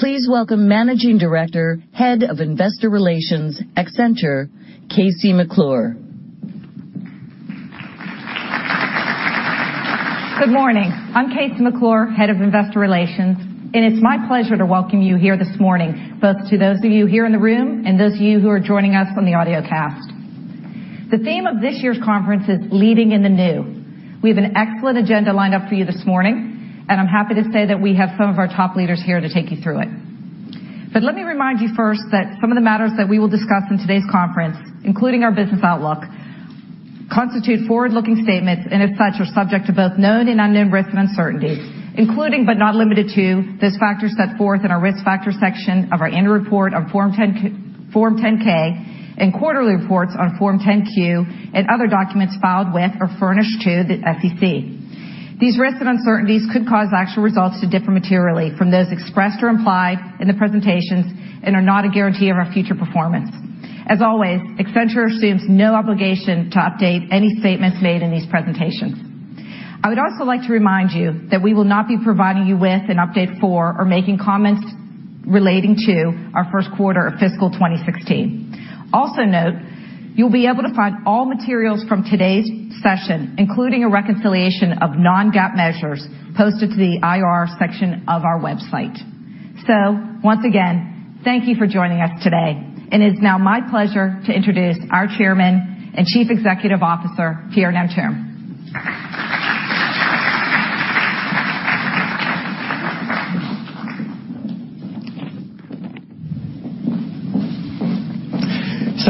Please welcome Managing Director, Head of Investor Relations, Accenture, KC McClure. Good morning. I'm KC McClure, Head of Investor Relations, it's my pleasure to welcome you here this morning, both to those of you here in the room and those of you who are joining us on the audio cast. The theme of this year's conference is Leading in the New. I'm happy to say that we have some of our top leaders here to take you through it. Let me remind you first that some of the matters that we will discuss in today's conference, including our business outlook, constitute forward-looking statements and as such, are subject to both known and unknown risks and uncertainties, including but not limited to those factors set forth in our Risk Factors section of our annual report on Form 10-K and quarterly reports on Form 10-Q and other documents filed with or furnished to the SEC. These risks and uncertainties could cause actual results to differ materially from those expressed or implied in the presentations and are not a guarantee of our future performance. As always, Accenture assumes no obligation to update any statements made in these presentations. I would also like to remind you that we will not be providing you with an update for, or making comments relating to, our first quarter of fiscal 2016. Also note, you'll be able to find all materials from today's session, including a reconciliation of non-GAAP measures, posted to the IR section of our website. Once again, thank you for joining us today, it's now my pleasure to introduce our Chairman and Chief Executive Officer, Pierre Nanterme.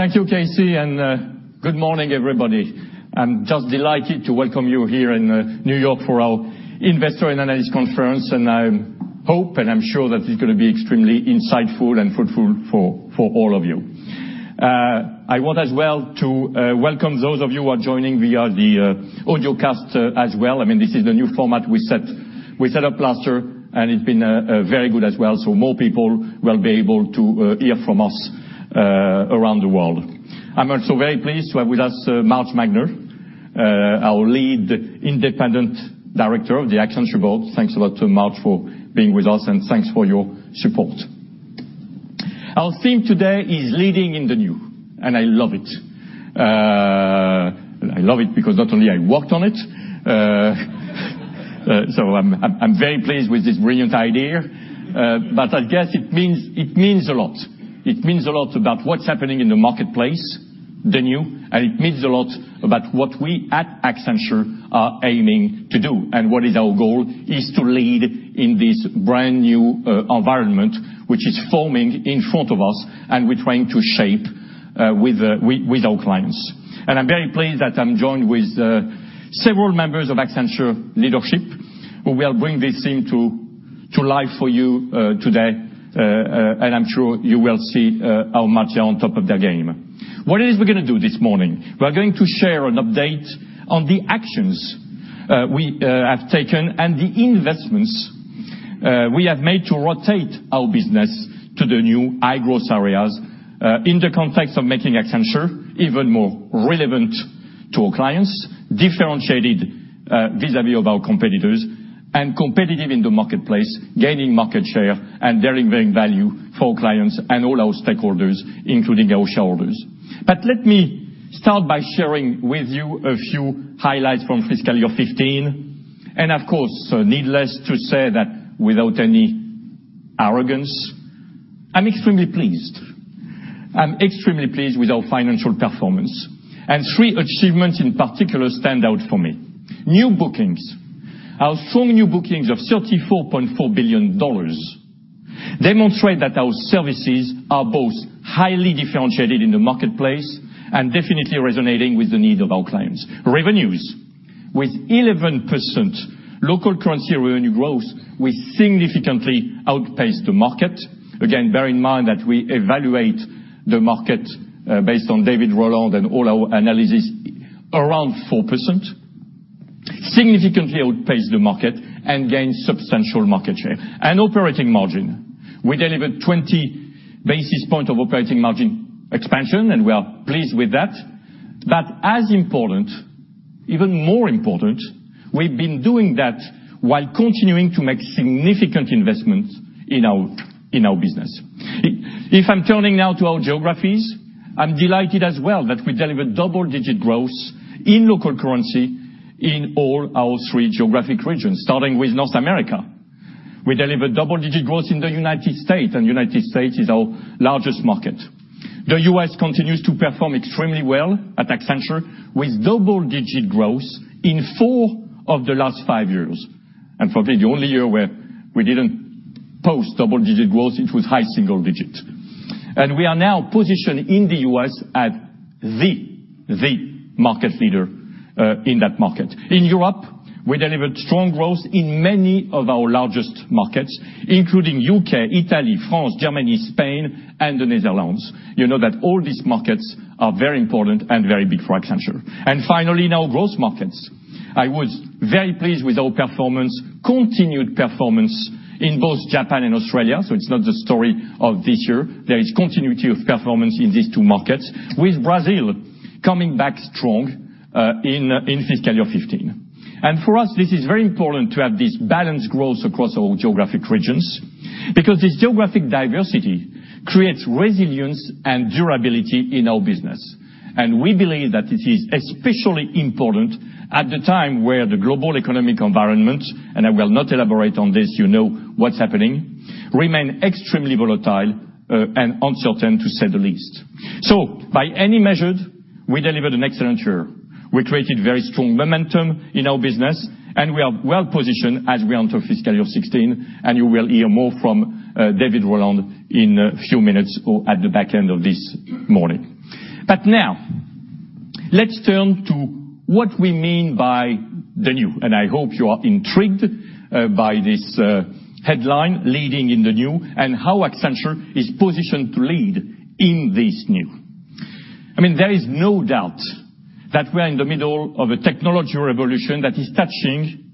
Thank you, KC, and good morning, everybody. I'm just delighted to welcome you here in New York for our Investor and Analyst Conference. I hope, I'm sure that it's going to be extremely insightful and fruitful for all of you. I want as well to welcome those of you who are joining via the audio cast as well. This is the new format we set up last year, and it's been very good as well, so more people will be able to hear from us around the world. I'm also very pleased to have with us Marjorie Magner, our lead independent director of the Accenture board. Thanks a lot to Marge for being with us, and thanks for your support. Our theme today is Leading in the New, I love it. I love it because not only I worked on it, so I'm very pleased with this brilliant idea. I guess it means a lot. It means a lot about what's happening in the marketplace, the new, and it means a lot about what we at Accenture are aiming to do. What is our goal is to lead in this brand-new environment, which is forming in front of us, and we're trying to shape with our clients. I'm very pleased that I'm joined with several members of Accenture leadership, who will bring this theme to life for you today. I'm sure you will see how much they are on top of their game. What it is we're going to do this morning, we are going to share an update on the actions we have taken and the investments we have made to rotate our business to the new high-growth areas in the context of making Accenture even more relevant to our clients, differentiated vis-à-vis of our competitors, and competitive in the marketplace, gaining market share, and delivering value for clients and all our stakeholders, including our shareholders. Let me start by sharing with you a few highlights from FY 2015. Of course, needless to say that without any arrogance, I'm extremely pleased. I'm extremely pleased with our financial performance, and three achievements in particular stand out for me. New bookings. Our strong new bookings of $34.4 billion demonstrate that our services are both highly differentiated in the marketplace and definitely resonating with the need of our clients. Revenues. With 11% local currency revenue growth, we significantly outpaced the market. Again, bear in mind that we evaluate the market based on David Rowland and all our analysis around 4%. Significantly outpaced the market and gained substantial market share. Operating margin. We delivered 20 basis points of operating margin expansion, and we are pleased with that. As important, even more important, we've been doing that while continuing to make significant investments in our business. If I'm turning now to our geographies, I'm delighted as well that we delivered double-digit growth in local currency in all our three geographic regions, starting with North America. We delivered double-digit growth in the United States, and the United States is our largest market. The U.S. continues to perform extremely well at Accenture, with double-digit growth in four of the last five years. Probably the only year where we didn't post double-digit growth, it was high single digit. We are now positioned in the U.S. as the market leader in that market. In Europe, we delivered strong growth in many of our largest markets, including U.K., Italy, France, Germany, Spain, and the Netherlands. You know that all these markets are very important and very big for Accenture. Finally, in our growth markets. I was very pleased with our performance, continued performance, in both Japan and Australia. It's not the story of this year. There is continuity of performance in these two markets, with Brazil coming back strong in FY 2015. For us, this is very important to have this balanced growth across all geographic regions because this geographic diversity creates resilience and durability in our business. We believe that it is especially important at the time where the global economic environment, and I will not elaborate on this, you know what's happening, remains extremely volatile and uncertain, to say the least. By any measure, we delivered an excellent year. We created very strong momentum in our business, and we are well-positioned as we enter FY 2016, and you will hear more from David Rowland in a few minutes or at the back end of this morning. Now, let's turn to what we mean by "the new", and I hope you are intrigued by this headline, "Leading in the New", and how Accenture is positioned to lead in this new. There is no doubt that we are in the middle of a technology revolution that is touching,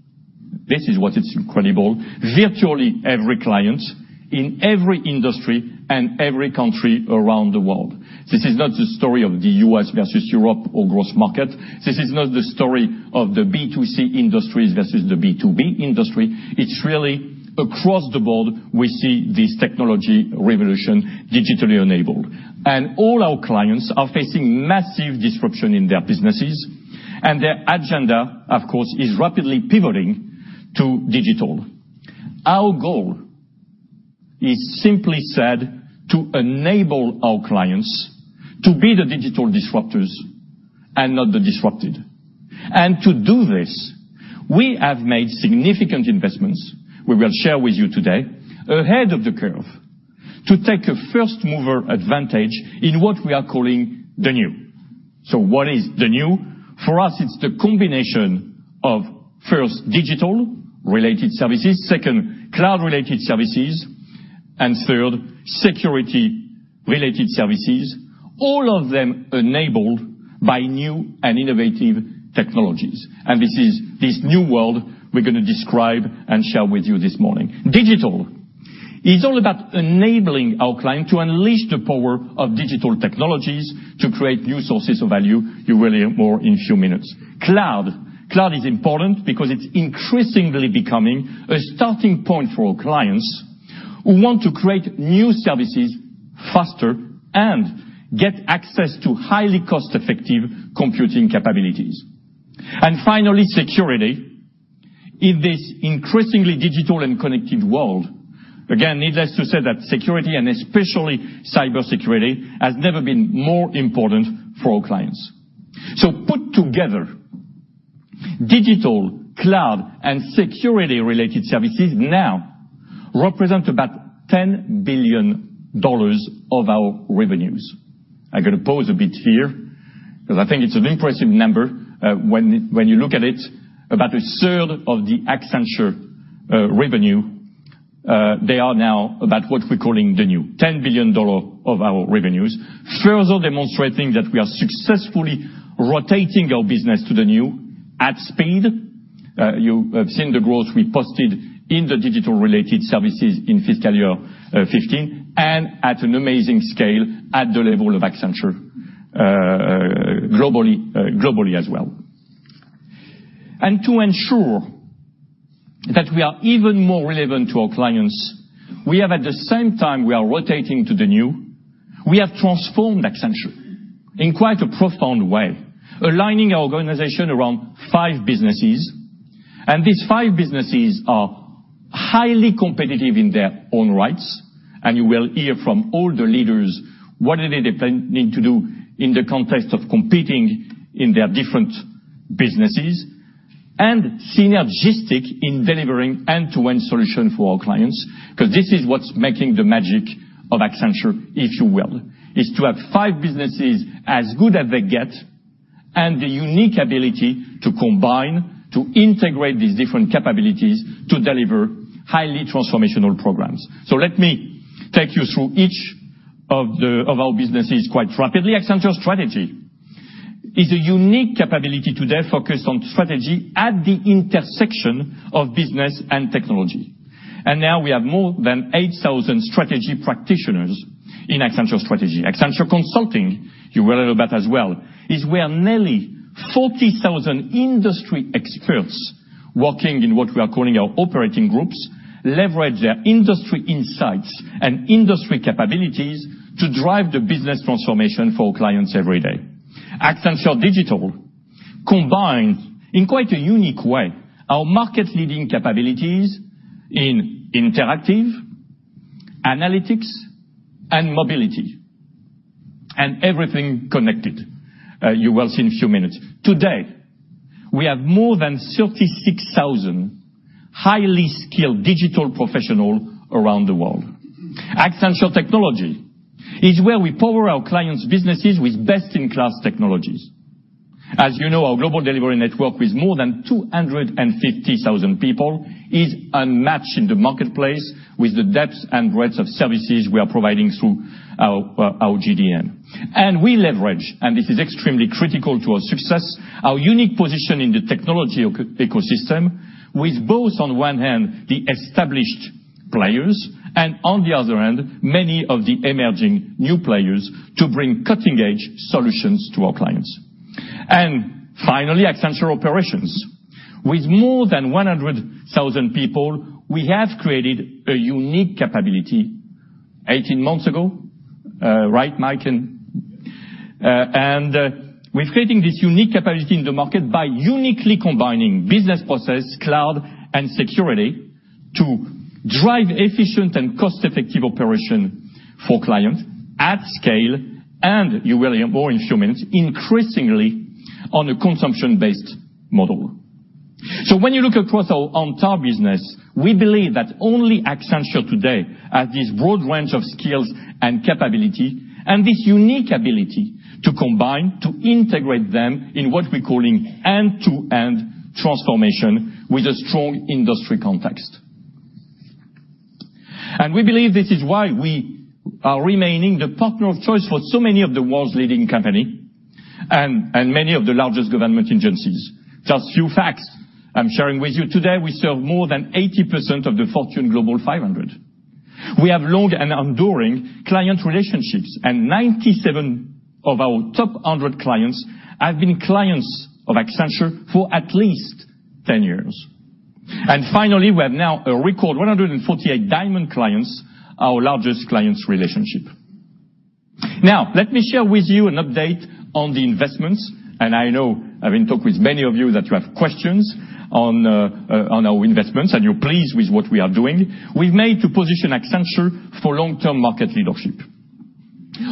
this is what it's incredible, virtually every client in every industry and every country around the world. This is not the story of the U.S. versus Europe or growth market. This is not the story of the B2C industries versus the B2B industry. It's really across the board, we see this technology revolution digitally enabled. All our clients are facing massive disruption in their businesses, and their agenda, of course, is rapidly pivoting to digital. Our goal is simply said, to enable our clients to be the digital disruptors and not the disrupted. To do this, we have made significant investments, we will share with you today, ahead of the curve to take a first-mover advantage in what we are calling "the new". What is the new? For us, it's the combination of, first, digital-related services, second, cloud-related services, and third, security-related services, all of them enabled by new and innovative technologies. This is this new world we're going to describe and share with you this morning. Digital is all about enabling our client to unleash the power of digital technologies to create new sources of value. You will hear more in a few minutes. Cloud. Cloud is important because it's increasingly becoming a starting point for our clients who want to create new services faster and get access to highly cost-effective computing capabilities. Finally, security. In this increasingly digital and connected world, again, needless to say that security and especially cybersecurity has never been more important for our clients. Put together, digital, cloud, and security-related services now represent about $10 billion of our revenues. I'm going to pause a bit here because I think it's an impressive number. When you look at it, about a third of the Accenture revenue, they are now about what we're calling the new. $10 billion of our revenues, further demonstrating that we are successfully rotating our business to the new at speed. You have seen the growth we posted in the digital-related services in fiscal year 2015 and at an amazing scale at the level of Accenture globally as well. To ensure that we are even more relevant to our clients, we have at the same time we are rotating to the new, we have transformed Accenture in quite a profound way, aligning our organization around five businesses. These five businesses are highly competitive in their own rights, and you will hear from all the leaders what do they need to do in the context of competing in their different businesses, and synergistic in delivering end-to-end solution for our clients, because this is what's making the magic of Accenture, if you will, is to have five businesses as good as they get and the unique ability to combine, to integrate these different capabilities to deliver highly transformational programs. Let me take you through each of our businesses quite rapidly. Accenture Strategy is a unique capability today focused on strategy at the intersection of business and technology. Now we have more than 8,000 strategy practitioners in Accenture Strategy. Accenture Consulting, you will hear about as well, is where nearly 40,000 industry experts working in what we are calling our operating groups, leverage their industry insights and industry capabilities to drive the business transformation for our clients every day. Accenture Digital combines, in quite a unique way, our market-leading capabilities in Interactive, Analytics, and Mobility, and everything connected. You will see in a few minutes. Today, we have more than 36,000 highly skilled digital professionals around the world. Accenture Technology is where we power our clients' businesses with best-in-class technologies. As you know, our global delivery network with more than 250,000 people is unmatched in the marketplace with the depth and breadth of services we are providing through our GDN. We leverage, and this is extremely critical to our success, our unique position in the technology ecosystem with both, on one hand, the established players, and on the other end, many of the emerging new players to bring cutting-edge solutions to our clients. Finally, Accenture Operations. With more than 100,000 people, we have created a unique capability 18 months ago. Right, Mike? We're creating this unique capacity in the market by uniquely combining business process, cloud, and security to drive efficient and cost-effective operation for clients at scale, and you will hear more in a few minutes, increasingly, on a consumption-based model. When you look across our entire business, we believe that only Accenture today has this broad range of skills and capability and this unique ability to combine, to integrate them in what we're calling end-to-end transformation with a strong industry context. We believe this is why we are remaining the partner of choice for so many of the world's leading company and many of the largest government agencies. Just a few facts I'm sharing with you. Today, we serve more than 80% of the Fortune Global 500. We have long and enduring client relationships, and 97 of our top 100 clients have been clients of Accenture for at least 10 years. Finally, we have now a record 148 Diamond clients, our largest clients relationship. Now, let me share with you an update on the investments. I know, having talked with many of you, that you have questions on our investments, and you're pleased with what we are doing. We've made to position Accenture for long-term market leadership.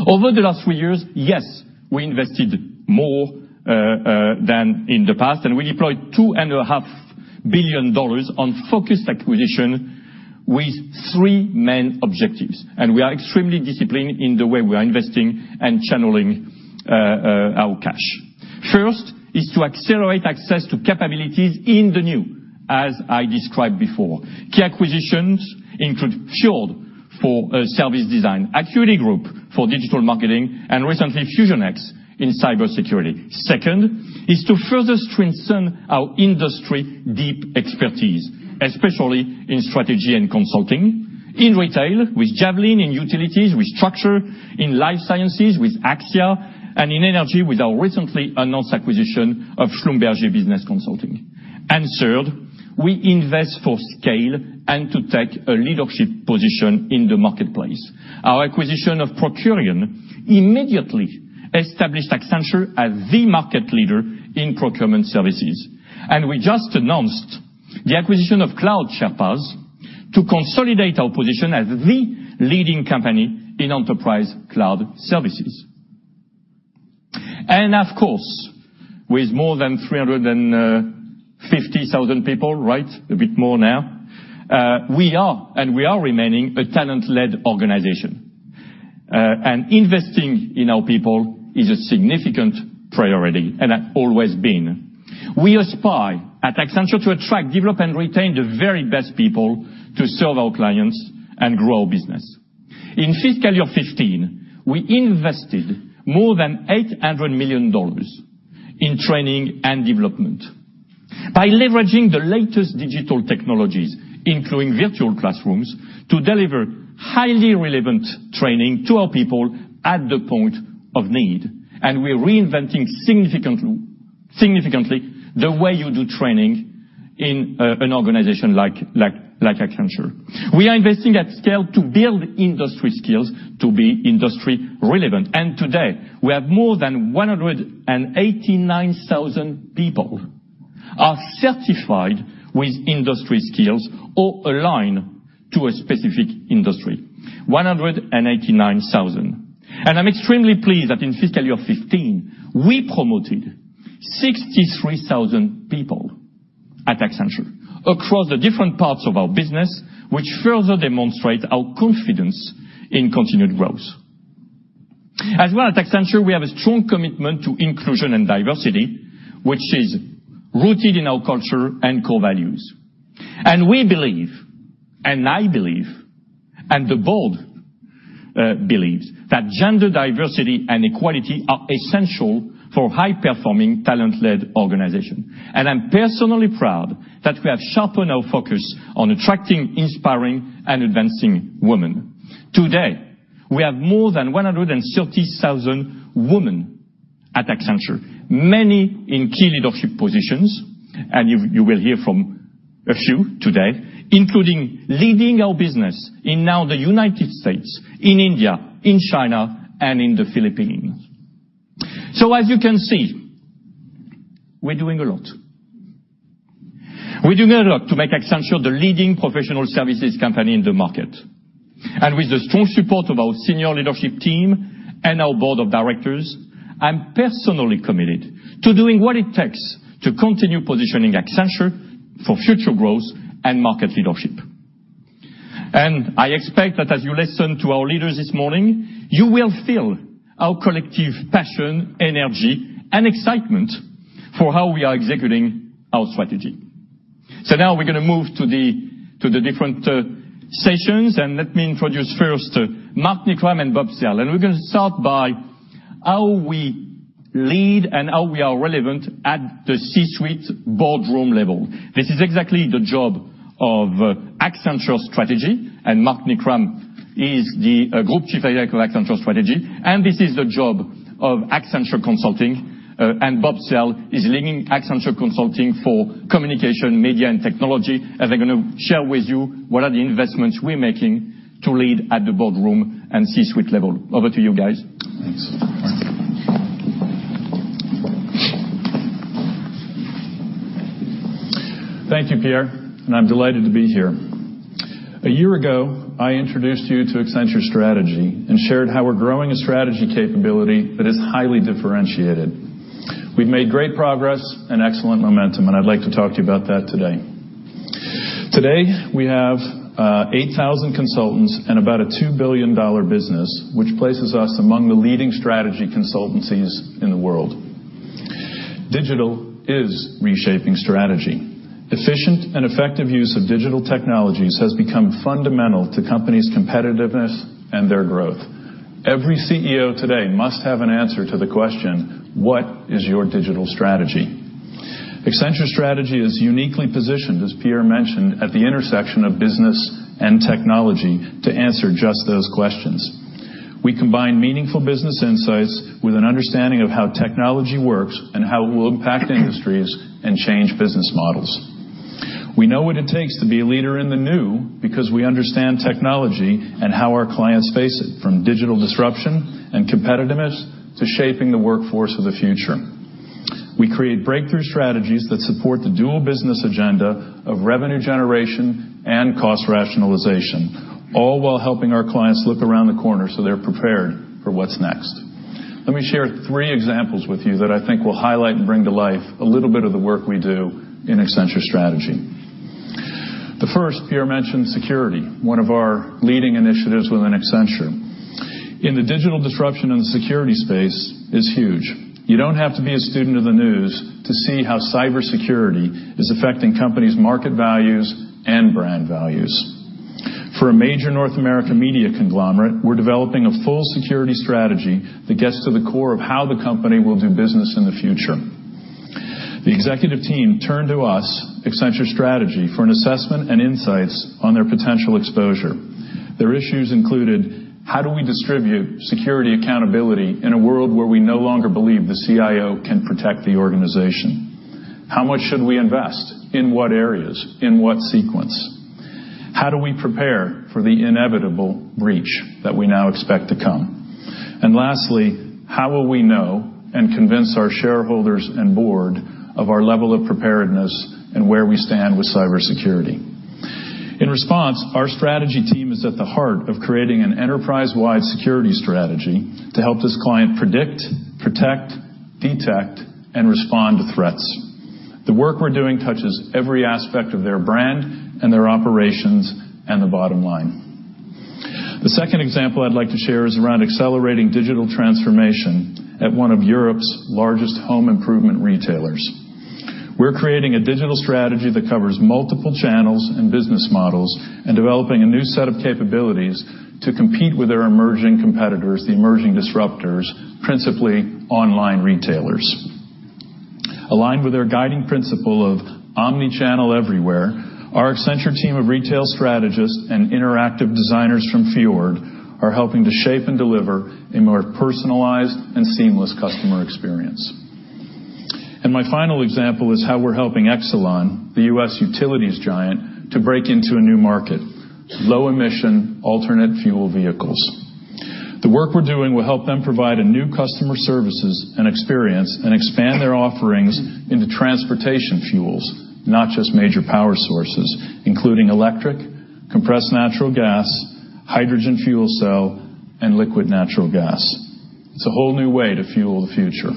Over the last few years, yes, we invested more than in the past, we deployed $2.5 billion on focused acquisition with three main objectives. We are extremely disciplined in the way we are investing and channeling our cash. First is to accelerate access to capabilities in the new, as I described before. Key acquisitions include Fjord for service design, Acquity Group for digital marketing, and recently, FusionX in cybersecurity. Second, is to further strengthen our industry deep expertise, especially in strategy and consulting, in retail with Javelin Group, in utilities with Structure, in life sciences with Axia, and in energy with our recently announced acquisition of Schlumberger Business Consulting. Third, we invest for scale and to take a leadership position in the marketplace. Our acquisition of Procurian immediately established Accenture as the market leader in procurement services. We just announced the acquisition of Cloud Sherpas to consolidate our position as the leading company in enterprise cloud services. Of course, with more than 350,000 people, a bit more now, we are and we are remaining a talent-led organization. Investing in our people is a significant priority, and has always been. We aspire at Accenture to attract, develop, and retain the very best people to serve our clients and grow our business. In FY 2015, we invested more than $800 million in training and development. By leveraging the latest digital technologies, including virtual classrooms, to deliver highly relevant training to our people at the point of need. We're reinventing significantly the way you do training in an organization like Accenture. We are investing at scale to build industry skills to be industry relevant. Today, we have more than 189,000 people are certified with industry skills or aligned to a specific industry. 189,000. I'm extremely pleased that in FY 2015, we promoted 63,000 people at Accenture across the different parts of our business, which further demonstrates our confidence in continued growth. As well, at Accenture, we have a strong commitment to inclusion and diversity, which is rooted in our culture and core values. We believe, and I believe, and the board believes that gender diversity and equality are essential for high-performing talent-led organization. I'm personally proud that we have sharpened our focus on attracting, inspiring, and advancing women. Today, we have more than 130,000 women at Accenture, many in key leadership positions, and you will hear from a few today, including leading our business in now the U.S., in India, in China, and in the Philippines. As you can see, we're doing a lot. We do a lot to make Accenture the leading professional services company in the market. With the strong support of our senior leadership team and our board of directors, I'm personally committed to doing what it takes to continue positioning Accenture for future growth and market leadership. I expect that as you listen to our leaders this morning, you will feel our collective passion, energy, and excitement for how we are executing our strategy. Now we're going to move to the different sessions, and let me introduce first Mark Knickrehm and Bob Sell. We're going to start by how we lead and how we are relevant at the C-suite boardroom level. This is exactly the job of Accenture Strategy, Mark Knickrehm is the Group Chief Executive of Accenture Strategy. This is the job of Accenture Consulting, Bob Sell is leading Accenture Consulting for Communications, Media & Technology. They're going to share with you what are the investments we're making to lead at the boardroom and C-suite level. Over to you guys. Thanks. Thank you, Pierre. I'm delighted to be here. A year ago, I introduced you to Accenture Strategy and shared how we're growing a strategy capability that is highly differentiated. We've made great progress and excellent momentum, and I'd like to talk to you about that today. Today, we have 8,000 consultants and about a $2 billion business, which places us among the leading strategy consultancies in the world. Digital is reshaping strategy. Efficient and effective use of digital technologies has become fundamental to companies' competitiveness and their growth. Every CEO today must have an answer to the question: what is your digital strategy? Accenture Strategy is uniquely positioned, as Pierre mentioned, at the intersection of business and technology to answer just those questions. We combine meaningful business insights with an understanding of how technology works and how it will impact industries and change business models. We know what it takes to be a leader in the new because we understand technology and how our clients face it, from digital disruption and competitiveness to shaping the workforce of the future. We create breakthrough strategies that support the dual business agenda of revenue generation and cost rationalization, all while helping our clients look around the corner so they're prepared for what's next. Let me share three examples with you that I think will highlight and bring to life a little bit of the work we do in Accenture Strategy. The first, Pierre mentioned security, one of our leading initiatives within Accenture, and the digital disruption in the security space is huge. You don't have to be a student of the news to see how cybersecurity is affecting companies' market values and brand values. For a major North American media conglomerate, we're developing a full security strategy that gets to the core of how the company will do business in the future. The executive team turned to us, Accenture Strategy, for an assessment and insights on their potential exposure. Their issues included how do we distribute security accountability in a world where we no longer believe the CIO can protect the organization? How much should we invest? In what areas? In what sequence? How do we prepare for the inevitable breach that we now expect to come? Lastly, how will we know and convince our shareholders and board of our level of preparedness and where we stand with cybersecurity. In response, our strategy team is at the heart of creating an enterprise-wide security strategy to help this client predict, protect, detect, and respond to threats. The work we're doing touches every aspect of their brand and their operations and the bottom line. The second example I'd like to share is around accelerating digital transformation at one of Europe's largest home improvement retailers. We're creating a digital strategy that covers multiple channels and business models and developing a new set of capabilities to compete with their emerging competitors, the emerging disruptors, principally online retailers. Aligned with their guiding principle of omnichannel everywhere, our Accenture team of retail strategists and interactive designers from Fjord are helping to shape and deliver a more personalized and seamless customer experience. My final example is how we're helping Exelon, the U.S. utilities giant, to break into a new market, low-emission alternate fuel vehicles. The work we're doing will help them provide new customer services and experience and expand their offerings into transportation fuels, not just major power sources, including electric, compressed natural gas, hydrogen fuel cell, and liquid natural gas. It's a whole new way to fuel the future.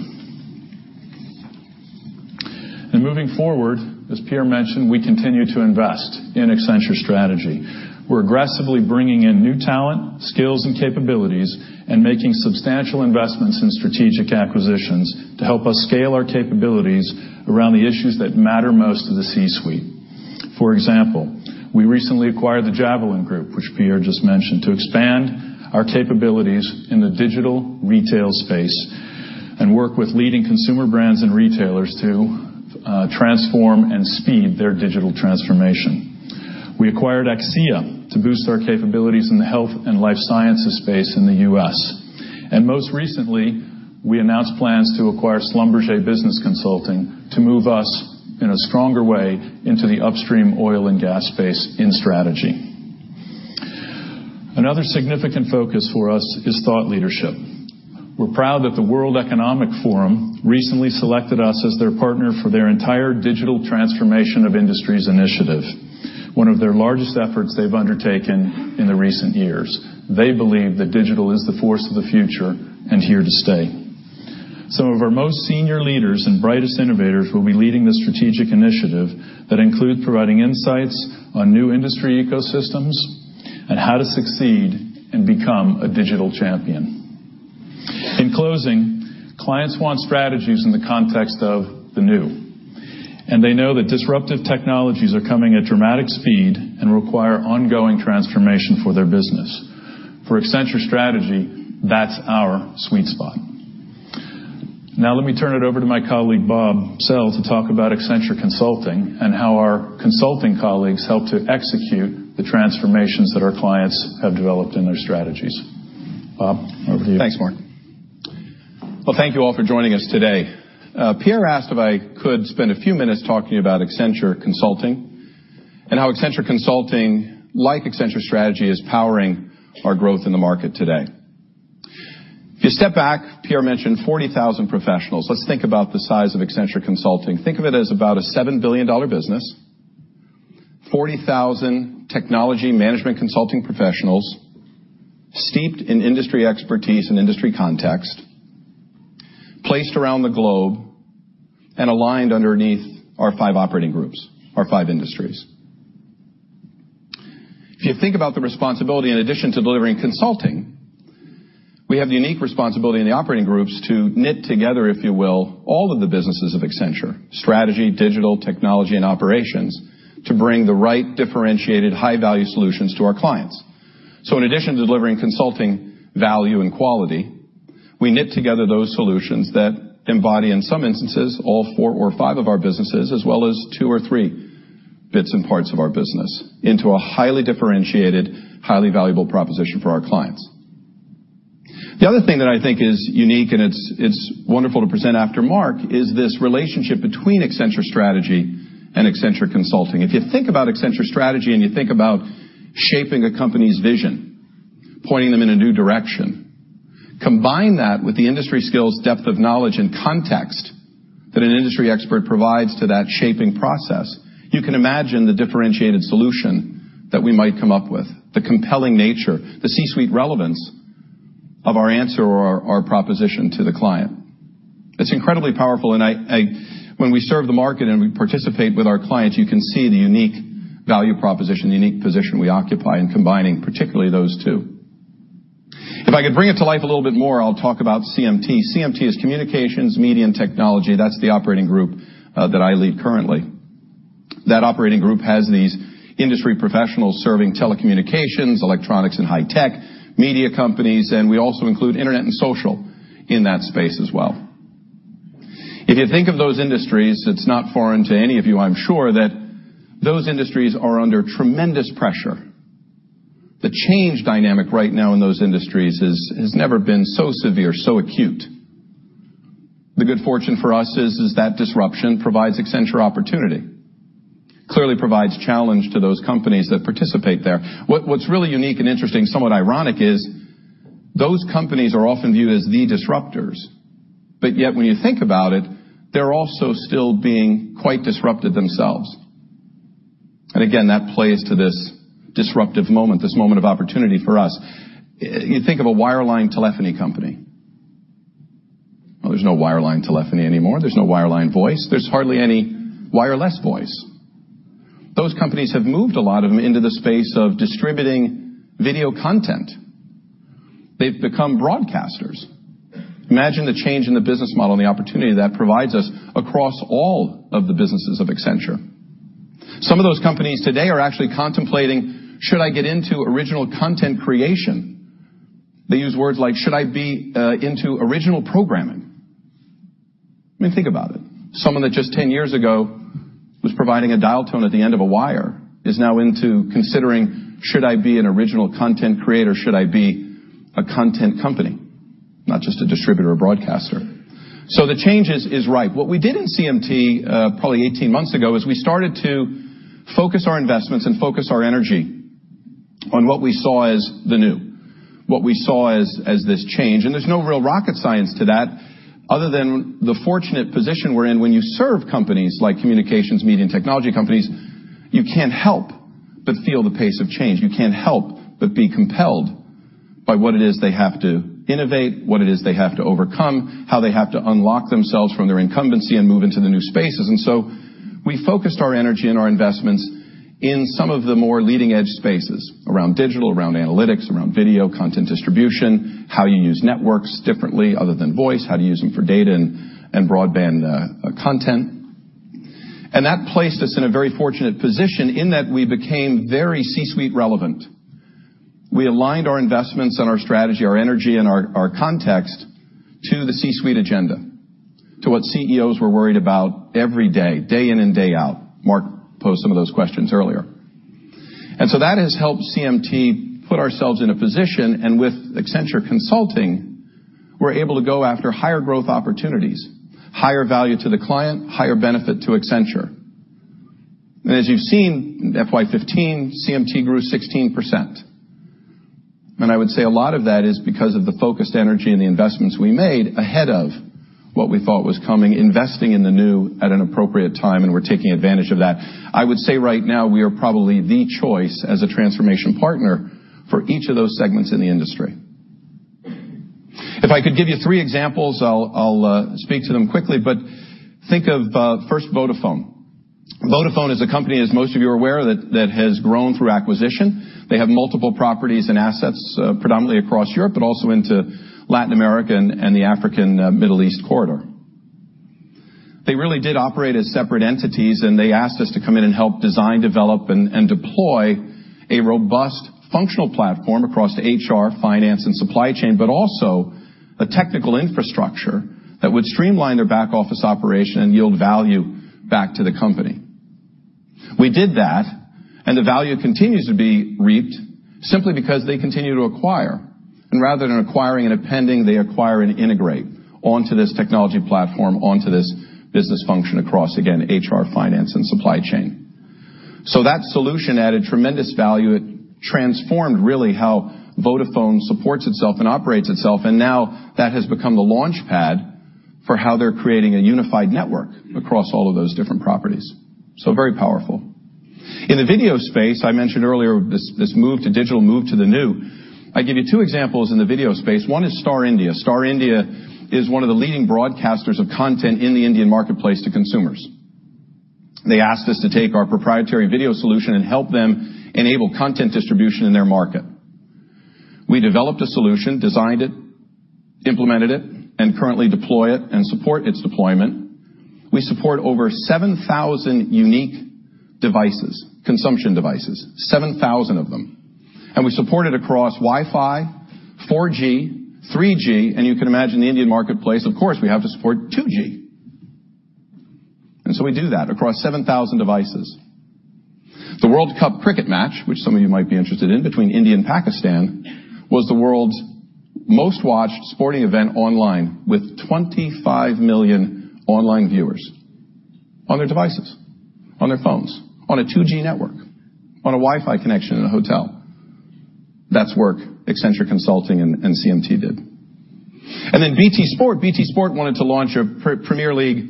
Moving forward, as Pierre mentioned, we continue to invest in Accenture Strategy. We're aggressively bringing in new talent, skills and capabilities, and making substantial investments in strategic acquisitions to help us scale our capabilities around the issues that matter most to the C-suite. For example, we recently acquired the Javelin Group, which Pierre just mentioned, to expand our capabilities in the digital retail space and work with leading consumer brands and retailers to transform and speed their digital transformation. We acquired Axia to boost our capabilities in the health and life sciences space in the U.S. Most recently, we announced plans to acquire Schlumberger Business Consulting to move us in a stronger way into the upstream oil and gas space in Strategy. Another significant focus for us is thought leadership. We're proud that the World Economic Forum recently selected us as their partner for their entire digital transformation of industries initiative, one of their largest efforts they've undertaken in the recent years. They believe that digital is the force of the future and here to stay. Some of our most senior leaders and brightest innovators will be leading the strategic initiative that include providing insights on new industry ecosystems and how to succeed and become a digital champion. In closing, clients want strategies in the context of the new. They know that disruptive technologies are coming at dramatic speed and require ongoing transformation for their business. For Accenture Strategy, that's our sweet spot. Let me turn it over to my colleague, Robert Sell, to talk about Accenture Consulting and how our consulting colleagues help to execute the transformations that our clients have developed in their strategies. Bob, over to you. Thanks, Mark. Well, thank you all for joining us today. Pierre asked if I could spend a few minutes talking about Accenture Consulting and how Accenture Consulting, like Accenture Strategy, is powering our growth in the market today. If you step back, Pierre mentioned 40,000 professionals. Let's think about the size of Accenture Consulting. Think of it as about a $7 billion business, 40,000 technology management consulting professionals steeped in industry expertise and industry context, placed around the globe and aligned underneath our five operating groups, our five industries. If you think about the responsibility, in addition to delivering consulting, we have the unique responsibility in the operating groups to knit together, if you will, all of the businesses of Accenture -- Strategy, Digital, Technology, and Operations -- to bring the right differentiated high-value solutions to our clients. In addition to delivering consulting value and quality, we knit together those solutions that embody, in some instances, all four or five of our businesses as well as two or three bits and parts of our business into a highly differentiated, highly valuable proposition for our clients. The other thing that I think is unique, and it's wonderful to present after Mark, is this relationship between Accenture Strategy and Accenture Consulting. If you think about Accenture Strategy and you think about shaping a company's vision, pointing them in a new direction, combine that with the industry skills, depth of knowledge and context that an industry expert provides to that shaping process, you can imagine the differentiated solution that we might come up with, the compelling nature, the C-suite relevance of our answer or our proposition to the client. It's incredibly powerful, and when we serve the market and we participate with our clients, you can see the unique value proposition, the unique position we occupy in combining particularly those two. If I could bring it to life a little bit more, I'll talk about CMT. CMT is Communications, Media, and Technology. That's the operating group that I lead currently. That operating group has these industry professionals serving telecommunications, electronics and high tech, media companies, and we also include internet and social in that space as well. If you think of those industries, it's not foreign to any of you, I'm sure, that those industries are under tremendous pressure. The change dynamic right now in those industries has never been so severe, so acute. The good fortune for us is that disruption provides Accenture opportunity. Clearly provides challenge to those companies that participate there. What's really unique and interesting, somewhat ironic, is those companies are often viewed as the disruptors, yet when you think about it, they're also still being quite disrupted themselves. Again, that plays to this disruptive moment, this moment of opportunity for us. You think of a wireline telephony company. There's no wireline telephony anymore. There's no wireline voice. There's hardly any wireless voice. Those companies have moved a lot of them into the space of distributing video content. They've become broadcasters. Imagine the change in the business model and the opportunity that provides us across all of the businesses of Accenture. Some of those companies today are actually contemplating, should I get into original content creation? They use words like, should I be into original programming? I mean, think about it. Someone that just 10 years ago was providing a dial tone at the end of a wire is now into considering, should I be an original content creator? Should I be a content company, not just a distributor or broadcaster? The change is ripe. What we did in CMT probably 18 months ago, is we started to focus our investments and focus our energy on what we saw as the new, what we saw as this change. There's no real rocket science to that other than the fortunate position we're in when you serve companies like communications, media, and technology companies, you can't help but feel the pace of change. You can't help but be compelled by what it is they have to innovate, what it is they have to overcome, how they have to unlock themselves from their incumbency and move into the new spaces. We focused our energy and our investments in some of the more leading-edge spaces around digital, around analytics, around video content distribution, how you use networks differently other than voice, how to use them for data and broadband content. That placed us in a very fortunate position in that we became very C-suite relevant. We aligned our investments and our strategy, our energy and our context to the C-suite agenda, to what CEOs were worried about every day in and day out. Mark posed some of those questions earlier. That has helped CMT put ourselves in a position, and with Accenture Consulting, we're able to go after higher growth opportunities, higher value to the client, higher benefit to Accenture. As you've seen, FY 2015, CMT grew 16%. I would say a lot of that is because of the focused energy and the investments we made ahead of what we thought was coming, investing in the new at an appropriate time, and we're taking advantage of that. I would say right now we are probably the choice as a transformation partner for each of those segments in the industry. If I could give you three examples, I'll speak to them quickly, but think of first Vodafone. Vodafone is a company, as most of you are aware, that has grown through acquisition. They have multiple properties and assets, predominantly across Europe, but also into Latin America and the African Middle East corridor. They really did operate as separate entities. They asked us to come in and help design, develop, and deploy a robust functional platform across HR, finance, and supply chain, also a technical infrastructure that would streamline their back-office operation and yield value back to the company. We did that. The value continues to be reaped simply because they continue to acquire, rather than acquiring and appending, they acquire and integrate onto this technology platform, onto this business function across, again, HR, finance, and supply chain. That solution added tremendous value. It transformed really how Vodafone supports itself and operates itself. Now that has become the launchpad for how they're creating a unified network across all of those different properties. Very powerful. In the video space, I mentioned earlier, this move to digital, move to the new. I give you two examples in the video space. One is Star India. Star India is one of the leading broadcasters of content in the Indian marketplace to consumers. They asked us to take our proprietary video solution and help them enable content distribution in their market. We developed a solution, designed it, implemented it, currently deploy it and support its deployment. We support over 7,000 unique devices, consumption devices, 7,000 of them, and we support it across Wi-Fi, 4G, 3G, and you can imagine the Indian marketplace, of course, we have to support 2G. We do that across 7,000 devices. The World Cup cricket match, which some of you might be interested in, between India and Pakistan, was the world's most-watched sporting event online, with 25 million online viewers on their devices, on their phones, on a 2G network, on a Wi-Fi connection in a hotel. That's work Accenture Consulting and CMT did. BT Sport. BT Sport wanted to launch a Premier League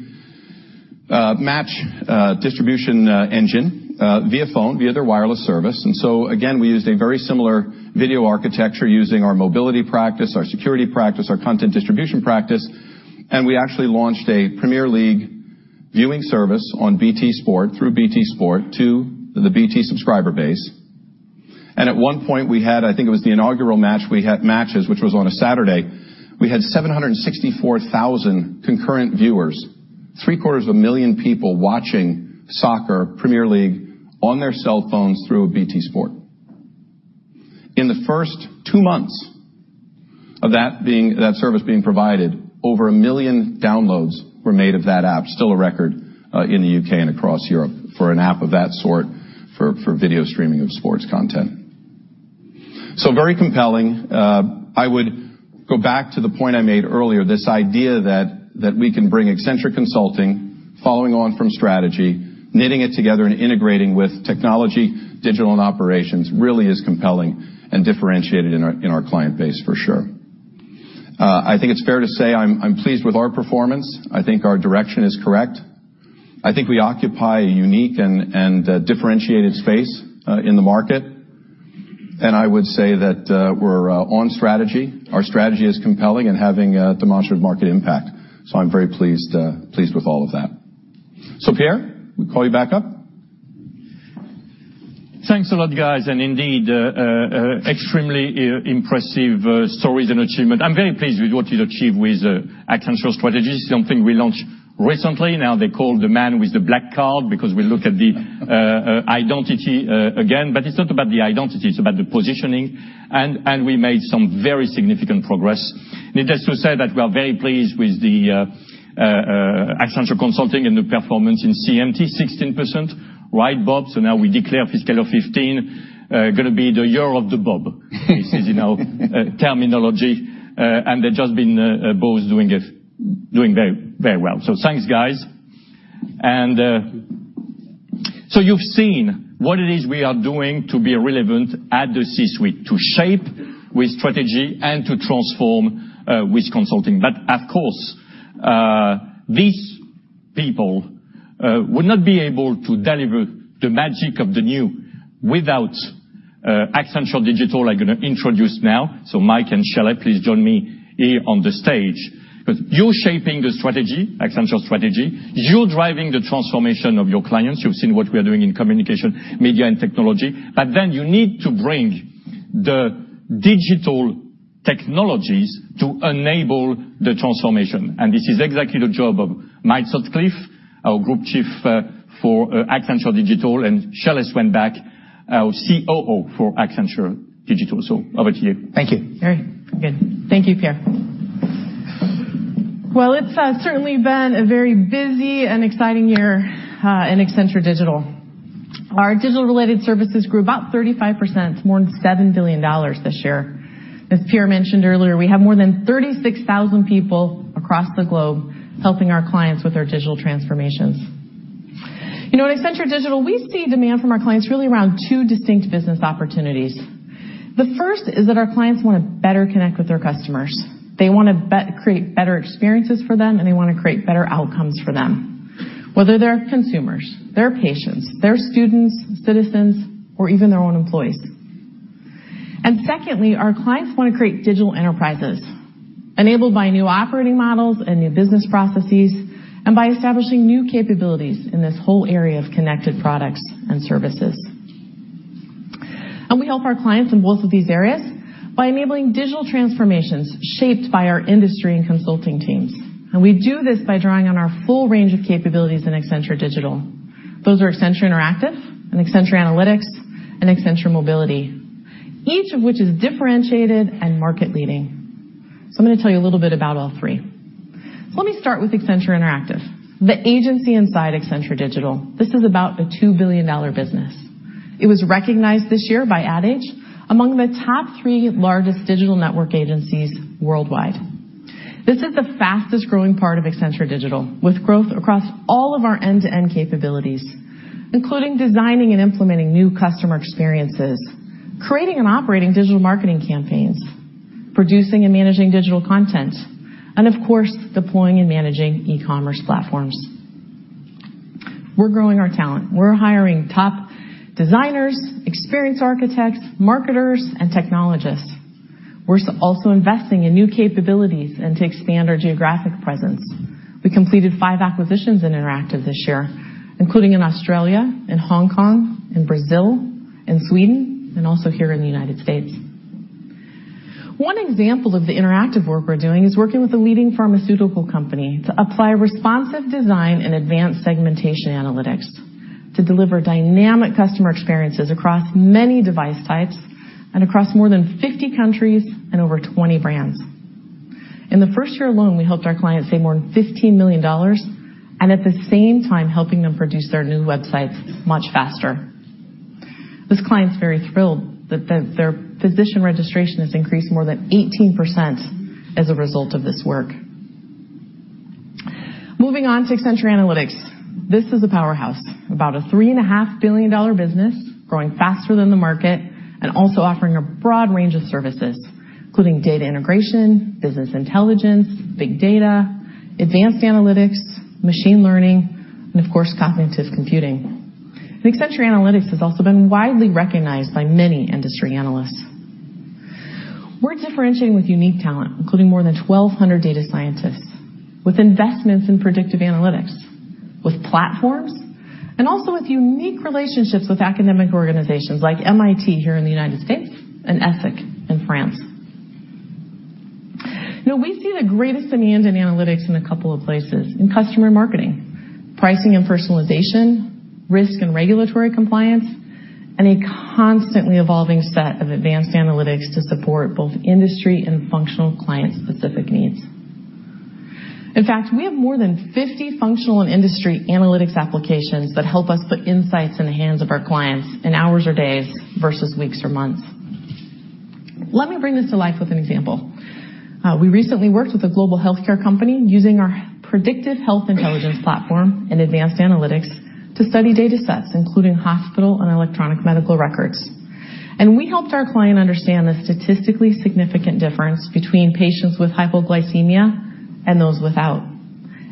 match distribution engine via phone, via their wireless service. Again, we used a very similar video architecture using our mobility practice, our security practice, our content distribution practice, and we actually launched a Premier League viewing service on BT Sport through BT Sport to the BT subscriber base. At one point we had, I think it was the inaugural match, we had matches, which was on a Saturday, we had 764,000 concurrent viewers, three-quarters of a million people watching soccer, Premier League, on their cell phones through BT Sport. In the first two months of that service being provided, over a million downloads were made of that app. Still a record in the U.K. and across Europe for an app of that sort for video streaming of sports content. Very compelling. I would go back to the point I made earlier, this idea that we can bring Accenture Consulting following on from Accenture Strategy, knitting it together and integrating with Accenture Technology, Accenture Digital and Accenture Operations, really is compelling and differentiated in our client base for sure. I think it's fair to say I'm pleased with our performance. I think our direction is correct. I think we occupy a unique and differentiated space in the market. I would say that we're on strategy. Our strategy is compelling and having a demonstrable market impact. I'm very pleased with all of that. Pierre, we call you back up. Thanks a lot, guys. Indeed, extremely impressive stories and achievement. I'm very pleased with what you achieved with Accenture Strategy, something we launched recently. Now they call the man with the black card because we look at the identity again, but it's not about the identity, it's about the positioning. We made some very significant progress. Needless to say that we are very pleased with the Accenture Consulting and the performance in CMT, 16%. Right, Bob? Now we declare fiscal 2015 going to be the year of the Bob. This is terminology. They've just been both doing very well. Thanks, guys. You've seen what it is we are doing to be relevant at the C-suite, to shape with strategy and to transform with consulting. But of course, these people would not be able to deliver the magic of the new without Accenture Digital. I'm going to introduce now. Mike and Shelly, please join me here on the stage. You're shaping the strategy, Accenture Strategy. You're driving the transformation of your clients. You've seen what we are doing in Communications, Media & Technology. You need to bring the digital technologies to enable the transformation. This is exactly the job of Mike Sutcliff, our Group Chief for Accenture Digital, and Shelly Swanback, our COO for Accenture Digital. Over to you. Thank you. Very good. Thank you, Pierre. It's certainly been a very busy and exciting year in Accenture Digital. Our digital-related services grew about 35%, more than $7 billion this year. As Pierre mentioned earlier, we have more than 36,000 people across the globe helping our clients with their digital transformations. In Accenture Digital, we see demand from our clients really around two distinct business opportunities. The first is that our clients want to better connect with their customers. They want to create better experiences for them, and they want to create better outcomes for them, whether they're consumers, they're patients, they're students, citizens, or even their own employees. Secondly, our clients want to create digital enterprises enabled by new operating models and new business processes, and by establishing new capabilities in this whole area of connected products and services. We help our clients in both of these areas by enabling digital transformations shaped by our industry and consulting teams. We do this by drawing on our full range of capabilities in Accenture Digital. Those are Accenture Interactive and Accenture Analytics and Accenture Mobility, each of which is differentiated and market leading. I'm going to tell you a little bit about all three. Let me start with Accenture Interactive, the agency inside Accenture Digital. This is about a $2 billion business. It was recognized this year by Ad Age among the top three largest digital network agencies worldwide. This is the fastest growing part of Accenture Digital, with growth across all of our end-to-end capabilities, including designing and implementing new customer experiences, creating and operating digital marketing campaigns, producing and managing digital content, and of course, deploying and managing e-commerce platforms. We're growing our talent. We're hiring top designers, experience architects, marketers, and technologists. We're also investing in new capabilities and to expand our geographic presence. We completed five acquisitions in Interactive this year, including in Australia, in Hong Kong, in Brazil, in Sweden, and also here in the United States. One example of the Interactive work we're doing is working with a leading pharmaceutical company to apply responsive design and advanced segmentation analytics to deliver dynamic customer experiences across many device types and across more than 50 countries and over 20 brands. In the first year alone, we helped our clients save more than $15 million, and at the same time helping them produce their new websites much faster. This client's very thrilled that their physician registration has increased more than 18% as a result of this work. Moving on to Accenture Analytics. This is a powerhouse, about a $3.5 billion business, growing faster than the market and also offering a broad range of services, including data integration, business intelligence, big data, advanced analytics, machine learning, and of course, cognitive computing. Accenture Analytics has also been widely recognized by many industry analysts. We're differentiating with unique talent, including more than 1,200 data scientists, with investments in predictive analytics, with platforms, and also with unique relationships with academic organizations like MIT here in the United States and ESSEC in France. We see the greatest demand in analytics in a couple of places: in customer marketing, pricing and personalization, risk and regulatory compliance, and a constantly evolving set of advanced analytics to support both industry and functional client-specific needs. In fact, we have more than 50 functional and industry analytics applications that help us put insights in the hands of our clients in hours or days versus weeks or months. Let me bring this to life with an example. We recently worked with a global healthcare company using our predictive health intelligence platform and advanced analytics to study data sets, including hospital and electronic medical records. We helped our client understand the statistically significant difference between patients with hypoglycemia and those without.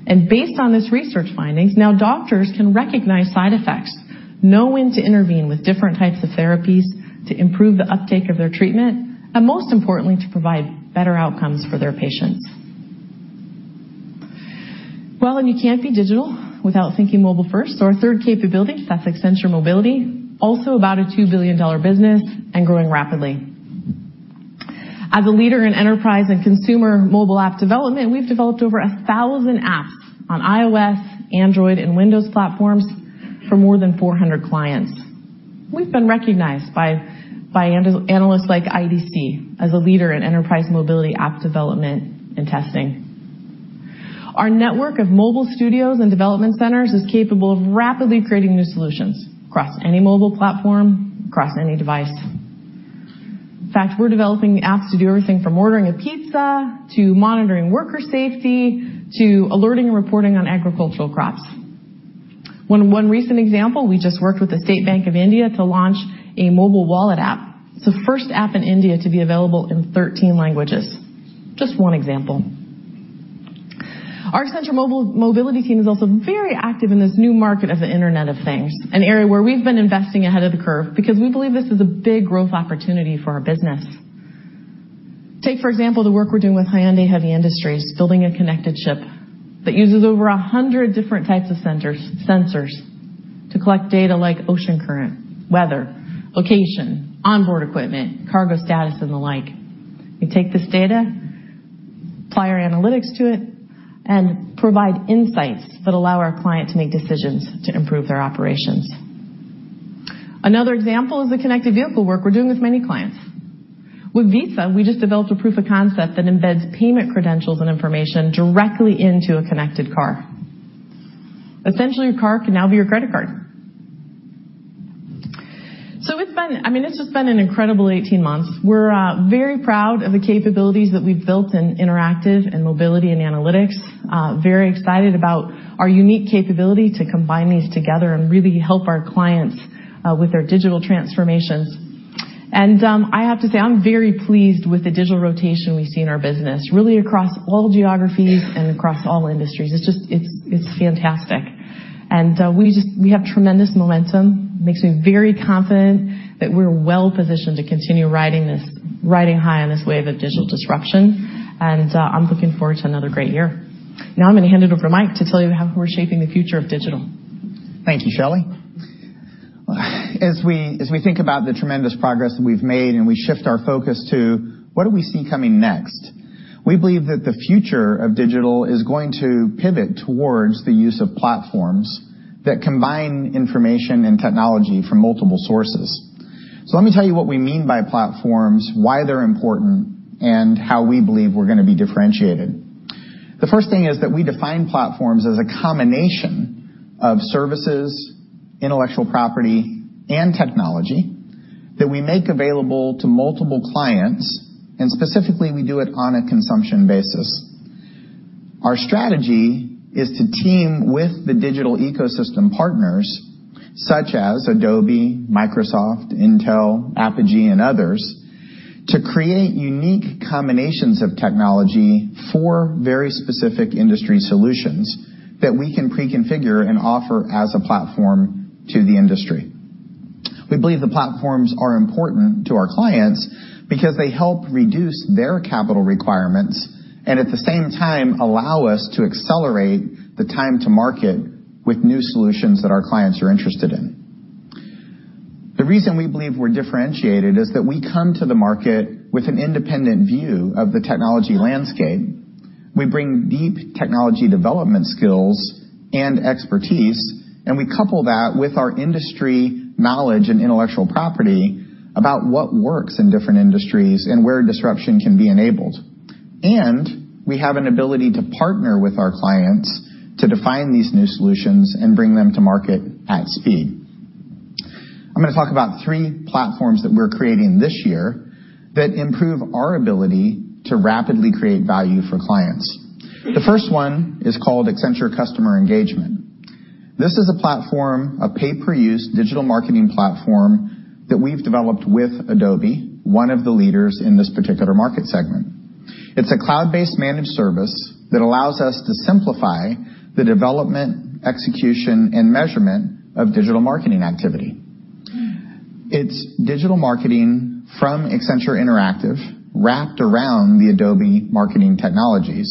Based on this research findings, now doctors can recognize side effects, know when to intervene with different types of therapies to improve the uptake of their treatment, and most importantly, to provide better outcomes for their patients. You can't be digital without thinking mobile first. Our third capability, that's Accenture Mobility, also about a $2 billion business and growing rapidly. As a leader in enterprise and consumer mobile app development, we've developed over 1,000 apps on iOS, Android, and Windows platforms for more than 400 clients. We've been recognized by analysts like IDC as a leader in enterprise mobility app development and testing. Our network of mobile studios and development centers is capable of rapidly creating new solutions across any mobile platform, across any device. In fact, we're developing apps to do everything from ordering a pizza, to monitoring worker safety, to alerting and reporting on agricultural crops. In one recent example, we just worked with the State Bank of India to launch a mobile wallet app. It's the first app in India to be available in 13 languages. Just one example. Our Accenture Mobility team is also very active in this new market of the Internet of Things, an area where we've been investing ahead of the curve because we believe this is a big growth opportunity for our business. Take, for example, the work we're doing with Hyundai Heavy Industries, building a connected ship that uses over 100 different types of sensors to collect data like ocean current, weather, location, onboard equipment, cargo status, and the like. We take this data, apply our analytics to it, and provide insights that allow our client to make decisions to improve their operations. Another example is the connected vehicle work we're doing with many clients. With Visa, we just developed a proof of concept that embeds payment credentials and information directly into a connected car. Essentially, your car can now be your credit card. It's just been an incredible 18 months. We're very proud of the capabilities that we've built in Interactive and Mobility and Analytics. Very excited about our unique capability to combine these together and really help our clients with their digital transformations. I have to say, I'm very pleased with the digital rotation we see in our business, really across all geographies and across all industries. It's fantastic. We have tremendous momentum. Makes me very confident that we're well-positioned to continue riding high on this wave of digital disruption, and I'm looking forward to another great year. Now I'm going to hand it over to Mike to tell you how we're shaping the future of digital. Thank you, Shelly. As we think about the tremendous progress that we've made and we shift our focus to what do we see coming next, we believe that the future of digital is going to pivot towards the use of platforms that combine information and technology from multiple sources. Let me tell you what we mean by platforms, why they're important, and how we believe we're going to be differentiated. The first thing is that we define platforms as a combination of services, intellectual property, and technology that we make available to multiple clients, and specifically, we do it on a consumption basis. Our strategy is to team with the digital ecosystem partners such as Adobe, Microsoft, Intel, Apigee, and others, to create unique combinations of technology for very specific industry solutions that we can pre-configure and offer as a platform to the industry. We believe the platforms are important to our clients because they help reduce their capital requirements and, at the same time, allow us to accelerate the time to market with new solutions that our clients are interested in. The reason we believe we're differentiated is that we come to the market with an independent view of the technology landscape. We bring deep technology development skills and expertise, and we couple that with our industry knowledge and intellectual property about what works in different industries and where disruption can be enabled. We have an ability to partner with our clients to define these new solutions and bring them to market at speed. I'm going to talk about three platforms that we're creating this year that improve our ability to rapidly create value for clients. The first one is called Accenture Customer Engagement. This is a platform, a pay-per-use digital marketing platform that we've developed with Adobe, one of the leaders in this particular market segment. It's a cloud-based managed service that allows us to simplify the development, execution, and measurement of digital marketing activity. It's digital marketing from Accenture Interactive, wrapped around the Adobe marketing technologies,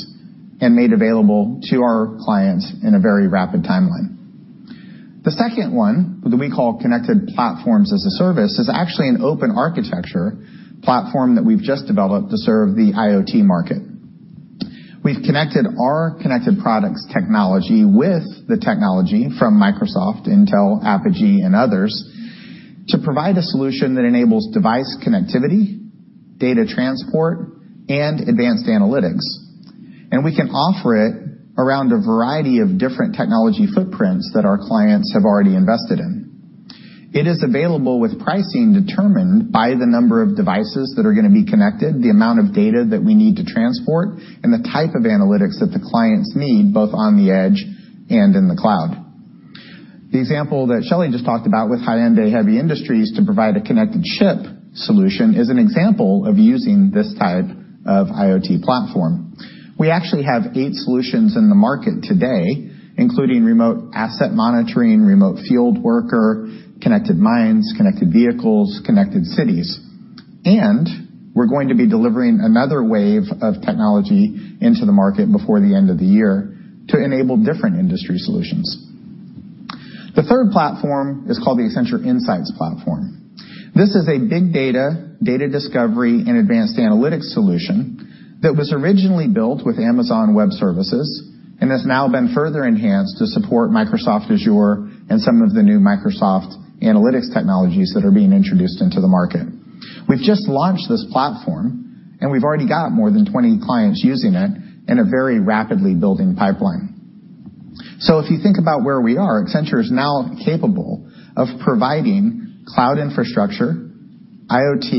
and made available to our clients in a very rapid timeline. The second one, that we call Connected Platforms as a Service, is actually an open architecture platform that we've just developed to serve the IoT market. We've connected our connected products technology with the technology from Microsoft, Intel, Apigee, and others, to provide a solution that enables device connectivity, data transport, and advanced analytics. We can offer it around a variety of different technology footprints that our clients have already invested in. It is available with pricing determined by the number of devices that are going to be connected, the amount of data that we need to transport, and the type of analytics that the clients need, both on the edge and in the cloud. The example that Shelly just talked about with Hyundai Heavy Industries to provide a connected ship solution is an example of using this type of IoT platform. We actually have eight solutions in the market today, including remote asset monitoring, remote field worker, connected mines, connected vehicles, connected cities, and we're going to be delivering another wave of technology into the market before the end of the year to enable different industry solutions. The third platform is called the Accenture Insights Platform. This is a big data discovery, and advanced analytics solution that was originally built with Amazon Web Services and has now been further enhanced to support Microsoft Azure and some of the new Microsoft analytics technologies that are being introduced into the market. We've just launched this platform, and we've already got more than 20 clients using it in a very rapidly building pipeline. If you think about where we are, Accenture is now capable of providing cloud infrastructure, IoT,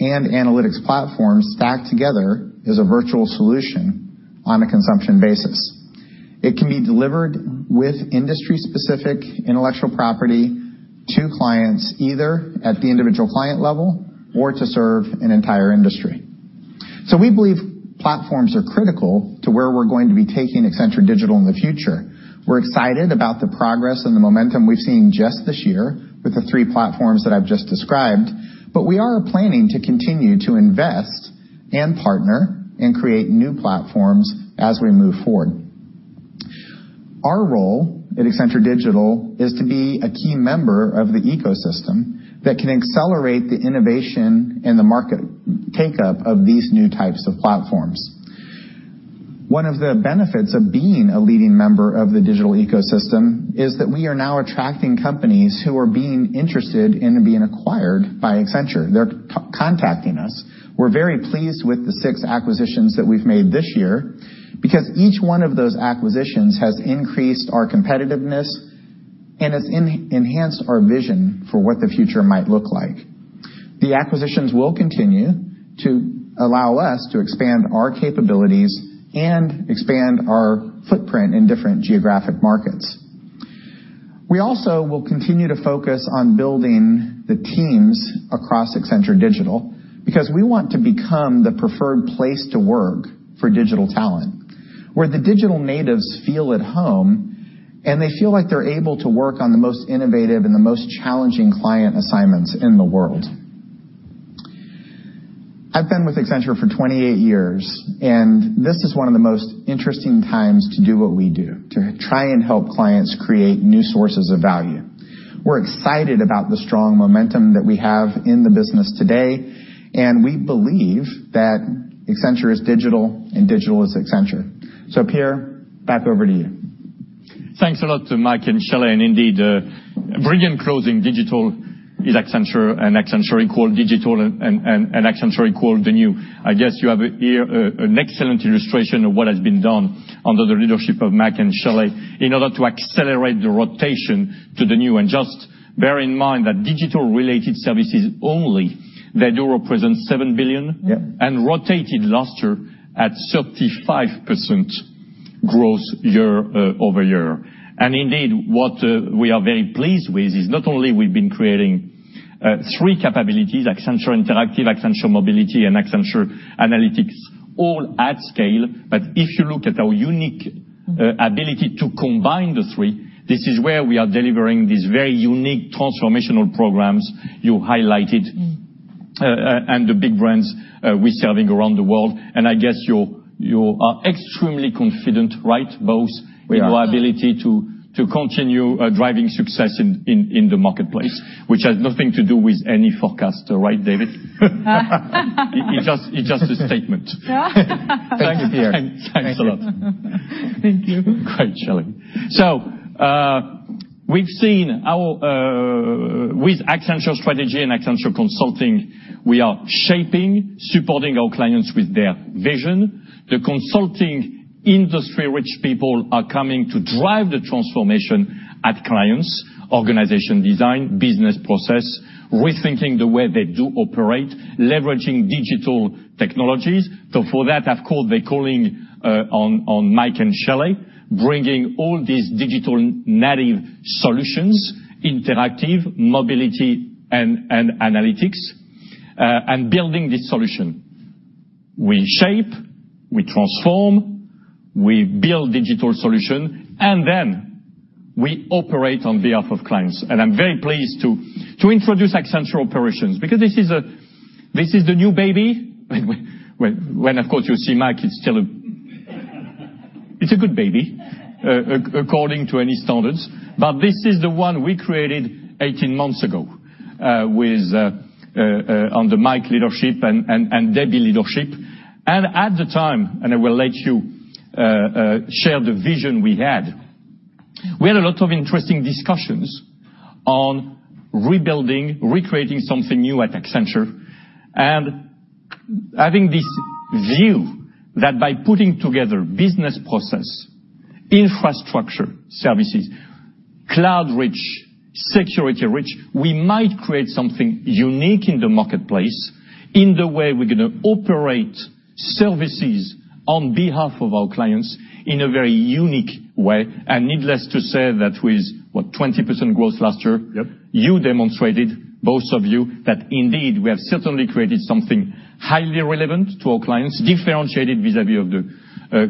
and analytics platforms stacked together as a virtual solution on a consumption basis. It can be delivered with industry-specific intellectual property to clients, either at the individual client level or to serve an entire industry. We believe platforms are critical to where we're going to be taking Accenture Digital in the future. We're excited about the progress and the momentum we've seen just this year with the three platforms that I've just described. We are planning to continue to invest and partner and create new platforms as we move forward. Our role at Accenture Digital is to be a key member of the ecosystem that can accelerate the innovation and the market take-up of these new types of platforms. One of the benefits of being a leading member of the digital ecosystem is that we are now attracting companies who are being interested in being acquired by Accenture. They're contacting us. We're very pleased with the six acquisitions that we've made this year, because each one of those acquisitions has increased our competitiveness and has enhanced our vision for what the future might look like. The acquisitions will continue to allow us to expand our capabilities and expand our footprint in different geographic markets. We also will continue to focus on building the teams across Accenture Digital, because we want to become the preferred place to work for digital talent, where the digital natives feel at home, and they feel like they're able to work on the most innovative and the most challenging client assignments in the world. I've been with Accenture for 28 years, and this is one of the most interesting times to do what we do, to try and help clients create new sources of value. We're excited about the strong momentum that we have in the business today. We believe that Accenture is digital and digital is Accenture. Pierre, back over to you. Thanks a lot to Mike and Shelly. Indeed, brilliant closing. Digital is Accenture. Accenture equal digital and Accenture equal the new. I guess you have here an excellent illustration of what has been done under the leadership of Mike and Shelly in order to accelerate the rotation to the new. Just bear in mind that digital-related services only, they do represent $7 billion. Rotated last year at 35% growth year-over-year. Indeed, what we are very pleased with is not only we've been creating 3 capabilities, Accenture Interactive, Accenture Mobility, and Accenture Analytics, all at scale. If you look at our unique ability to combine the 3, this is where we are delivering these very unique transformational programs you highlighted, and the big brands we're serving around the world. I guess you are extremely confident, right, both- Your ability to continue driving success in the marketplace, which has nothing to do with any forecaster. Right, David? It's just a statement. Yeah. Thank you, Pierre. Thanks a lot. Thank you. Great, Shelly. We've seen with Accenture Strategy and Accenture Consulting, we are shaping, supporting our clients with their vision. The consulting industry-rich people are coming to drive the transformation at clients, organization design, business process, rethinking the way they do operate, leveraging digital technologies. For that, of course, they're calling on Mike and Shelly, bringing all these digital native solutions, interactive, mobility, and analytics, and building this solution. We shape, we transform, we build digital solution, then we operate on behalf of clients. I'm very pleased to introduce Accenture Operations, because this is the new baby. When, of course, you see Mike, it's still a good baby according to any standards. This is the one we created 18 months ago under Mike leadership and Debbie leadership. At the time, I will let you share the vision we had, we had a lot of interesting discussions on rebuilding, recreating something new at Accenture. Having this view that by putting together business process, infrastructure services, cloud rich, security rich, we might create something unique in the marketplace in the way we're going to operate services on behalf of our clients in a very unique way. Needless to say that with, what, 20% growth last year. You demonstrated, both of you, that indeed, we have certainly created something highly relevant to our clients, differentiated vis-à-vis of the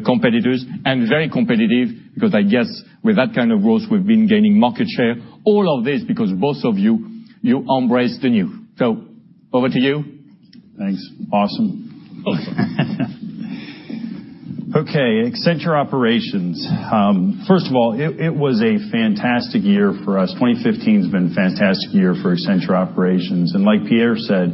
competitors, and very competitive, because I guess with that kind of growth, we've been gaining market share. All of this because both of you embrace the new. Over to you. Thanks, awesome. Okay, Accenture Operations. First of all, it was a fantastic year for us. 2015 has been a fantastic year for Accenture Operations. Like Pierre said,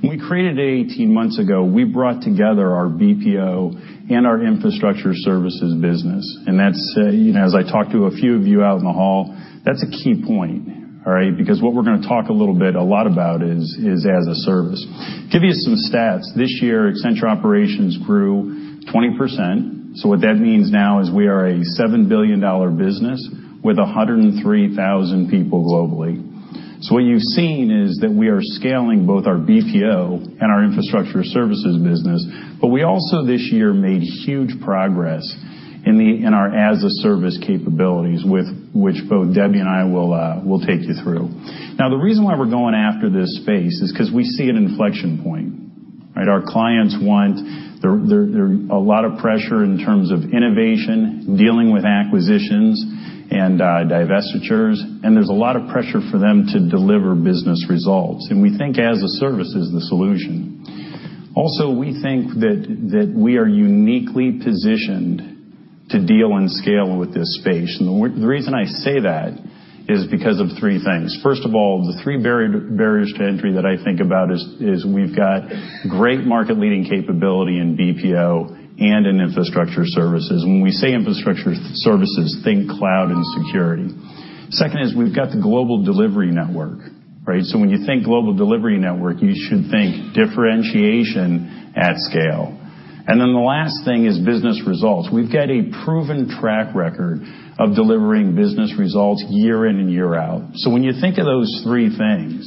when we created it 18 months ago, we brought together our BPO and our infrastructure services business. As I talked to a few of you out in the hall, that's a key point, all right? Because what we're going to talk a lot about is as-a-service. Give you some stats. This year, Accenture Operations grew 20%. What that means now is we are a $7 billion business with 103,000 people globally. What you've seen is that we are scaling both our BPO and our infrastructure services business. We also this year made huge progress in our as-a-service capabilities, which both Debbie and I will take you through. The reason why we're going after this space is because we see an inflection point, right? Our clients want, there are a lot of pressure in terms of innovation, dealing with acquisitions and divestitures, and there's a lot of pressure for them to deliver business results. We think as-a-service is the solution. Also, we think that we are uniquely positioned to deal and scale with this space. The reason I say that is because of three things. First of all, the three barriers to entry that I think about is we've got great market-leading capability in BPO and in infrastructure services. When we say infrastructure services, think cloud and security. Second is we've got the global delivery network, right? When you think global delivery network, you should think differentiation at scale. The last thing is business results. We've got a proven track record of delivering business results year in and year out. When you think of those three things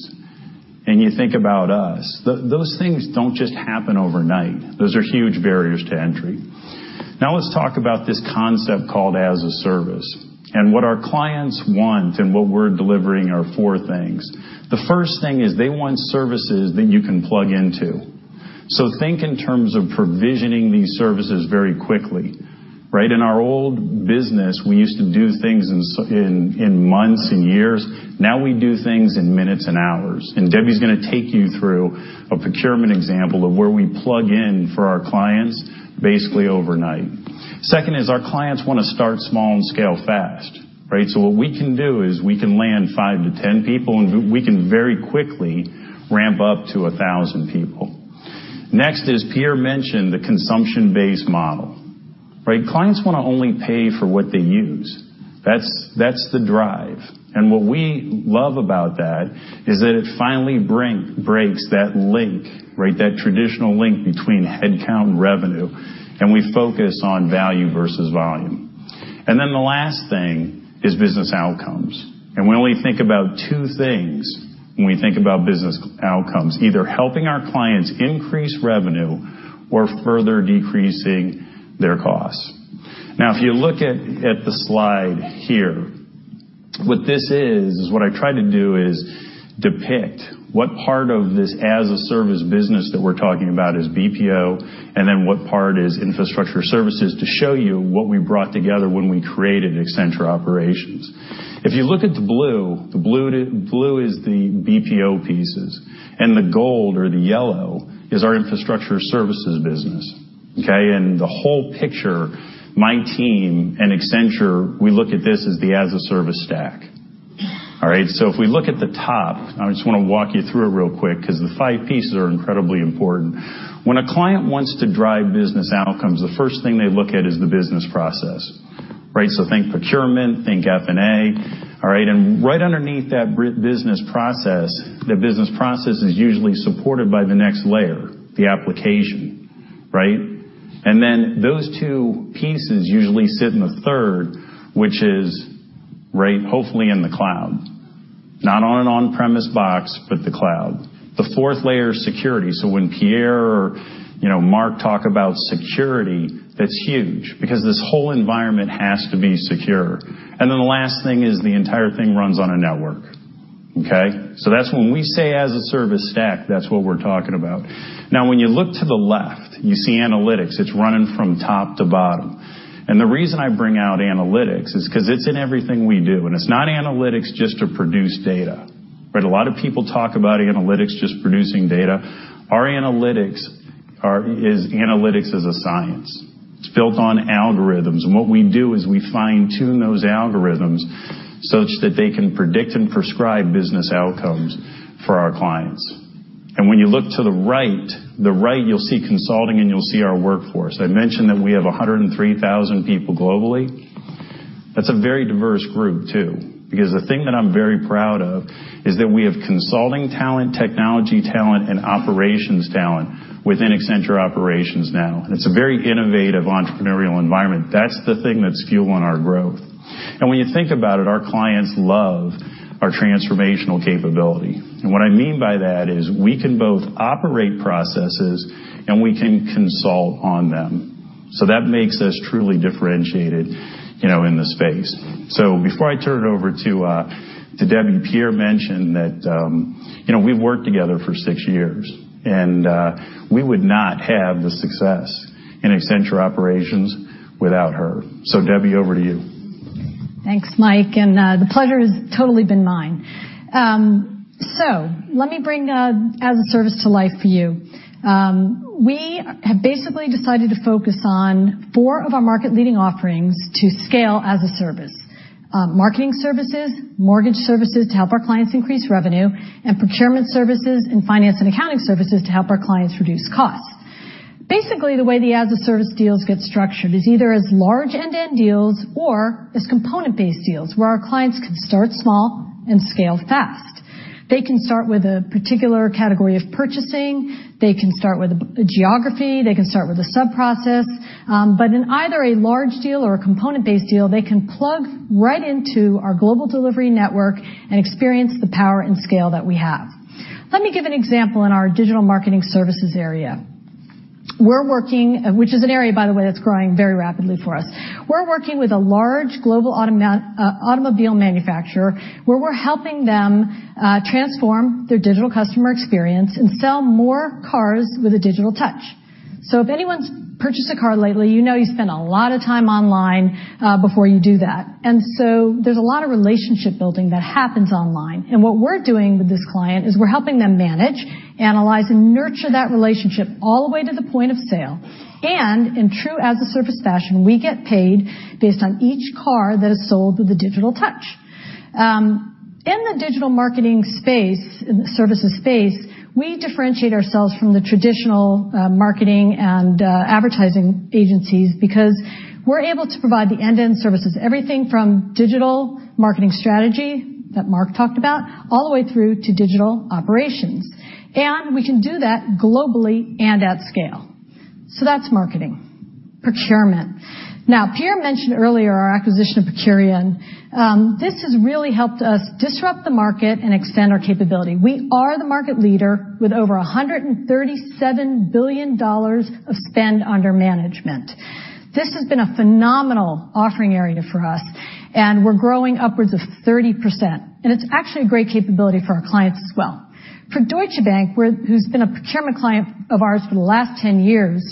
you think about us. Those things don't just happen overnight. Those are huge barriers to entry. Let's talk about this concept called as-a-service. What our clients want and what we're delivering are four things. The first thing is they want services that you can plug into. Think in terms of provisioning these services very quickly, right? In our old business, we used to do things in months and years. Now we do things in minutes and hours. Debbie's going to take you through a procurement example of where we plug in for our clients, basically overnight. Second is our clients want to start small and scale fast, right? What we can do is we can land five to 10 people, and we can very quickly ramp up to 1,000 people. As Pierre mentioned, the consumption-based model. Right? Clients want to only pay for what they use. That's the drive. What we love about that is that it finally breaks that link, right, that traditional link between headcount and revenue, and we focus on value versus volume. The last thing is business outcomes. We only think about two things when we think about business outcomes, either helping our clients increase revenue or further decreasing their costs. If you look at the slide here, what this is is what I tried to do is depict what part of this as-a-service business that we're talking about is BPO and then what part is infrastructure services to show you what we brought together when we created Accenture Operations. If you look at the blue, the blue is the BPO pieces, and the gold or the yellow is our infrastructure services business. Okay? The whole picture, my team and Accenture, we look at this as the as-a-service stack. All right? If we look at the top, I just want to walk you through it real quick because the five pieces are incredibly important. When a client wants to drive business outcomes, the first thing they look at is the business process. Right? Think procurement, think F&A. All right? Right underneath that business process, the business process is usually supported by the next layer, the application. Right? Those two pieces usually sit in the third, which is, right, hopefully in the cloud. Not on an on-premise box, but the cloud. The fourth layer is security, so when Pierre or Mark talk about security, that's huge because this whole environment has to be secure. The last thing is the entire thing runs on a network. Okay? That's when we say as-a-service stack, that's what we're talking about. When you look to the left, you see analytics. It's running from top to bottom. The reason I bring out analytics is because it's in everything we do. It's not analytics just to produce data. Right? A lot of people talk about analytics just producing data. Our analytics is analytics as a science. It's built on algorithms. What we do is we fine-tune those algorithms such that they can predict and prescribe business outcomes for our clients. When you look to the right, the right you'll see consulting and you'll see our workforce. I mentioned that we have 103,000 people globally. That's a very diverse group, too, because the thing that I'm very proud of is that we have consulting talent, technology talent, and operations talent within Accenture Operations now. It's a very innovative entrepreneurial environment. That's the thing that's fueling our growth. When you think about it, our clients love our transformational capability. What I mean by that is we can both operate processes and we can consult on them. That makes us truly differentiated in the space. Before I turn it over to Debbie, Pierre mentioned that we've worked together for six years, and we would not have the success in Accenture Operations without her. Debbie, over to you. Thanks, Mike, and the pleasure has totally been mine. Let me bring as-a-service to life for you. We have basically decided to focus on four of our market leading offerings to scale as-a-service. Marketing services, mortgage services to help our clients increase revenue, and procurement services and finance and accounting services to help our clients reduce costs. Basically, the way the as-a-service deals get structured is either as large end-to-end deals or as component-based deals where our clients can start small and scale fast. They can start with a particular category of purchasing. They can start with a geography. They can start with a sub-process. In either a large deal or a component-based deal, they can plug right into our global delivery network and experience the power and scale that we have. Let me give an example in our digital marketing services area. Which is an area, by the way, that's growing very rapidly for us. We're working with a large global automobile manufacturer where we're helping them transform their digital customer experience and sell more cars with a digital touch. If anyone's purchased a car lately, you know you spend a lot of time online before you do that. There's a lot of relationship building that happens online. What we're doing with this client is we're helping them manage, analyze, and nurture that relationship all the way to the point of sale. In true as-a-service fashion, we get paid based on each car that is sold with a digital touch. In the digital marketing space, in the services space, we differentiate ourselves from the traditional marketing and advertising agencies because we're able to provide the end-to-end services. Everything from digital marketing strategy that Mark talked about, all the way through to digital operations. We can do that globally and at scale. That's marketing. Procurement. Now, Pierre mentioned earlier our acquisition of Procurian. This has really helped us disrupt the market and extend our capability. We are the market leader with over $137 billion of spend under management. This has been a phenomenal offering area for us, and we're growing upwards of 30%. It's actually a great capability for our clients as well. For Deutsche Bank, who's been a procurement client of ours for the last 10 years,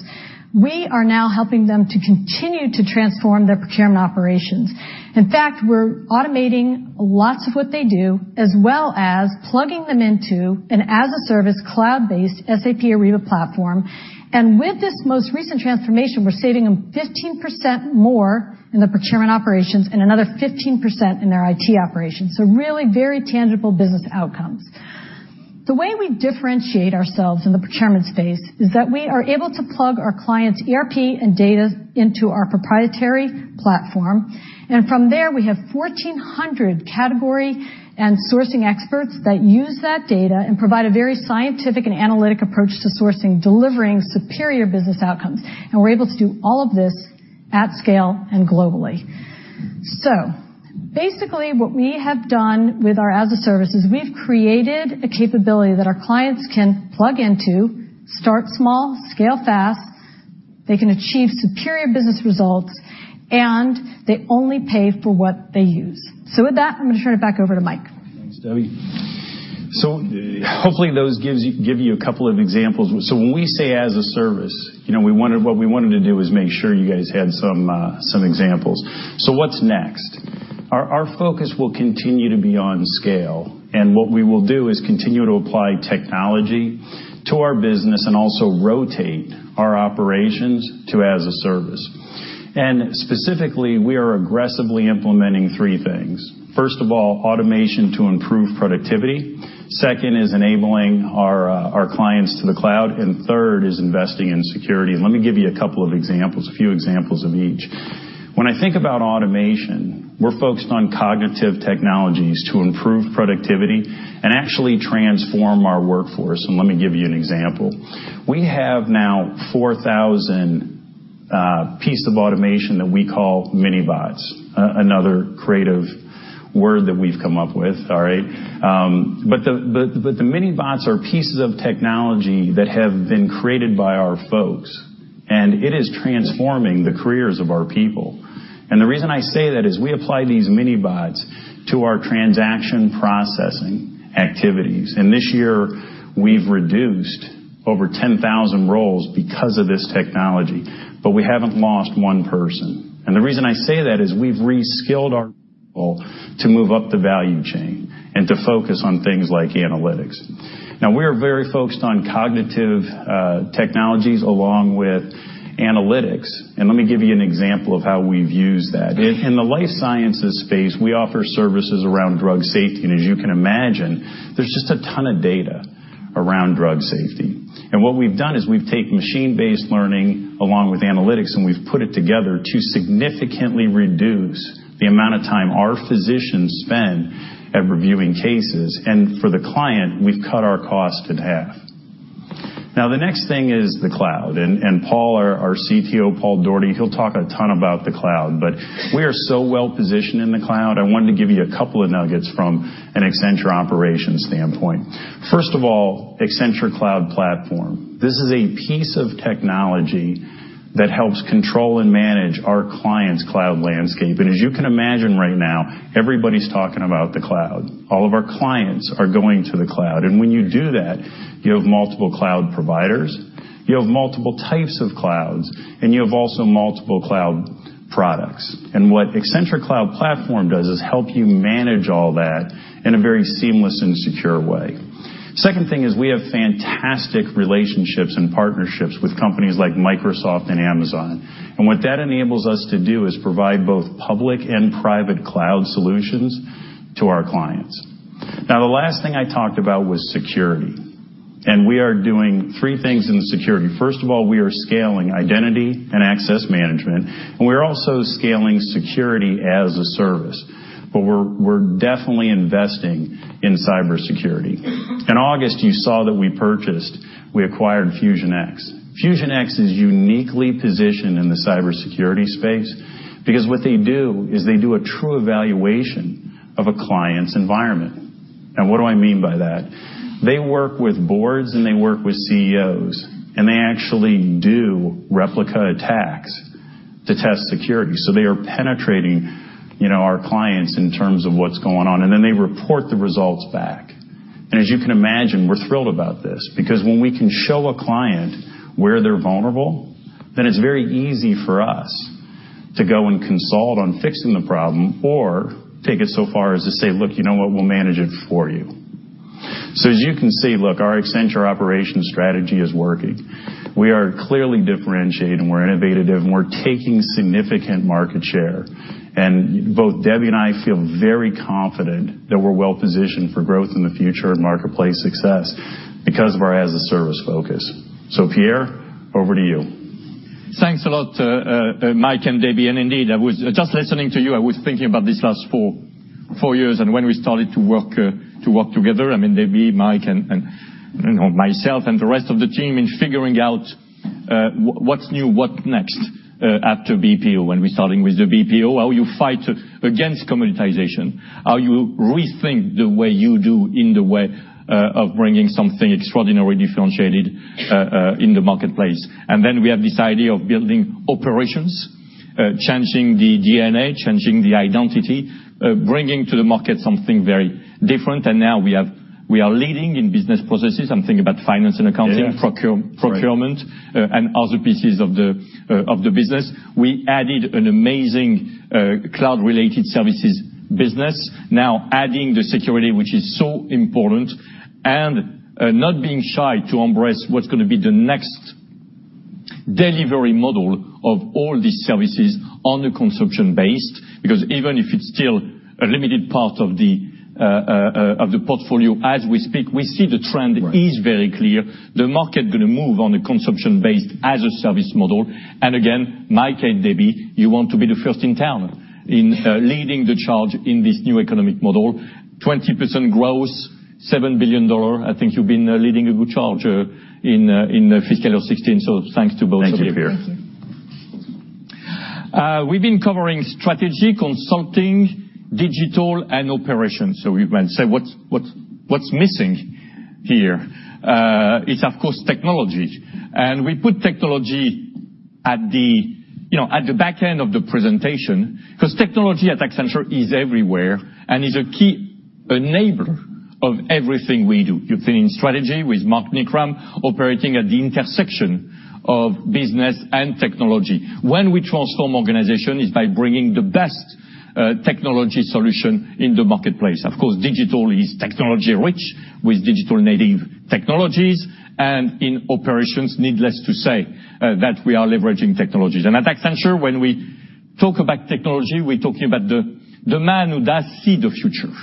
we are now helping them to continue to transform their procurement operations. In fact, we're automating lots of what they do, as well as plugging them into an as-a-service cloud-based SAP Ariba platform. With this most recent transformation, we're saving them 15% more in the procurement operations and another 15% in their IT operations. Really very tangible business outcomes. The way we differentiate ourselves in the procurement space is that we are able to plug our clients' ERP and data into our proprietary platform. From there, we have 1,400 category and sourcing experts that use that data and provide a very scientific and analytic approach to sourcing, delivering superior business outcomes. We're able to do all of this at scale and globally. Basically, what we have done with our as-a-service is we've created a capability that our clients can plug into, start small, scale fast, they can achieve superior business results, and they only pay for what they use. With that, I'm going to turn it back over to Mike. Thanks, Debbie. Hopefully those give you a couple of examples. When we say as-a-service, what we wanted to do is make sure you guys had some examples. What's next? Our focus will continue to be on scale, what we will do is continue to apply technology to our business and also rotate our operations to as-a-service. Specifically, we are aggressively implementing three things. First of all, automation to improve productivity. Second is enabling our clients to the cloud. Third is investing in security. Let me give you a couple of examples, a few examples of each. When I think about automation, we're focused on cognitive technologies to improve productivity and actually transform our workforce. Let me give you an example. We have now 4,000 pieces of automation that we call mini bots, another creative word that we've come up with. All right? The mini bots are pieces of technology that have been created by our folks, it is transforming the careers of our people. The reason I say that is we apply these mini bots to our transaction processing activities. This year, we've reduced over 10,000 roles because of this technology, but we haven't lost one person. The reason I say that is we've re-skilled our people to move up the value chain and to focus on things like analytics. Now, we are very focused on cognitive technologies along with analytics. Let me give you an example of how we've used that. In the life sciences space, we offer services around drug safety. As you can imagine, there's just a ton of data around drug safety. What we've done is we've taken machine-based learning along with analytics, we've put it together to significantly reduce the amount of time our physicians spend at reviewing cases. For the client, we've cut our cost in half. Now, the next thing is the cloud. Paul, our CTO, Paul Daugherty, he'll talk a ton about the cloud. We are so well positioned in the cloud, I wanted to give you a couple of nuggets from an Accenture Operations standpoint. First of all, Accenture Cloud Platform. This is a piece of technology that helps control and manage our clients' cloud landscape. As you can imagine right now, everybody's talking about the cloud. All of our clients are going to the cloud. When you do that, you have multiple cloud providers, you have multiple types of clouds, and you have also multiple cloud products. What Accenture Cloud Platform does is help you manage all that in a very seamless and secure way. Second thing is we have fantastic relationships and partnerships with companies like Microsoft and Amazon. What that enables us to do is provide both public and private cloud solutions to our clients. Now, the last thing I talked about was security. We are doing three things in security. First of all, we are scaling identity and access management, and we're also scaling security as a service. But we're definitely investing in cybersecurity. In August, you saw that we acquired FusionX. FusionX is uniquely positioned in the cybersecurity space because what they do is they do a true evaluation of a client's environment. What do I mean by that? They work with boards and they work with CEOs, and they actually do replica attacks to test security. They are penetrating our clients in terms of what's going on, and then they report the results back. As you can imagine, we're thrilled about this because when we can show a client where they're vulnerable, then it's very easy for us to go and consult on fixing the problem or take it so far as to say, "Look, you know what? We'll manage it for you." As you can see, look, our Accenture Operations strategy is working. We are clearly differentiated, and we're innovative, and we're taking significant market share. Both Debbie and I feel very confident that we're well positioned for growth in the future and marketplace success because of our as-a-service focus. Pierre, over to you. Thanks a lot, Mike and Debbie. Indeed, just listening to you, I was thinking about these last four years and when we started to work together, Debbie, Mike, and myself, and the rest of the team in figuring out what's new, what next after BPO, when we're starting with the BPO. How you fight against commoditization. How you rethink the way you do in the way of bringing something extraordinary differentiated in the marketplace. Then we have this idea of building operations, changing the DNA, changing the identity, bringing to the market something very different. Now we are leading in business processes. I'm thinking about finance and accounting. Yes procurement. Right and other pieces of the business. We added an amazing cloud related services business. Now adding the security, which is so important, and not being shy to embrace what's going to be the next delivery model of all these services on the consumption base. Even if it's still a limited part of the portfolio as we speak, we see the trend is very clear. The market is going to move on a consumption-based-as-a-service model. Again, Mike and Debbie, you want to be the first in town in leading the charge in this new economic model, 20% growth, $7 billion. I think you've been leading a good charge in fiscal year '16. Thanks to both of you. Thank you, Pierre. Thank you. We've been covering strategy, consulting, digital, and operations. You might say, what's missing here? It's, of course, technology. We put technology at the back end of the presentation, because technology at Accenture is everywhere and is a key enabler of everything we do. You've seen in strategy with Mark Knickrehm, operating at the intersection of business and technology. When we transform organization, it's by bringing the best technology solution in the marketplace. Of course, digital is technology-rich, with digital native technologies, and in operations, needless to say, that we are leveraging technologies. At Accenture, when we talk about technology, we're talking about the man who does see the future.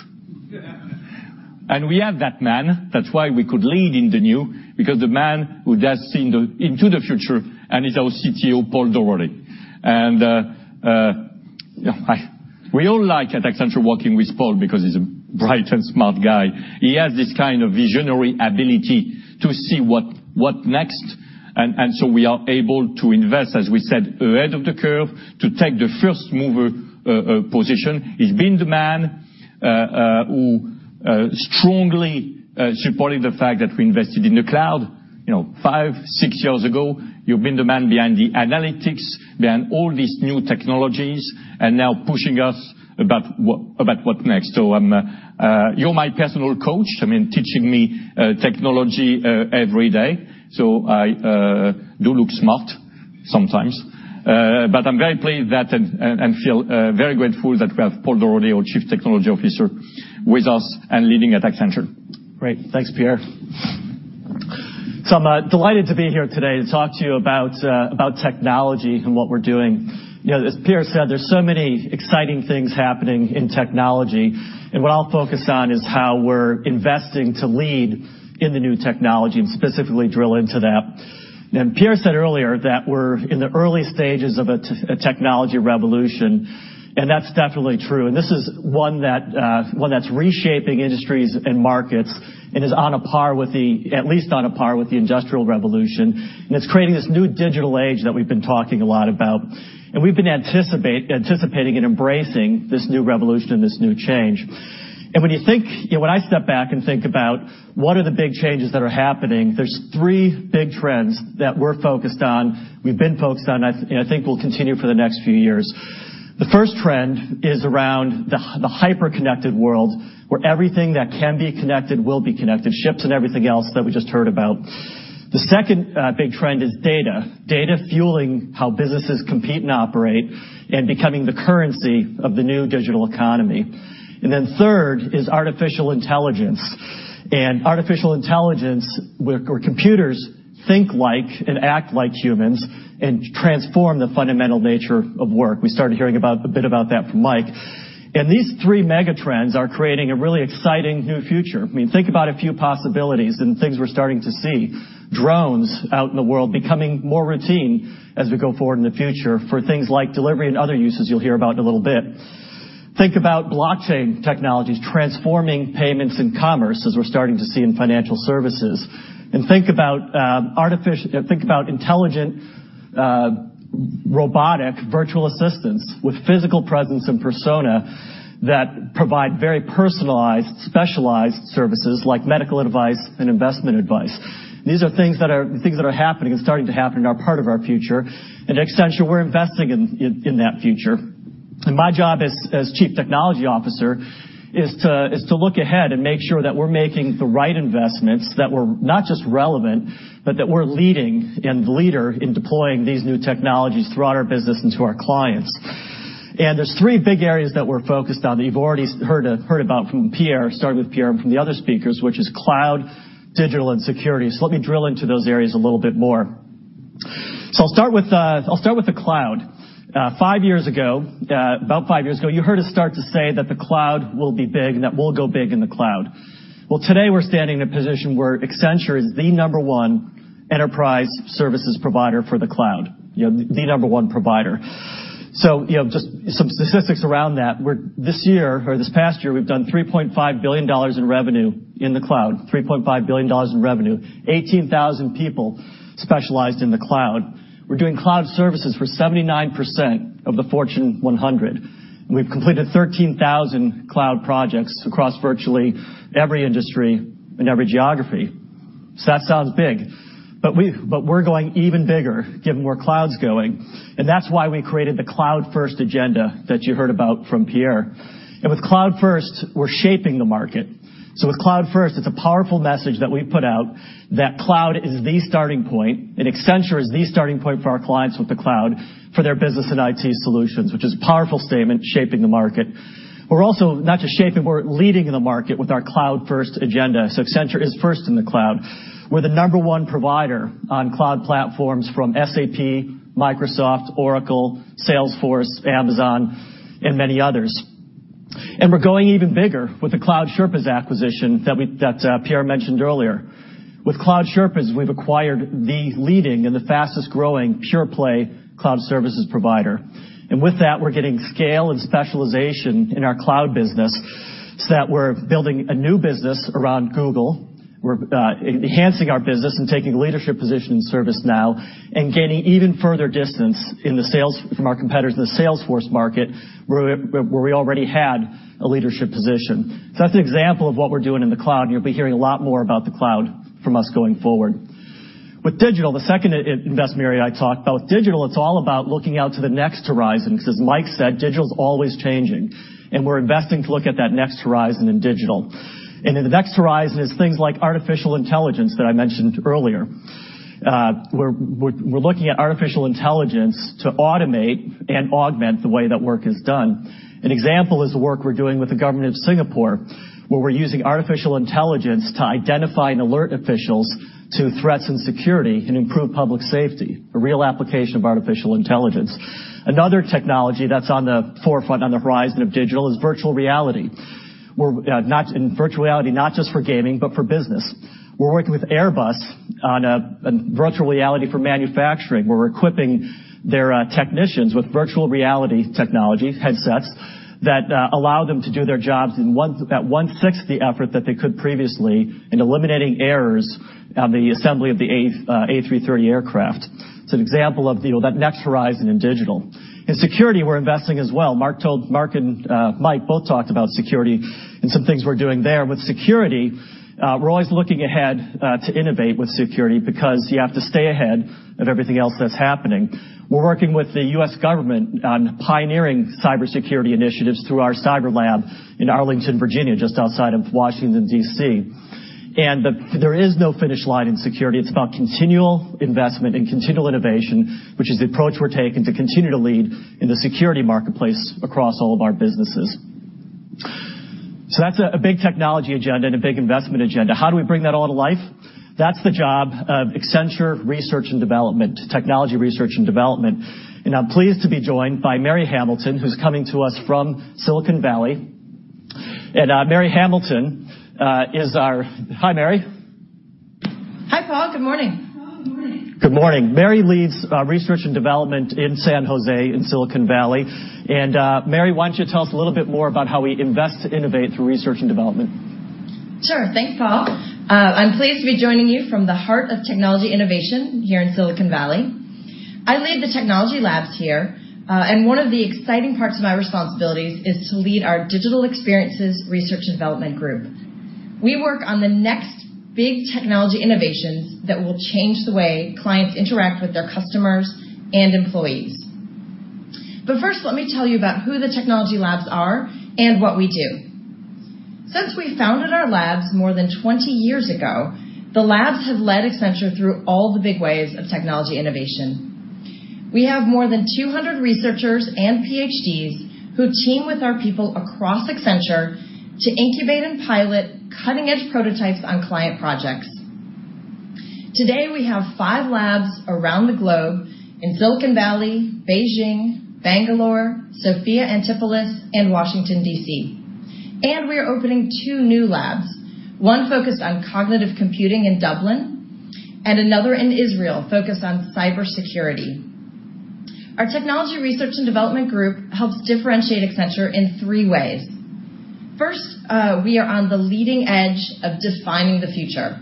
We have that man. That's why we could lead in the new, because the man who does see into the future, and is our CTO, Paul Daugherty. We all like at Accenture, working with Paul, because he's a bright and smart guy. He has this kind of visionary ability to see what next. We are able to invest, as we said, ahead of the curve, to take the first mover position. He's been the man who strongly supported the fact that we invested in the cloud five, six years ago. You've been the man behind the analytics, behind all these new technologies, and now pushing us about what next. You're my personal coach, teaching me technology every day, so I do look smart sometimes. I'm very pleased and feel very grateful that we have Paul Daugherty, our Chief Technology Officer, with us and leading at Accenture. Great. Thanks, Pierre. I'm delighted to be here today to talk to you about technology and what we're doing. As Pierre said, there's so many exciting things happening in technology, and what I'll focus on is how we're investing to lead in the new technology, and specifically drill into that. Pierre said earlier that we're in the early stages of a technology revolution, and that's definitely true. This is one that's reshaping industries and markets and is on a par with the, at least on a par with the Industrial Revolution. It's creating this new digital age that we've been talking a lot about. We've been anticipating and embracing this new revolution and this new change. When I step back and think about what are the big changes that are happening, there's three big trends that we're focused on, we've been focused on, and I think will continue for the next few years. The first trend is around the hyper-connected world, where everything that can be connected will be connected, ships and everything else that we just heard about. The second big trend is data. Data fueling how businesses compete and operate and becoming the currency of the new digital economy. Third is artificial intelligence. Artificial intelligence, where computers think like and act like humans and transform the fundamental nature of work. We started hearing a bit about that from Mike. These three mega trends are creating a really exciting new future. Think about a few possibilities and things we're starting to see. Drones out in the world becoming more routine as we go forward in the future for things like delivery and other uses you'll hear about in a little bit. Think about blockchain technologies transforming payments and commerce, as we're starting to see in financial services. Think about intelligent robotic virtual assistants with physical presence and persona that provide very personalized, specialized services like medical advice and investment advice. These are things that are happening and starting to happen and are part of our future. At Accenture, we're investing in that future. My job as chief technology officer is to look ahead and make sure that we're making the right investments, that we're not just relevant, but that we're leading and the leader in deploying these new technologies throughout our business and to our clients. There's three big areas that we're focused on that you've already heard about from Pierre, starting with Pierre, and from the other speakers, which is cloud, digital, and security. Let me drill into those areas a little bit more. I'll start with the cloud. Five years ago, about five years ago, you heard us start to say that the cloud will be big and that we'll go big in the cloud. Today we're standing in a position where Accenture is the number one enterprise services provider for the cloud, the number one provider. Just some statistics around that. This past year, we've done $3.5 billion in revenue in the cloud, $3.5 billion in revenue, 18,000 people specialized in the cloud. We're doing cloud services for 79% of the Fortune 100. We've completed 13,000 cloud projects across virtually every industry and every geography. That sounds big. We're going even bigger, given where cloud's going. That's why we created the Cloud First agenda that you heard about from Pierre. With Cloud First, we're shaping the market. With Cloud First, it's a powerful message that we put out that cloud is the starting point, and Accenture is the starting point for our clients with the cloud for their business and IT solutions, which is a powerful statement shaping the market. We're also not just shaping, we're leading the market with our Cloud First agenda. Accenture is first in the cloud. We're the number one provider on cloud platforms from SAP, Microsoft, Oracle, Salesforce, Amazon, and many others. We're going even bigger with the Cloud Sherpas acquisition that Pierre mentioned earlier. With Cloud Sherpas, we've acquired the leading and the fastest-growing pure-play cloud services provider. With that, we're getting scale and specialization in our cloud business so that we're building a new business around Google. We're enhancing our business and taking a leadership position in ServiceNow and gaining even further distance from our competitors in the Salesforce market, where we already had a leadership position. That's an example of what we're doing in the cloud, and you'll be hearing a lot more about the cloud from us going forward. With digital, the second investment area I talked about, it's all about looking out to the next horizon, because as Mike said, digital's always changing, and we're investing to look at that next horizon in digital. In the next horizon is things like artificial intelligence that I mentioned earlier. We're looking at artificial intelligence to automate and augment the way that work is done. An example is the work we're doing with the government of Singapore, where we're using artificial intelligence to identify and alert officials to threats and security and improve public safety, a real application of artificial intelligence. Another technology that's on the forefront on the horizon of digital is virtual reality. Virtual reality, not just for gaming, but for business. We're working with Airbus on virtual reality for manufacturing. We're equipping their technicians with virtual reality technology headsets that allow them to do their jobs at one-sixth the effort that they could previously and eliminating errors on the assembly of the A330 aircraft. It's an example of that next horizon in digital. In security, we're investing as well. Mark and Mike both talked about security and some things we're doing there. With security, we're always looking ahead to innovate with security because you have to stay ahead of everything else that's happening. We're working with the U.S. government on pioneering cybersecurity initiatives through our cyber lab in Arlington, Virginia, just outside of Washington, D.C. There is no finish line in security. It's about continual investment and continual innovation, which is the approach we're taking to continue to lead in the security marketplace across all of our businesses. That's a big technology agenda and a big investment agenda. How do we bring that all to life? That's the job of Accenture Research and Development, Technology Research and Development. I'm pleased to be joined by Mary Hamilton, who's coming to us from Silicon Valley. Mary Hamilton is our. Hi, Mary. Hi, Paul. Good morning. Good morning. Mary leads Research and Development in San Jose in Silicon Valley. Mary, why don't you tell us a little bit more about how we invest to innovate through research and development? Sure. Thanks, Paul. I'm pleased to be joining you from the heart of technology innovation here in Silicon Valley. I lead the technology labs here. One of the exciting parts of my responsibilities is to lead our digital experiences research and development group. We work on the next big technology innovations that will change the way clients interact with their customers and employees. First, let me tell you about who the technology labs are and what we do. Since we founded our labs more than 20 years ago, the labs have led Accenture through all the big waves of technology innovation. We have more than 200 researchers and PhDs who team with our people across Accenture to incubate and pilot cutting-edge prototypes on client projects. Today, we have five labs around the globe in Silicon Valley, Beijing, Bangalore, Sophia Antipolis, and Washington, D.C. We are opening two new labs, one focused on cognitive computing in Dublin, and another in Israel focused on cybersecurity. Our technology research and development group helps differentiate Accenture in three ways. First, we are on the leading edge of defining the future.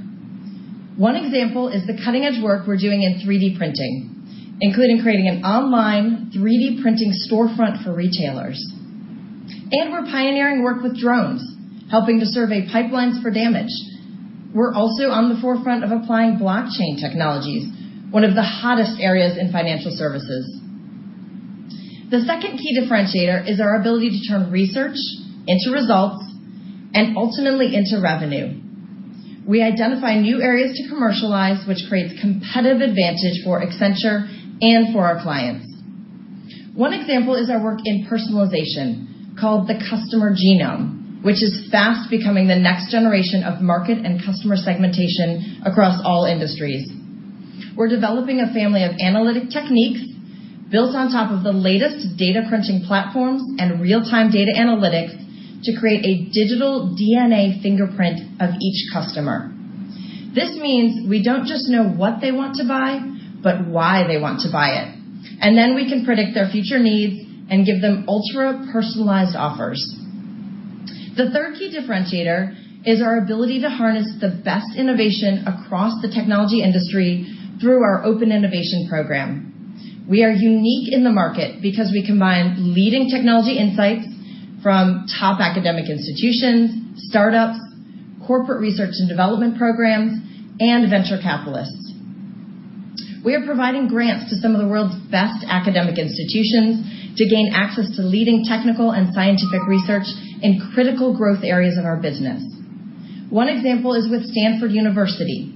One example is the cutting-edge work we're doing in 3D printing, including creating an online 3D printing storefront for retailers. We're pioneering work with drones, helping to survey pipelines for damage. We're also on the forefront of applying blockchain technologies, one of the hottest areas in financial services. The second key differentiator is our ability to turn research into results and ultimately into revenue. We identify new areas to commercialize, which creates competitive advantage for Accenture and for our clients. One example is our work in personalization, called the Customer Genome, which is fast becoming the next generation of market and customer segmentation across all industries. We're developing a family of analytic techniques built on top of the latest data crunching platforms and real-time data analytics to create a digital DNA fingerprint of each customer. This means we don't just know what they want to buy, but why they want to buy it. Then we can predict their future needs and give them ultra-personalized offers. The third key differentiator is our ability to harness the best innovation across the technology industry through our open innovation program. We are unique in the market because we combine leading technology insights from top academic institutions, startups, corporate research and development programs, and venture capitalists. We are providing grants to some of the world's best academic institutions to gain access to leading technical and scientific research in critical growth areas of our business. One example is with Stanford University,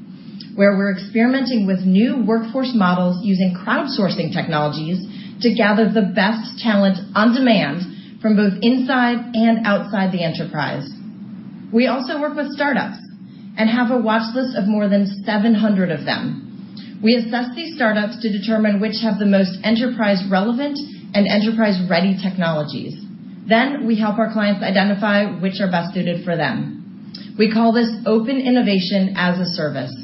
where we're experimenting with new workforce models using crowdsourcing technologies to gather the best talent on demand from both inside and outside the enterprise. We also work with startups and have a watchlist of more than 700 of them. We assess these startups to determine which have the most enterprise-relevant and enterprise-ready technologies. We help our clients identify which are best suited for them. We call this open innovation as a service.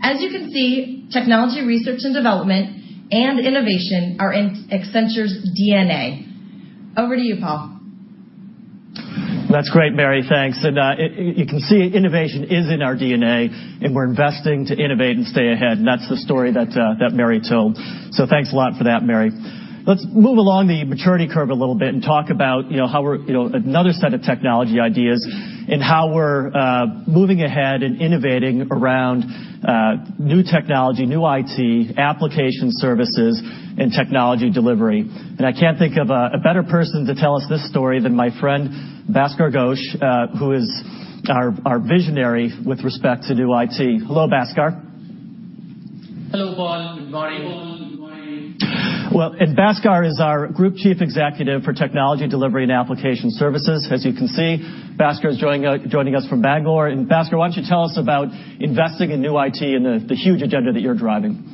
As you can see, technology research and development and innovation are in Accenture's DNA. Over to you, Paul. That's great, Mary. Thanks. You can see innovation is in our DNA, and we're investing to innovate and stay ahead. That's the story that Mary told. Thanks a lot for that, Mary. Let's move along the maturity curve a little bit and talk about another set of technology ideas and how we're moving ahead and innovating around new technology, new IT, application services, and technology delivery. I can't think of a better person to tell us this story than my friend, Bhaskar Ghosh, who is our visionary with respect to new IT. Hello, Bhaskar. Hello, Paul. Good morning. Bhaskar is our Group Chief Executive for technology delivery and application services. As you can see, Bhaskar is joining us from Bangalore. Bhaskar, why don't you tell us about investing in new IT and the huge agenda that you're driving?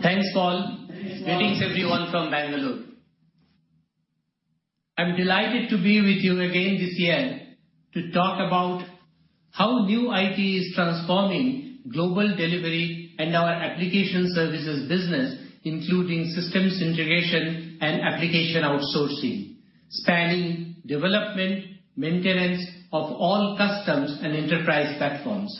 Thanks, Paul. Greetings, everyone, from Bangalore. I'm delighted to be with you again this year to talk about how new IT is transforming global delivery and our application services business, including systems integration and application outsourcing, spanning development, maintenance of all custom and enterprise platforms.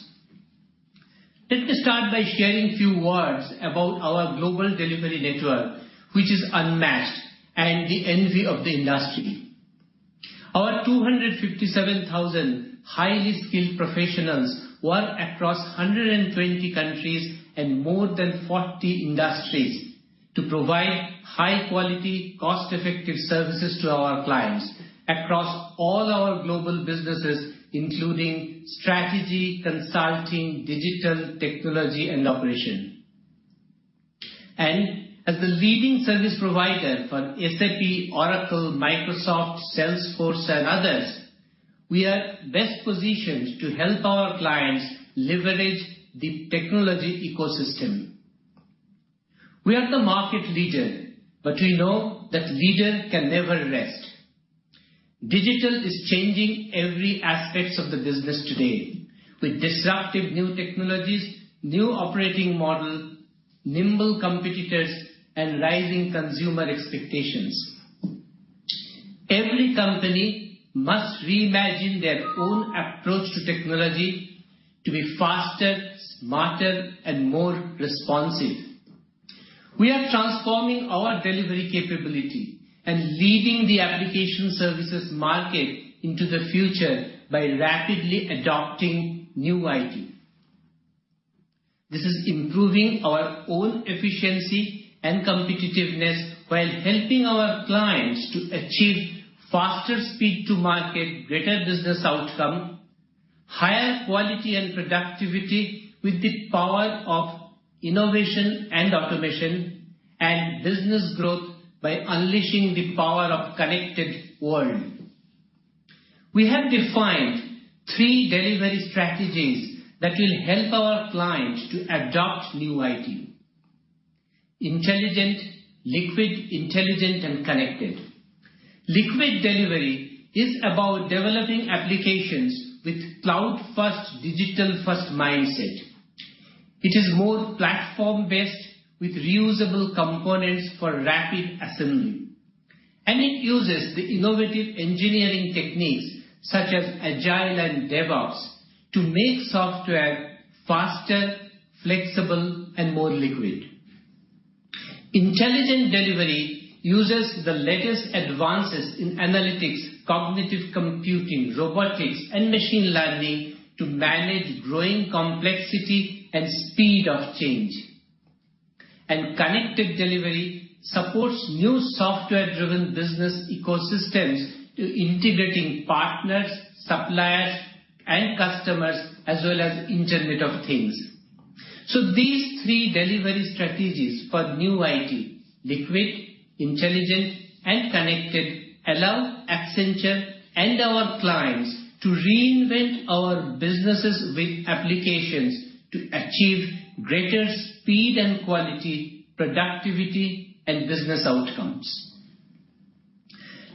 Let me start by sharing a few words about our global delivery network, which is unmatched and the envy of the industry. Our 257,000 highly skilled professionals work across 120 countries and more than 40 industries to provide high-quality, cost-effective services to our clients across all our global businesses, including Strategy, Consulting, Digital, Technology, and Operations. As the leading service provider for SAP, Oracle, Microsoft, Salesforce, and others, we are best positioned to help our clients leverage the technology ecosystem. We are the market leader, but we know that leader can never rest. Digital is changing every aspect of the business today. With disruptive new technologies, new operating model, nimble competitors, and rising consumer expectations. Every company must reimagine their own approach to technology to be faster, smarter, and more responsive. We are transforming our delivery capability and leading the application services market into the future by rapidly adopting new IT. This is improving our own efficiency and competitiveness while helping our clients to achieve faster speed to market, greater business outcome, higher quality and productivity with the power of innovation and automation, and business growth by unleashing the power of connected world. We have defined three delivery strategies that will help our clients to adopt new IT. Intelligent, liquid, intelligent, and connected. Liquid delivery is about developing applications with cloud-first, digital-first mindset, which is more platform-based with reusable components for rapid assembly. It uses the innovative engineering techniques such as Agile and DevOps to make software faster, flexible, and more liquid. Intelligent delivery uses the latest advances in analytics, cognitive computing, robotics, and machine learning to manage growing complexity and speed of change. Connected delivery supports new software-driven business ecosystems to integrating partners, suppliers, and customers, as well as Internet of Things. These three delivery strategies for new IT, Liquid, Intelligent, and Connected, allow Accenture and our clients to reinvent our businesses with applications to achieve greater speed and quality, productivity, and business outcomes.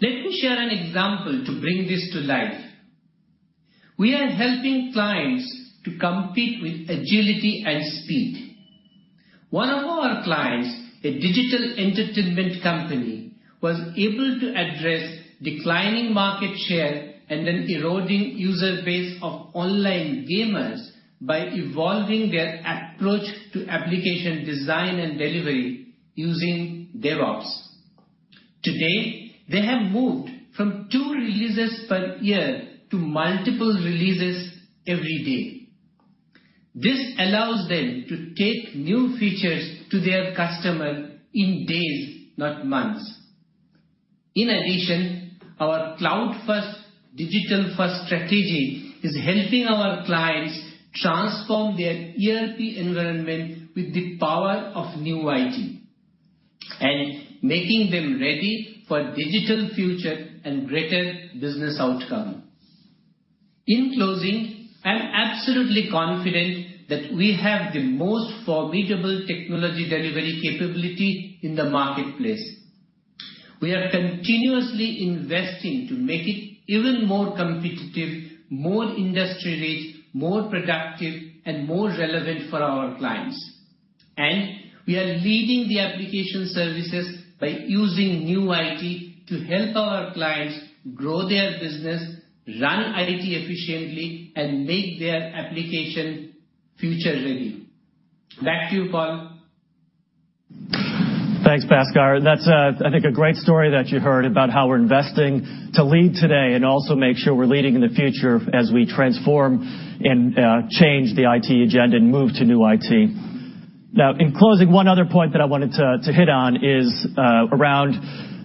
Let me share an example to bring this to life. We are helping clients to compete with agility and speed. One of our clients, a digital entertainment company, was able to address declining market share and an eroding user base of online gamers by evolving their approach to application design and delivery using DevOps. Today, they have moved from two releases per year to multiple releases every day. This allows them to take new features to their customer in days, not months. In addition, our cloud-first, digital-first strategy is helping our clients transform their ERP environment with the power of new IT, and making them ready for digital future and greater business outcome. In closing, I'm absolutely confident that we have the most formidable technology delivery capability in the marketplace. We are continuously investing to make it even more competitive, more industry-rich, more productive, and more relevant for our clients. We are leading the application services by using new IT to help our clients grow their business, run IT efficiently, and make their application future ready. Back to you, Paul. Thanks, Bhaskar. That's, I think, a great story that you heard about how we're investing to lead today and also make sure we're leading in the future as we transform and change the IT agenda and move to New IT. In closing, one other point that I wanted to hit on is around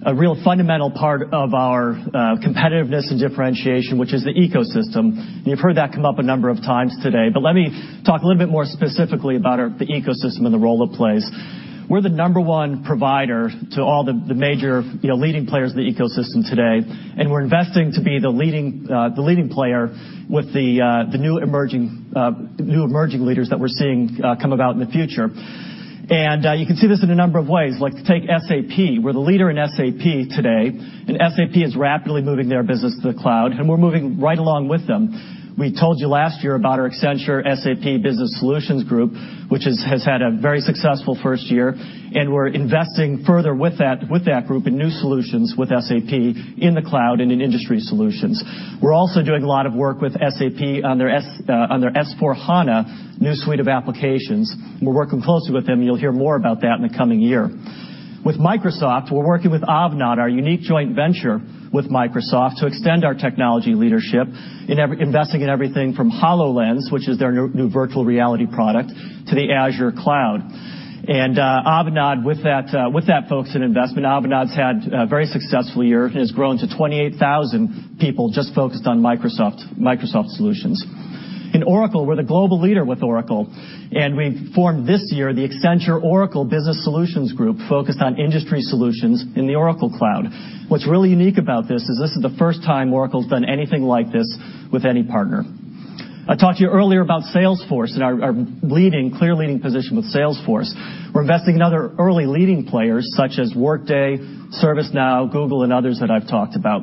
a real fundamental part of our competitiveness and differentiation, which is the ecosystem. You've heard that come up a number of times today, but let me talk a little bit more specifically about the ecosystem and the role it plays. We're the number one provider to all the major leading players in the ecosystem today, and we're investing to be the leading player with the new emerging leaders that we're seeing come about in the future. You can see this in a number of ways, like to take SAP. We're the leader in SAP today. SAP is rapidly moving their business to the cloud, and we're moving right along with them. We told you last year about our Accenture SAP Business Solutions group, which has had a very successful first year, and we're investing further with that group in new solutions with SAP in the cloud and in industry solutions. We're also doing a lot of work with SAP on their S/4HANA new suite of applications. We're working closely with them. You'll hear more about that in the coming year. With Microsoft, we're working with Avanade, our unique joint venture with Microsoft, to extend our technology leadership in investing in everything from HoloLens, which is their new virtual reality product, to the Azure cloud. With that focus and investment, Avanade's had a very successful year and has grown to 28,000 people just focused on Microsoft solutions. In Oracle, we're the global leader with Oracle. We formed this year the Accenture Oracle Business Solutions group focused on industry solutions in the Oracle Cloud. What's really unique about this is this is the first time Oracle's done anything like this with any partner. I talked to you earlier about Salesforce and our clear leading position with Salesforce. We're investing in other early leading players such as Workday, ServiceNow, Google, and others that I've talked about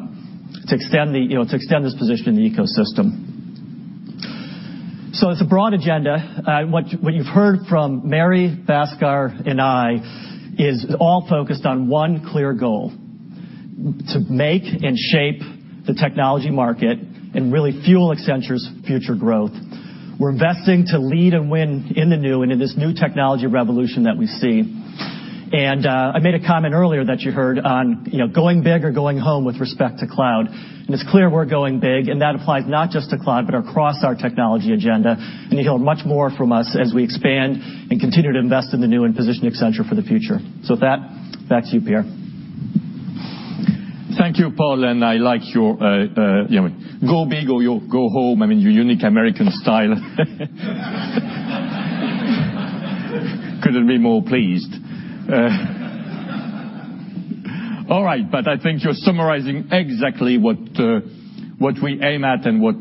to extend this position in the ecosystem. It's a broad agenda. What you've heard from Mary, Bhaskar, and I is all focused on one clear goal, to make and shape the technology market and really fuel Accenture's future growth. We're investing to lead and win in the new and in this new technology revolution that we see. I made a comment earlier that you heard on going big or going home with respect to cloud. It's clear we're going big, and that applies not just to cloud, but across our technology agenda. You'll hear much more from us as we expand and continue to invest in the new and position Accenture for the future. With that, back to you, Pierre. Thank you, Paul. I like your go big or go home. I mean, your unique American style. Couldn't be more pleased. All right. I think you're summarizing exactly what we aim at and what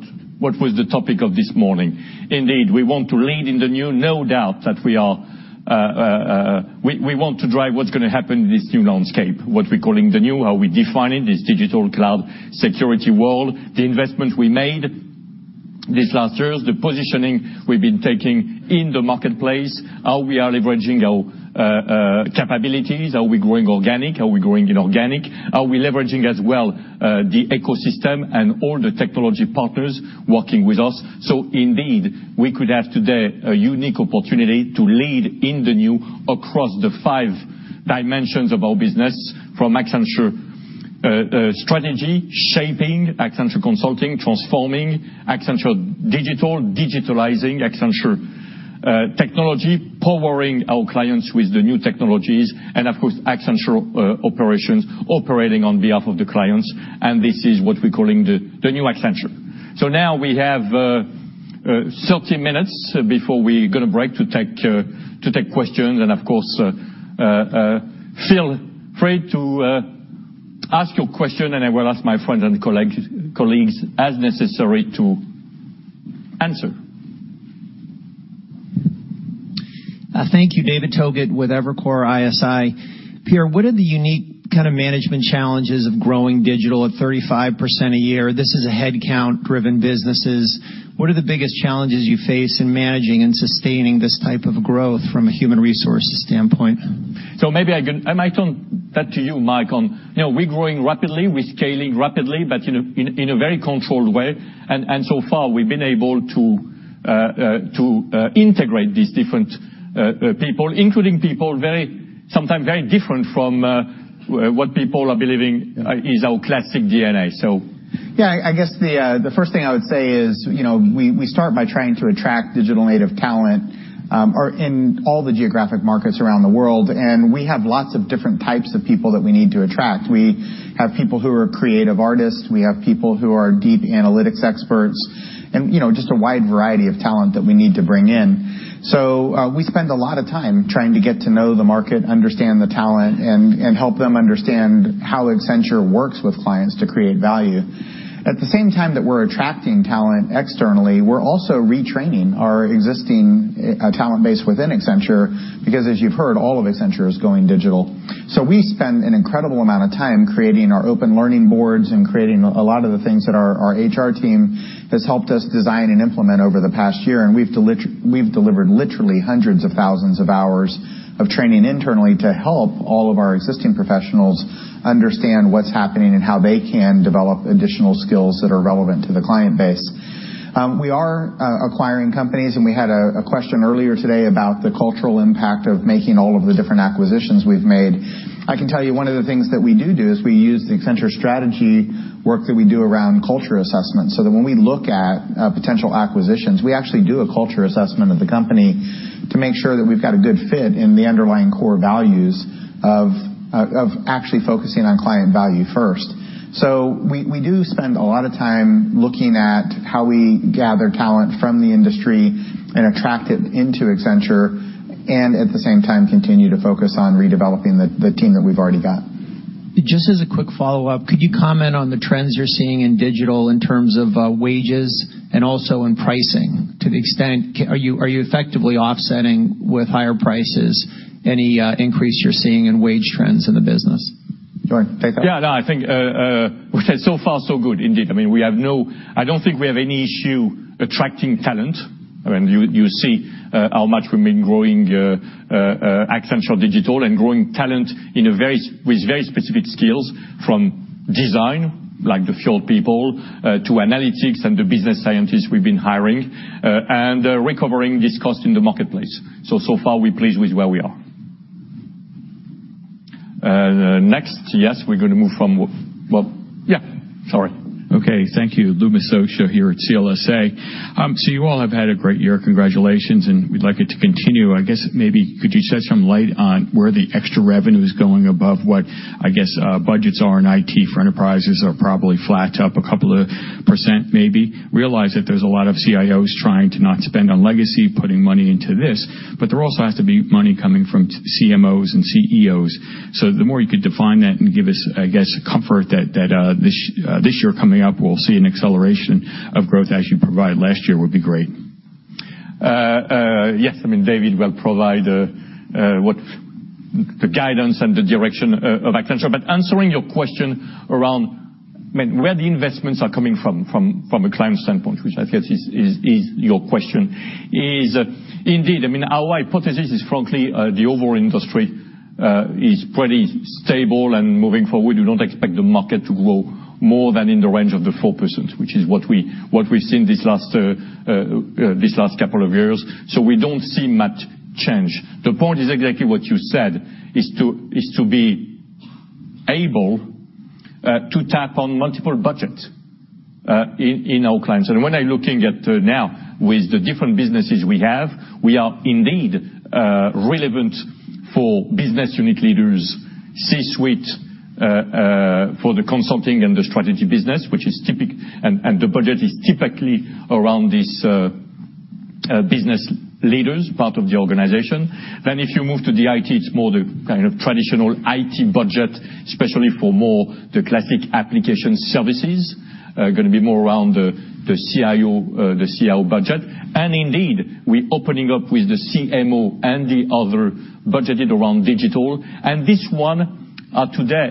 was the topic of this morning. Indeed, we want to lead in the new. No doubt that we want to drive what's going to happen in this new landscape, what we're calling the new, how we define it, this digital cloud security world, the investment we made these last years, the positioning we've been taking in the marketplace, how we are leveraging our capabilities, how we're growing organic, how we're growing inorganic, how we're leveraging as well the ecosystem and all the technology partners working with us. Indeed, we could have today a unique opportunity to lead in the new across the five dimensions of our business from Accenture Strategy, shaping, Accenture Consulting, transforming, Accenture Digital, digitalizing, Accenture Technology, powering our clients with the new technologies, and of course, Accenture Operations, operating on behalf of the clients. This is what we're calling the new Accenture. Now we have 30 minutes before we're going to break to take questions. Of course, feel free to ask your question, and I will ask my friends and colleagues as necessary to answer. Thank you, David Togut with Evercore ISI. Pierre, what are the unique management challenges of growing digital at 35% a year? This is a headcount-driven business. What are the biggest challenges you face in managing and sustaining this type of growth from a human resource standpoint? Maybe I might turn that to you, Mike. We're growing rapidly, we're scaling rapidly, but in a very controlled way. So far, we've been able to integrate these different people, including people sometimes very different from what people are believing is our classic DNA. Yeah, I guess the first thing I would say is we start by trying to attract digital native talent in all the geographic markets around the world. We have lots of different types of people that we need to attract. We have people who are creative artists, we have people who are deep analytics experts, and just a wide variety of talent that we need to bring in. We spend a lot of time trying to get to know the market, understand the talent, and help them understand how Accenture works with clients to create value. At the same time that we're attracting talent externally, we're also retraining our existing talent base within Accenture, because as you've heard, all of Accenture is going digital. We spend an incredible amount of time creating our open learning boards and creating a lot of the things that our HR team has helped us design and implement over the past year. We've delivered literally hundreds of thousands of hours of training internally to help all of our existing professionals understand what's happening and how they can develop additional skills that are relevant to the client base. We are acquiring companies, and we had a question earlier today about the cultural impact of making all of the different acquisitions we've made. I can tell you one of the things that we do is we use the Accenture Strategy work that we do around culture assessment, so that when we look at potential acquisitions, we actually do a culture assessment of the company to make sure that we've got a good fit in the underlying core values of actually focusing on client value first. We do spend a lot of time looking at how we gather talent from the industry and attract it into Accenture, and at the same time, continue to focus on redeveloping the team that we've already got. Just as a quick follow-up, could you comment on the trends you're seeing in digital in terms of wages and also in pricing to the extent are you effectively offsetting with higher prices any increase you're seeing in wage trends in the business? You want to take that? Yeah, no, I think so far so good, indeed. I don't think we have any issue attracting talent. You see how much we've been growing Accenture Digital and growing talent with very specific skills from design, like the field people, to analytics and the business scientists we've been hiring, and recovering this cost in the marketplace. So far we're pleased with where we are. Next, yes, we're going to move from. Okay, thank you. Lou Miscioscia here at CLSA. You all have had a great year. Congratulations, we'd like it to continue. I guess maybe could you shed some light on where the extra revenue is going above what, I guess, budgets are in IT for enterprises are probably flat to up a couple of % maybe. Realize that there's a lot of CIOs trying to not spend on legacy, putting money into this, there also has to be money coming from CMOs and CEOs. The more you could define that and give us, I guess, comfort that this year coming up, we'll see an acceleration of growth as you provided last year would be great. Yes, David will provide the guidance and the direction of Accenture. Answering your question around where the investments are coming from a client standpoint, which I guess is your question, is indeed, our hypothesis is, frankly, the overall industry is pretty stable and moving forward. We don't expect the market to grow more than in the range of the 4%, which is what we've seen these last couple of years. We don't see much change. The point is exactly what you said, is to be able to tap on multiple budgets in our clients. When I'm looking at now with the different businesses we have, we are indeed relevant for business unit leaders, C-suite for the consulting and the strategy business, and the budget is typically around these business leaders part of the organization. If you move to the IT, it's more the kind of traditional IT budget, especially for more the classic application services, going to be more around the CIO budget. Indeed, we're opening up with the CMO and the other budgeted around digital. These ones are today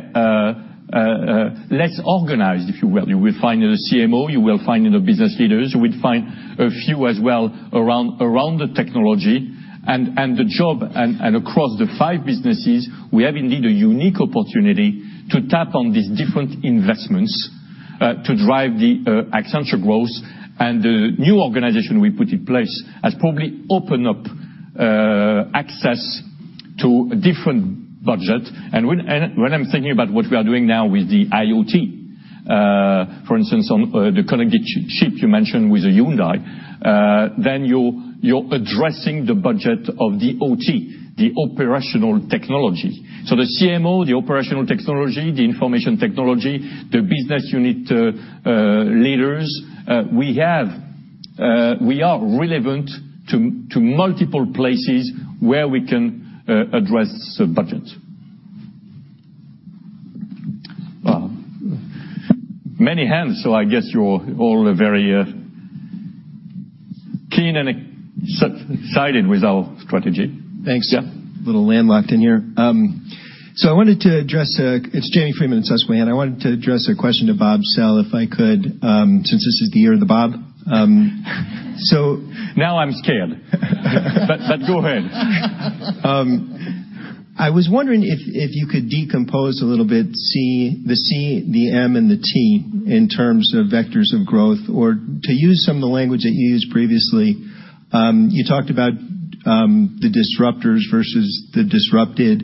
less organized, if you will. You will find the CMO, you will find the business leaders, you will find a few as well around the technology. The job and across the five businesses, we have indeed a unique opportunity to tap on these different investments to drive the Accenture growth. The new organization we put in place has probably opened up access to a different budget. When I'm thinking about what we are doing now with the IoT, for instance, on the connected chip you mentioned with Hyundai, you're addressing the budget of the OT, the operational technology. The CMO, the operational technology, the information technology, the business unit leaders, we are relevant to multiple places where we can address budget. Many hands, I guess you're all very keen and excited with our strategy. Thanks. Yeah. Little landlocked in here. It's James Friedman at Susquehanna. I wanted to address a question to Robert Sell if I could, since this is the year of the Bob. Now I'm scared. Go ahead. I was wondering if you could decompose a little bit, the C, the M, and the T in terms of vectors of growth. To use some of the language that you used previously, you talked about the disruptors versus the disrupted.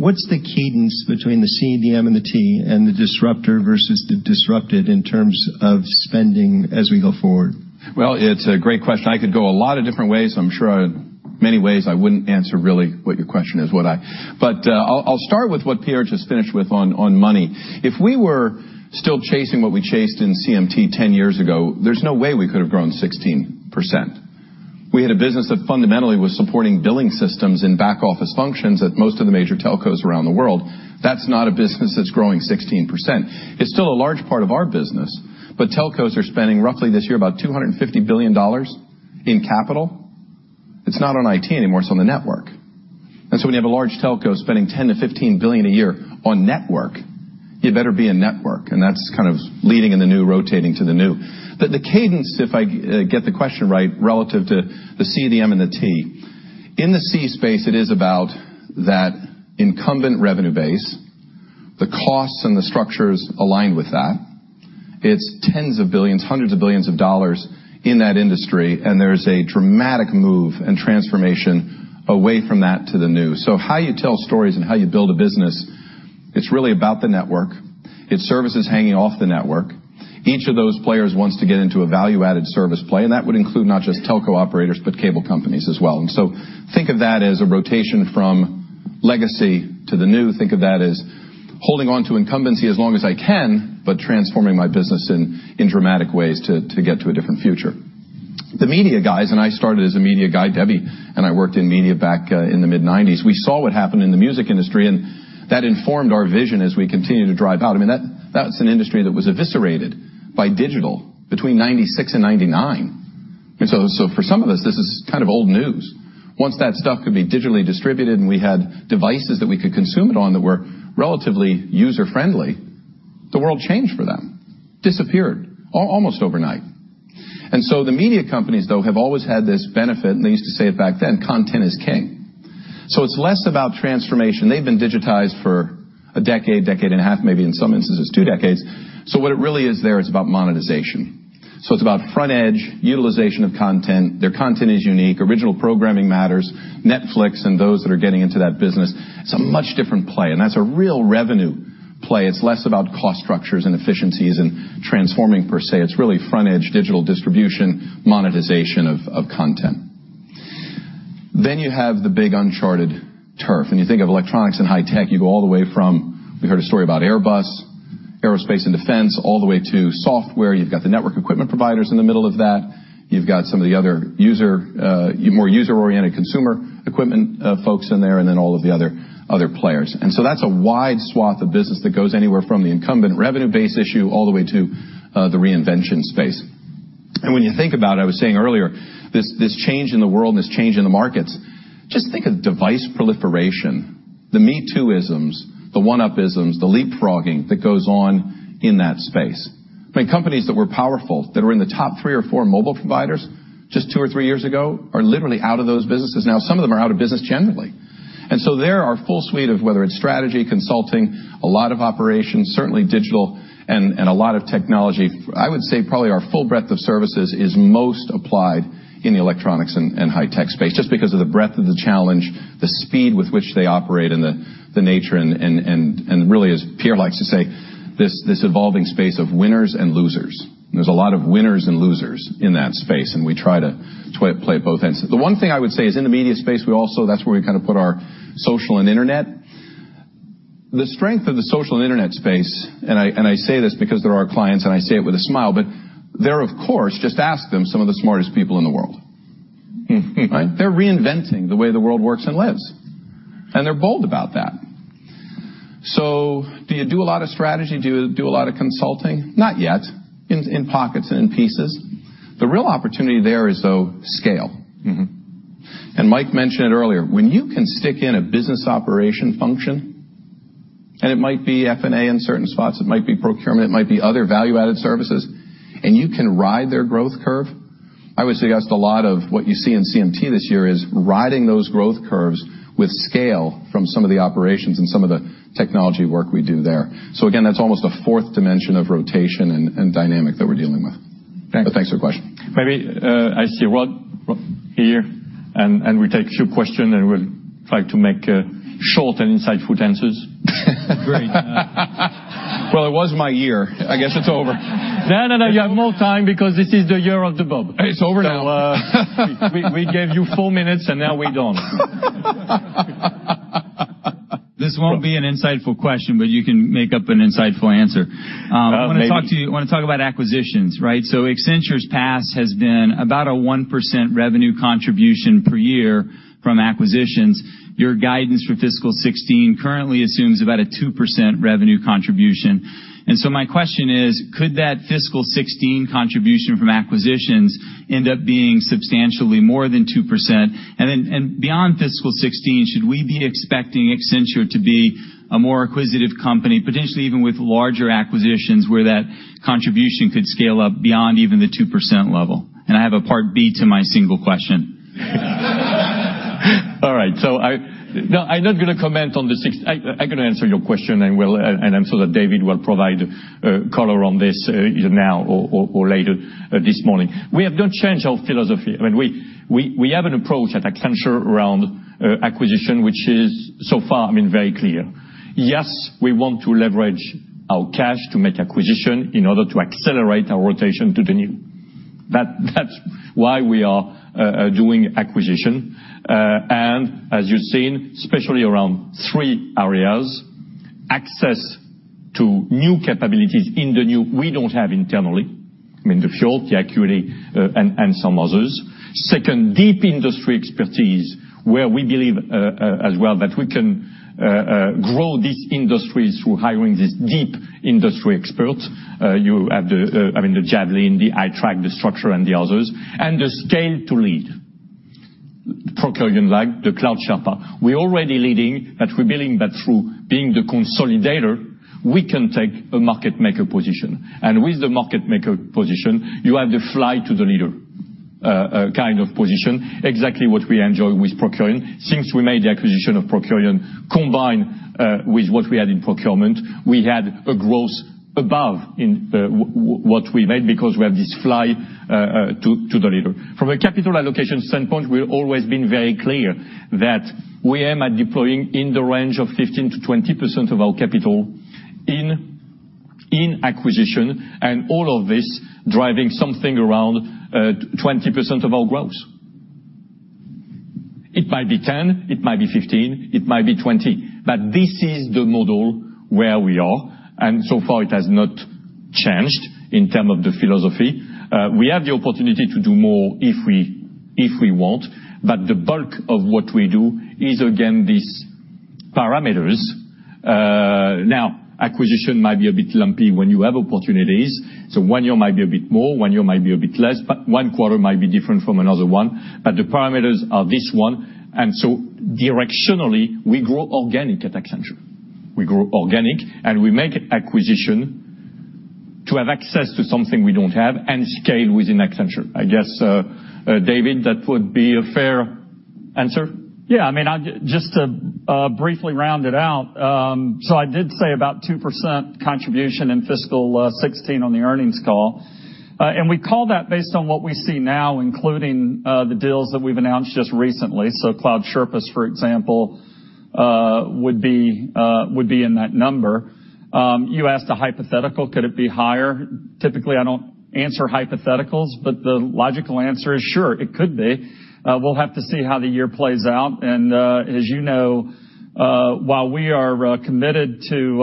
What's the cadence between the C, the M, and the T, and the disruptor versus the disrupted in terms of spending as we go forward? Well, it's a great question. I could go a lot of different ways. I'm sure many ways I wouldn't answer really what your question is, would I? I'll start with what Pierre just finished with on money. If we were still chasing what we chased in CMT 10 years ago, there's no way we could've grown 16%. We had a business that fundamentally was supporting billing systems and back office functions at most of the major telcos around the world. That's not a business that's growing 16%. It's still a large part of our business, but telcos are spending roughly this year about $250 billion in capital. It's not on IT anymore, it's on the network. When you have a large telco spending $10 billion-$15 billion a year on network, you better be in network, and that's kind of leading in the new, rotating to the new. The cadence, if I get the question right, relative to the C, the M, and the T. In the C space, it is about that incumbent revenue base, the costs and the structures aligned with that. It's tens of billions, hundreds of billions of dollars in that industry, and there's a dramatic move and transformation away from that to the new. How you tell stories and how you build a business, it's really about the network. It's services hanging off the network. Each of those players wants to get into a value-added service play, and that would include not just telco operators, but cable companies as well. Think of that as a rotation from legacy to the new. Think of that as holding onto incumbency as long as I can, but transforming my business in dramatic ways to get to a different future. The media guys, and I started as a media guy, Debbie and I worked in media back in the mid-1990s. We saw what happened in the music industry, and that informed our vision as we continue to drive out. That is an industry that was eviscerated by digital between 1996 and 1999. For some of us, this is kind of old news. Once that stuff could be digitally distributed and we had devices that we could consume it on that were relatively user-friendly, the world changed for them. Disappeared, almost overnight. The media companies, though, have always had this benefit, and they used to say it back then, content is king. It is less about transformation. They have been digitized for a decade, a decade and a half, maybe in some instances, two decades. What it really is there, it is about monetization. It is about front edge, utilization of content. Their content is unique. Original programming matters. Netflix and those that are getting into that business, it is a much different play, and that is a real revenue play. It is less about cost structures and efficiencies and transforming per se. It is really front edge digital distribution, monetization of content. You have the big uncharted turf. When you think of electronics and high tech, you go all the way from, we heard a story about Airbus, aerospace and defense, all the way to software. You have got the network equipment providers in the middle of that. You have got some of the other more user-oriented consumer equipment folks in there, and then all of the other players. That is a wide swath of business that goes anywhere from the incumbent revenue base issue all the way to the reinvention space. When you think about it, I was saying earlier, this change in the world and this change in the markets, just think of device proliferation. The me too-isms, the one up-isms, the leapfrogging that goes on in that space. Companies that were powerful, that were in the top three or four mobile providers just two or three years ago, are literally out of those businesses now. Some of them are out of business generally. There, our full suite of whether it is strategy, consulting, a lot of operations, certainly digital, and a lot of technology. I would say probably our full breadth of services is most applied in the electronics and high tech space, just because of the breadth of the challenge, the speed with which they operate, and the nature and really, as Pierre likes to say, this evolving space of winners and losers. There is a lot of winners and losers in that space, and we try to play both ends. The one thing I would say is in the media space, that is where we put our social and internet. The strength of the social and internet space, and I say this because they are our clients and I say it with a smile, but they are of course, just ask them, some of the smartest people in the world. Right? They're reinventing the way the world works and lives. They're bold about that. Do you do a lot of strategy? Do you do a lot of consulting? Not yet. In pockets and in pieces. The real opportunity there is, though, scale. Mike mentioned it earlier. When you can stick in a business operation function, and it might be F&A in certain spots, it might be procurement, it might be other value-added services, and you can ride their growth curve. I would suggest a lot of what you see in CMT this year is riding those growth curves with scale from some of the operations and some of the technology work we do there. Again, that's almost a fourth dimension of rotation and dynamic that we're dealing with. Thanks. Thanks for the question. Maybe I see Rod here, and we take two question and we'll try to make short and insightful answers. Great. Well, it was my year. I guess it's over. No, you have more time because this is the year of the Bob. It's over now We gave you four minutes and now we don't. This won't be an insightful question, but you can make up an insightful answer. Well, maybe. I want to talk about acquisitions, right? Accenture's past has been about a 1% revenue contribution per year from acquisitions. Your guidance for FY 2016 currently assumes about a 2% revenue contribution. My question is, could that FY 2016 contribution from acquisitions end up being substantially more than 2%? Beyond FY 2016, should we be expecting Accenture to be a more acquisitive company, potentially even with larger acquisitions where that contribution could scale up beyond even the 2% level? I have a part B to my single question. All right. I'm going to answer your question, and I'm sure that David will provide color on this either now or later this morning. We have not changed our philosophy. We have an approach at Accenture around acquisition, which is so far very clear. Yes, we want to leverage our cash to make acquisition in order to accelerate our rotation to the new. That's why we are doing acquisition. As you've seen, especially around three areas, access to new capabilities in the new, we don't have internally, the Fjord, the Acquity, and some others. Second, deep industry expertise, where we believe as well that we can grow these industries through hiring these deep industry experts. You have the Javelin, the iTract, the Structure, and the others. The scale to lead. Procurian, the Cloud Sherpas. We're already leading, but we're building that through being the consolidator, we can take a market maker position. With the market maker position, you have the fly to the leader kind of position, exactly what we enjoy with Procurian. Since we made the acquisition of Procurian, combined with what we had in procurement, we had a growth above in what we made because we have this fly to the leader. From a capital allocation standpoint, we've always been very clear that we aim at deploying in the range of 15%-20% of our capital in acquisition, and all of this driving something around 20% of our growth. It might be 10, it might be 15, it might be 20, but this is the model where we are, and so far it has not changed in terms of the philosophy. We have the opportunity to do more if we want, the bulk of what we do is, again, these parameters. Acquisition might be a bit lumpy when you have opportunities. One year might be a bit more, one year might be a bit less, but one quarter might be different from another one. The parameters are this one. Directionally, we grow organic at Accenture. We grow organic, and we make acquisition to have access to something we don't have and scale within Accenture. I guess, David, that would be a fair answer. Just to briefly round it out. I did say about 2% contribution in fiscal 2016 on the earnings call. We call that based on what we see now, including the deals that we've announced just recently. Cloud Sherpas, for example, would be in that number. You asked a hypothetical, could it be higher? Typically, I don't answer hypotheticals, the logical answer is sure, it could be. We'll have to see how the year plays out. As you know, while we are committed to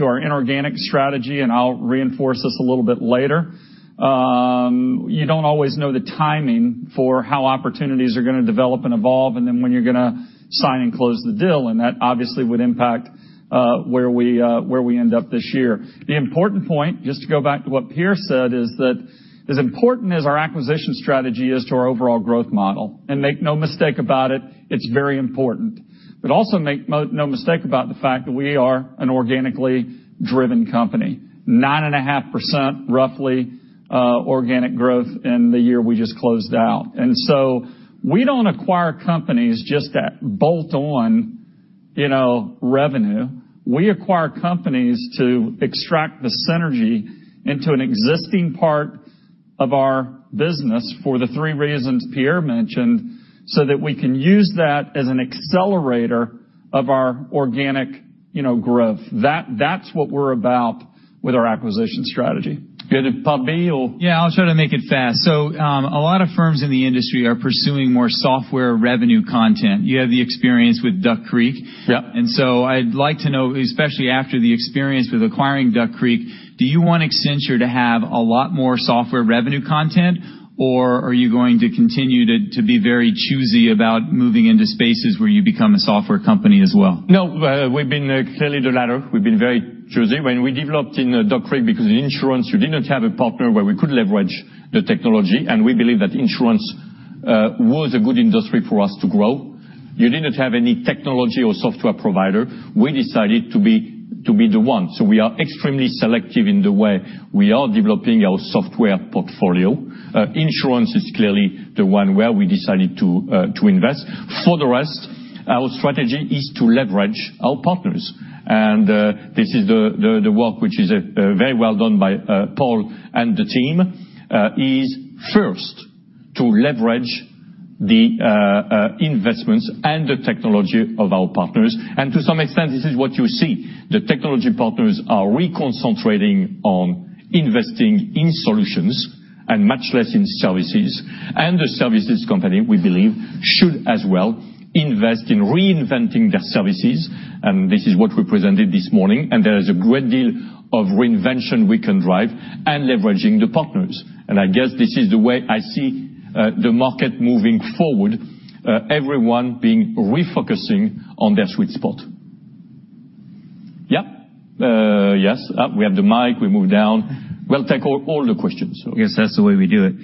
our inorganic strategy, and I'll reinforce this a little bit later, you don't always know the timing for how opportunities are going to develop and evolve and then when you're going to sign and close the deal, and that obviously would impact where we end up this year. The important point, just to go back to what Pierre said, is that as important as our acquisition strategy is to our overall growth model, make no mistake about it's very important. Also make no mistake about the fact that we are an organically driven company. 9.5%, roughly, organic growth in the year we just closed out. We don't acquire companies just to bolt on revenue. We acquire companies to extract the synergy into an existing part of our business for the three reasons Pierre mentioned, so that we can use that as an accelerator of our organic growth. That's what we're about with our acquisition strategy. Good. Paul B, or? Yeah, I'll try to make it fast. A lot of firms in the industry are pursuing more software revenue content. You have the experience with Duck Creek. Yep. I'd like to know, especially after the experience with acquiring Duck Creek, do you want Accenture to have a lot more software revenue content, or are you going to continue to be very choosy about moving into spaces where you become a software company as well? No. We've been clearly the latter. We've been very choosy. When we developed in Duck Creek, because in insurance, you did not have a partner where we could leverage the technology, and we believe that insurance was a good industry for us to grow. You didn't have any technology or software provider. We decided to be the one. We are extremely selective in the way we are developing our software portfolio. Insurance is clearly the one where we decided to invest. For the rest, our strategy is to leverage our partners. This is the work which is very well done by Paul and the team, is first to leverage the investments and the technology of our partners. To some extent, this is what you see. The technology partners are reconcentrating on investing in solutions and much less in services. The services company, we believe, should as well invest in reinventing their services. This is what we presented this morning. There is a great deal of reinvention we can drive and leveraging the partners. I guess this is the way I see the market moving forward, everyone refocusing on their sweet spot. Yes. We have the mic, we move down. We'll take all the questions. I guess that's the way we do it.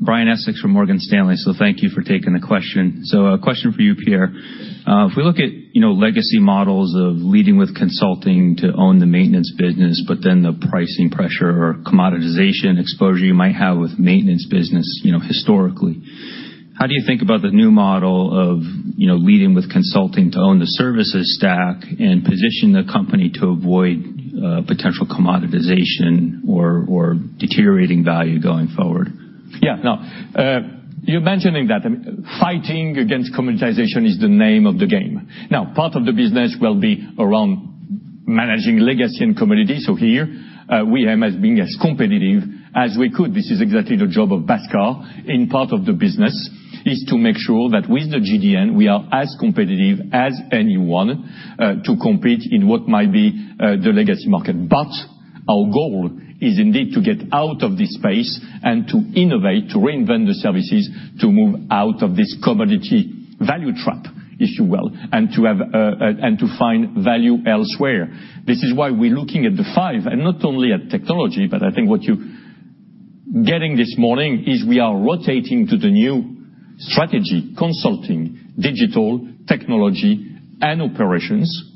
Brian Essex from Morgan Stanley. Thank you for taking the question. A question for you, Pierre. If we look at legacy models of leading with consulting to own the maintenance business, the pricing pressure or commoditization exposure you might have with maintenance business historically, how do you think about the new model of leading with consulting to own the services stack and position the company to avoid potential commoditization or deteriorating value going forward? Yeah. You're mentioning that. Fighting against commoditization is the name of the game. Now, part of the business will be around managing legacy and commodity. Here, we aim as being as competitive as we could. This is exactly the job of Bhaskar in part of the business, is to make sure that with the GDN, we are as competitive as anyone to compete in what might be the legacy market. Our goal is indeed to get out of this space and to innovate, to reinvent the services, to move out of this commodity value trap, if you will, and to find value elsewhere. This is why we're looking at the five, not only at technology, I think what you're getting this morning is we are rotating to the new Strategy, Consulting, Digital, Technology, and Operations.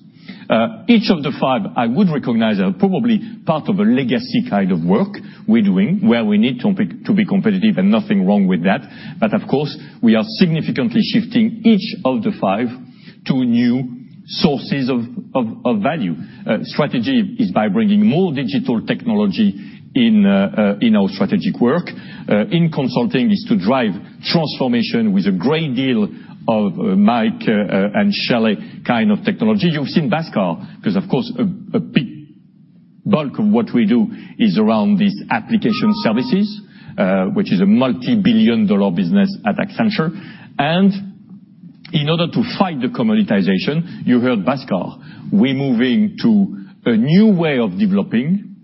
Each of the five, I would recognize, are probably part of a legacy kind of work we're doing where we need to be competitive, nothing wrong with that. Of course, we are significantly shifting each of the five to new sources of value. Strategy is by bringing more digital technology in our strategic work. In Consulting, is to drive transformation with a great deal of Mike and Shelly kind of technology. You've seen Bhaskar, because, of course, a big bulk of what we do is around these application services, which is a multi-billion dollar business at Accenture. In order to fight the commoditization, you heard Bhaskar. We're moving to a new way of developing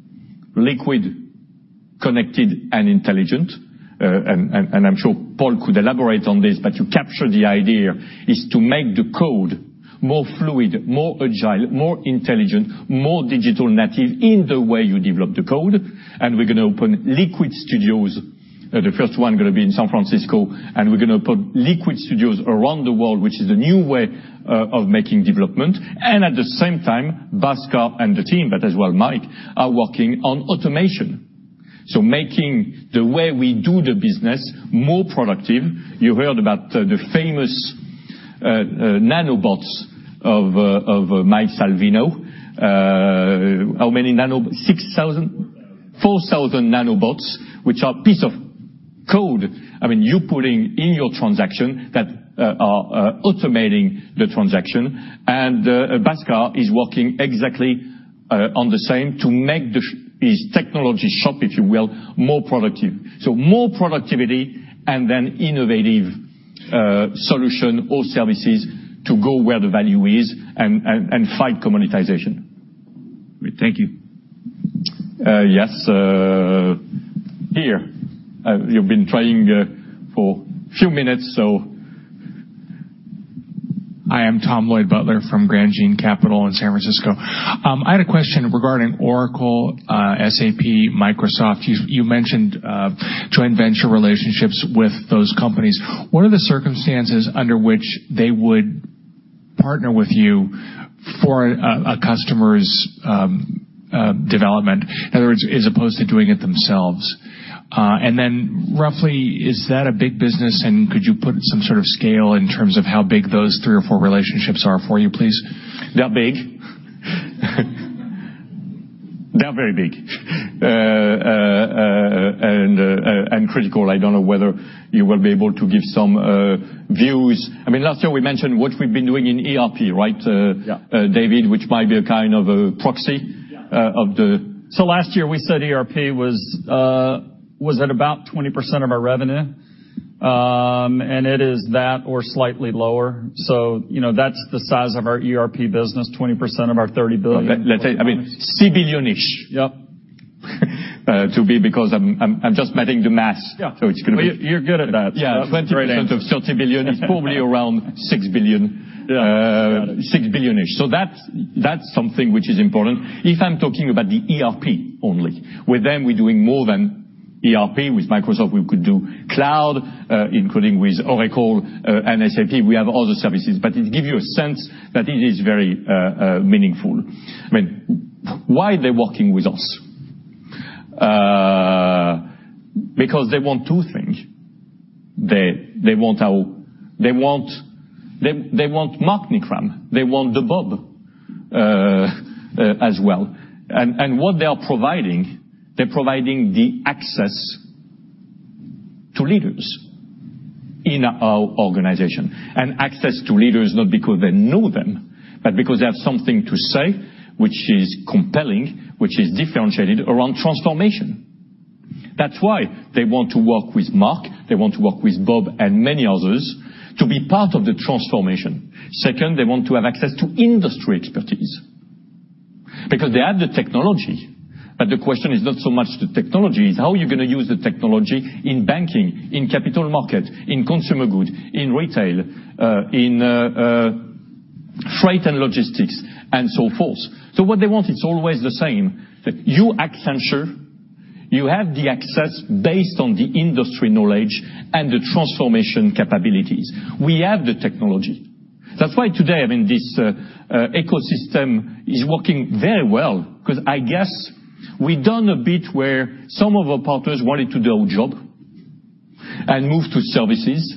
liquid, connected, and intelligent. I'm sure Paul could elaborate on this, but you capture the idea, is to make the code more fluid, more agile, more intelligent, more digital native in the way you develop the code. We're going to open Liquid Studios. The first one going to be in San Francisco, and we're going to put Liquid Studios around the world, which is a new way of making development. At the same time, Bhaskar and the team, but as well Mike, are working on automation. Making the way we do the business more productive. You heard about the famous nano bots of Mike Salvino. How many nano-- 6,000? 4,000 mini bots, which are piece of code you're putting in your transaction that are automating the transaction. Bhaskar is working exactly on the same to make this technology shop, if you will, more productive. More productivity and then innovative solution or services to go where the value is and fight commoditization. Thank you. Yes. Here. You've been trying for a few minutes so Hi, I'm Tom Lloyd-Butler from Grandjean Capital in San Francisco. I had a question regarding Oracle, SAP, Microsoft. You mentioned joint venture relationships with those companies. What are the circumstances under which they would partner with you for a customer's development? In other words, as opposed to doing it themselves. Roughly, is that a big business, and could you put some sort of scale in terms of how big those three or four relationships are for you, please? They're big. They're very big. Critical. I don't know whether you will be able to give some views. Last year, we mentioned what we've been doing in ERP, right? Yeah. David, which might be a kind of a proxy of the Last year, we said ERP was at about 20% of our revenue. It is that or slightly lower. That's the size of our ERP business, 20% of our $30 billion. Okay. Let's say, $3 billion-ish. Yep. To be because I'm just adding the math. Yeah. It's going to be. You're good at that. 20% of $30 billion is probably around $6 billion-ish. That's something which is important. If I'm talking about the ERP only. With them, we're doing more than ERP. With Microsoft, we could do cloud, including with Oracle and SAP, we have other services. It give you a sense that it is very meaningful. Why they're working with us? Because they want two things. They want Mark Knickrehm. They want the Bob As well. What they are providing, they're providing the access to leaders in our organization. Access to leaders, not because they know them, but because they have something to say, which is compelling, which is differentiated around transformation. That's why they want to work with Mark, they want to work with Bob, and many others to be part of the transformation. Second, they want to have access to industry expertise because they have the technology. The question is not so much the technology, it's how you're going to use the technology in banking, in capital market, in consumer good, in retail, in freight and logistics, and so forth. What they want is always the same. That you, Accenture, you have the access based on the industry knowledge and the transformation capabilities. We have the technology. That's why today, this ecosystem is working very well, because I guess we've done a bit where some of our partners wanted to do our job and move to services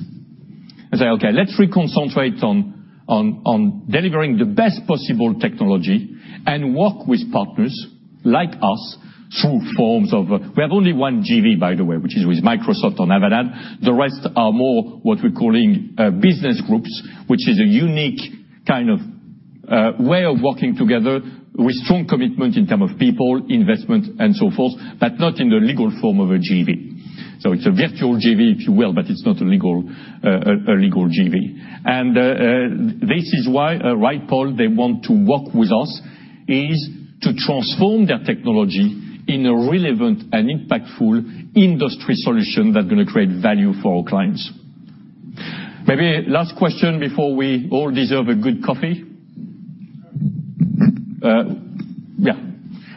and say, "Okay, let's reconcentrate on delivering the best possible technology and work with partners like us through forms of" We have only one JV, by the way, which is with Microsoft on Avanade. The rest are more what we're calling business groups, which is a unique kind of way of working together with strong commitment in term of people, investment, and so forth, but not in the legal form of a JV. It's a virtual JV, if you will, but it's not a legal JV. This is why, right, Paul, they want to work with us, is to transform their technology in a relevant and impactful industry solution that's going to create value for our clients. Maybe last question before we all deserve a good coffee.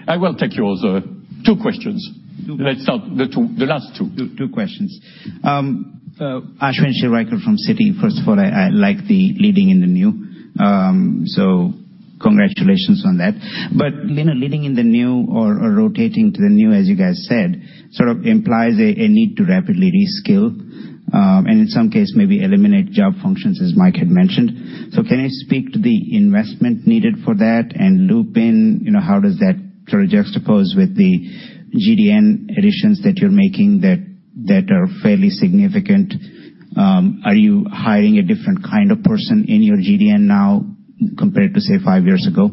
I will take yours. Two questions. Two questions. Let's start with the last two. Two questions. Ashwin Shirvaikar from Citi. First of all, I like the Leading in the New. Congratulations on that. Leading in the New or rotating to the new, as you guys said, sort of implies a need to rapidly reskill, and in some case, maybe eliminate job functions as Mike had mentioned. Can you speak to the investment needed for that and loop in how does that sort of juxtapose with the GDN additions that you're making that are fairly significant? Are you hiring a different kind of person in your GDN now compared to, say, five years ago?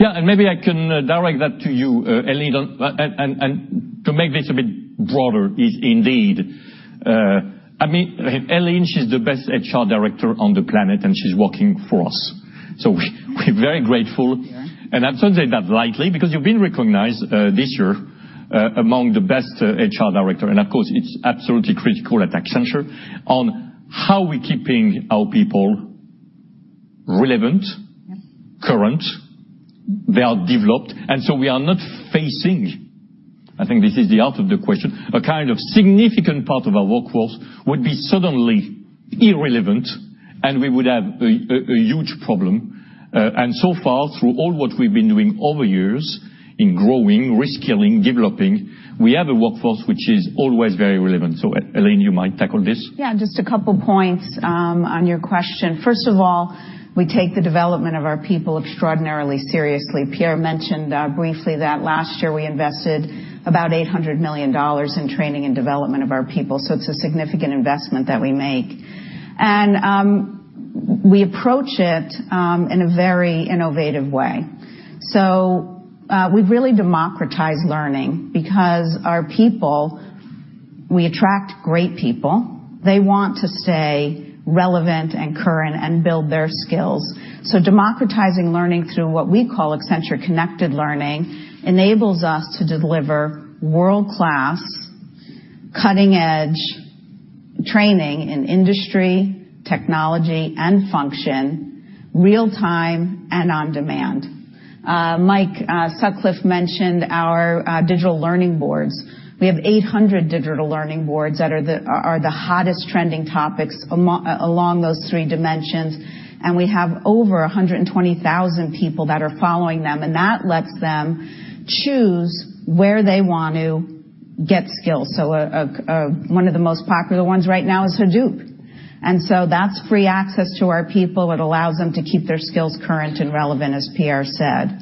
Yeah, maybe I can direct that to you, Ellyn, and to make this a bit broader, indeed. Ellyn, she's the best HR director on the planet, and she's working for us. We're very grateful. Thank you. I don't say that lightly because you've been recognized this year among the best HR director, of course, it's absolutely critical at Accenture on how we're keeping our people relevant, current, they are developed. We are not facing, I think this is the heart of the question, a kind of significant part of our workforce would be suddenly irrelevant, we would have a huge problem. So far, through all what we've been doing over years in growing, reskilling, developing, we have a workforce which is always very relevant. Ellyn, you might tackle this. Just a couple points on your question. First of all, we take the development of our people extraordinarily seriously. Pierre mentioned briefly that last year we invested about $800 million in training and development of our people, it's a significant investment that we make. We approach it in a very innovative way. We've really democratized learning because our people, we attract great people. They want to stay relevant and current and build their skills. Democratizing learning through what we call Accenture Connected Learning enables us to deliver world-class, cutting-edge training in industry, technology, and function, real-time and on-demand. Mike Sutcliff mentioned our digital learning boards. We have 800 digital learning boards that are the hottest trending topics along those three dimensions, we have over 120,000 people that are following them, that lets them choose where they want to get skills. One of the most popular ones right now is Hadoop. That's free access to our people. It allows them to keep their skills current and relevant, as Pierre said.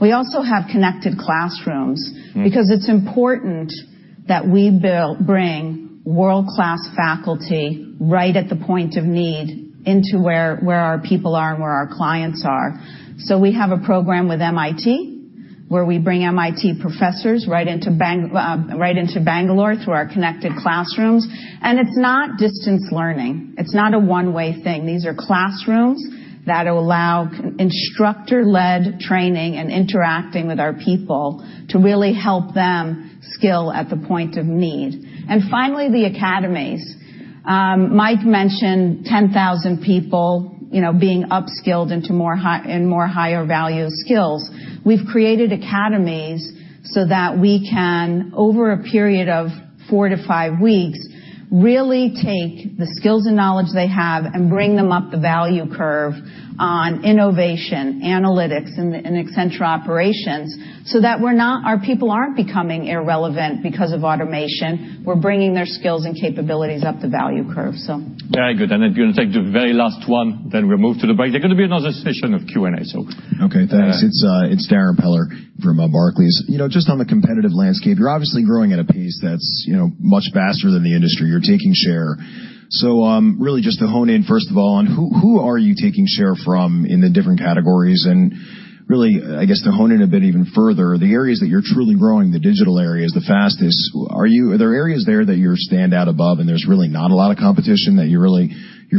We also have connected classrooms because it's important that we bring world-class faculty right at the point of need into where our people are and where our clients are. We have a program with MIT, where we bring MIT professors right into Bangalore through our connected classrooms. It's not distance learning. It's not a one-way thing. These are classrooms that allow instructor-led training and interacting with our people to really help them skill at the point of need. Finally, the academies Mike mentioned 10,000 people being upskilled in more higher value skills. We've created academies so that we can, over a period of four to five weeks, really take the skills and knowledge they have and bring them up the value curve on innovation, analytics, and Accenture Operations so that our people aren't becoming irrelevant because of automation. We're bringing their skills and capabilities up the value curve. Very good. I'm going to take the very last one, then we'll move to the break. There's going to be another session of Q&A. Okay, thanks. It's Darrin Peller from Barclays. Just on the competitive landscape, you're obviously growing at a pace that's much faster than the industry. You're taking share. Really just to hone in, first of all, on who are you taking share from in the different categories? Really, I guess, to hone in a bit even further, the areas that you're truly growing, the digital areas, the fastest. Are there areas there that you stand out above and there's really not a lot of competition, that you're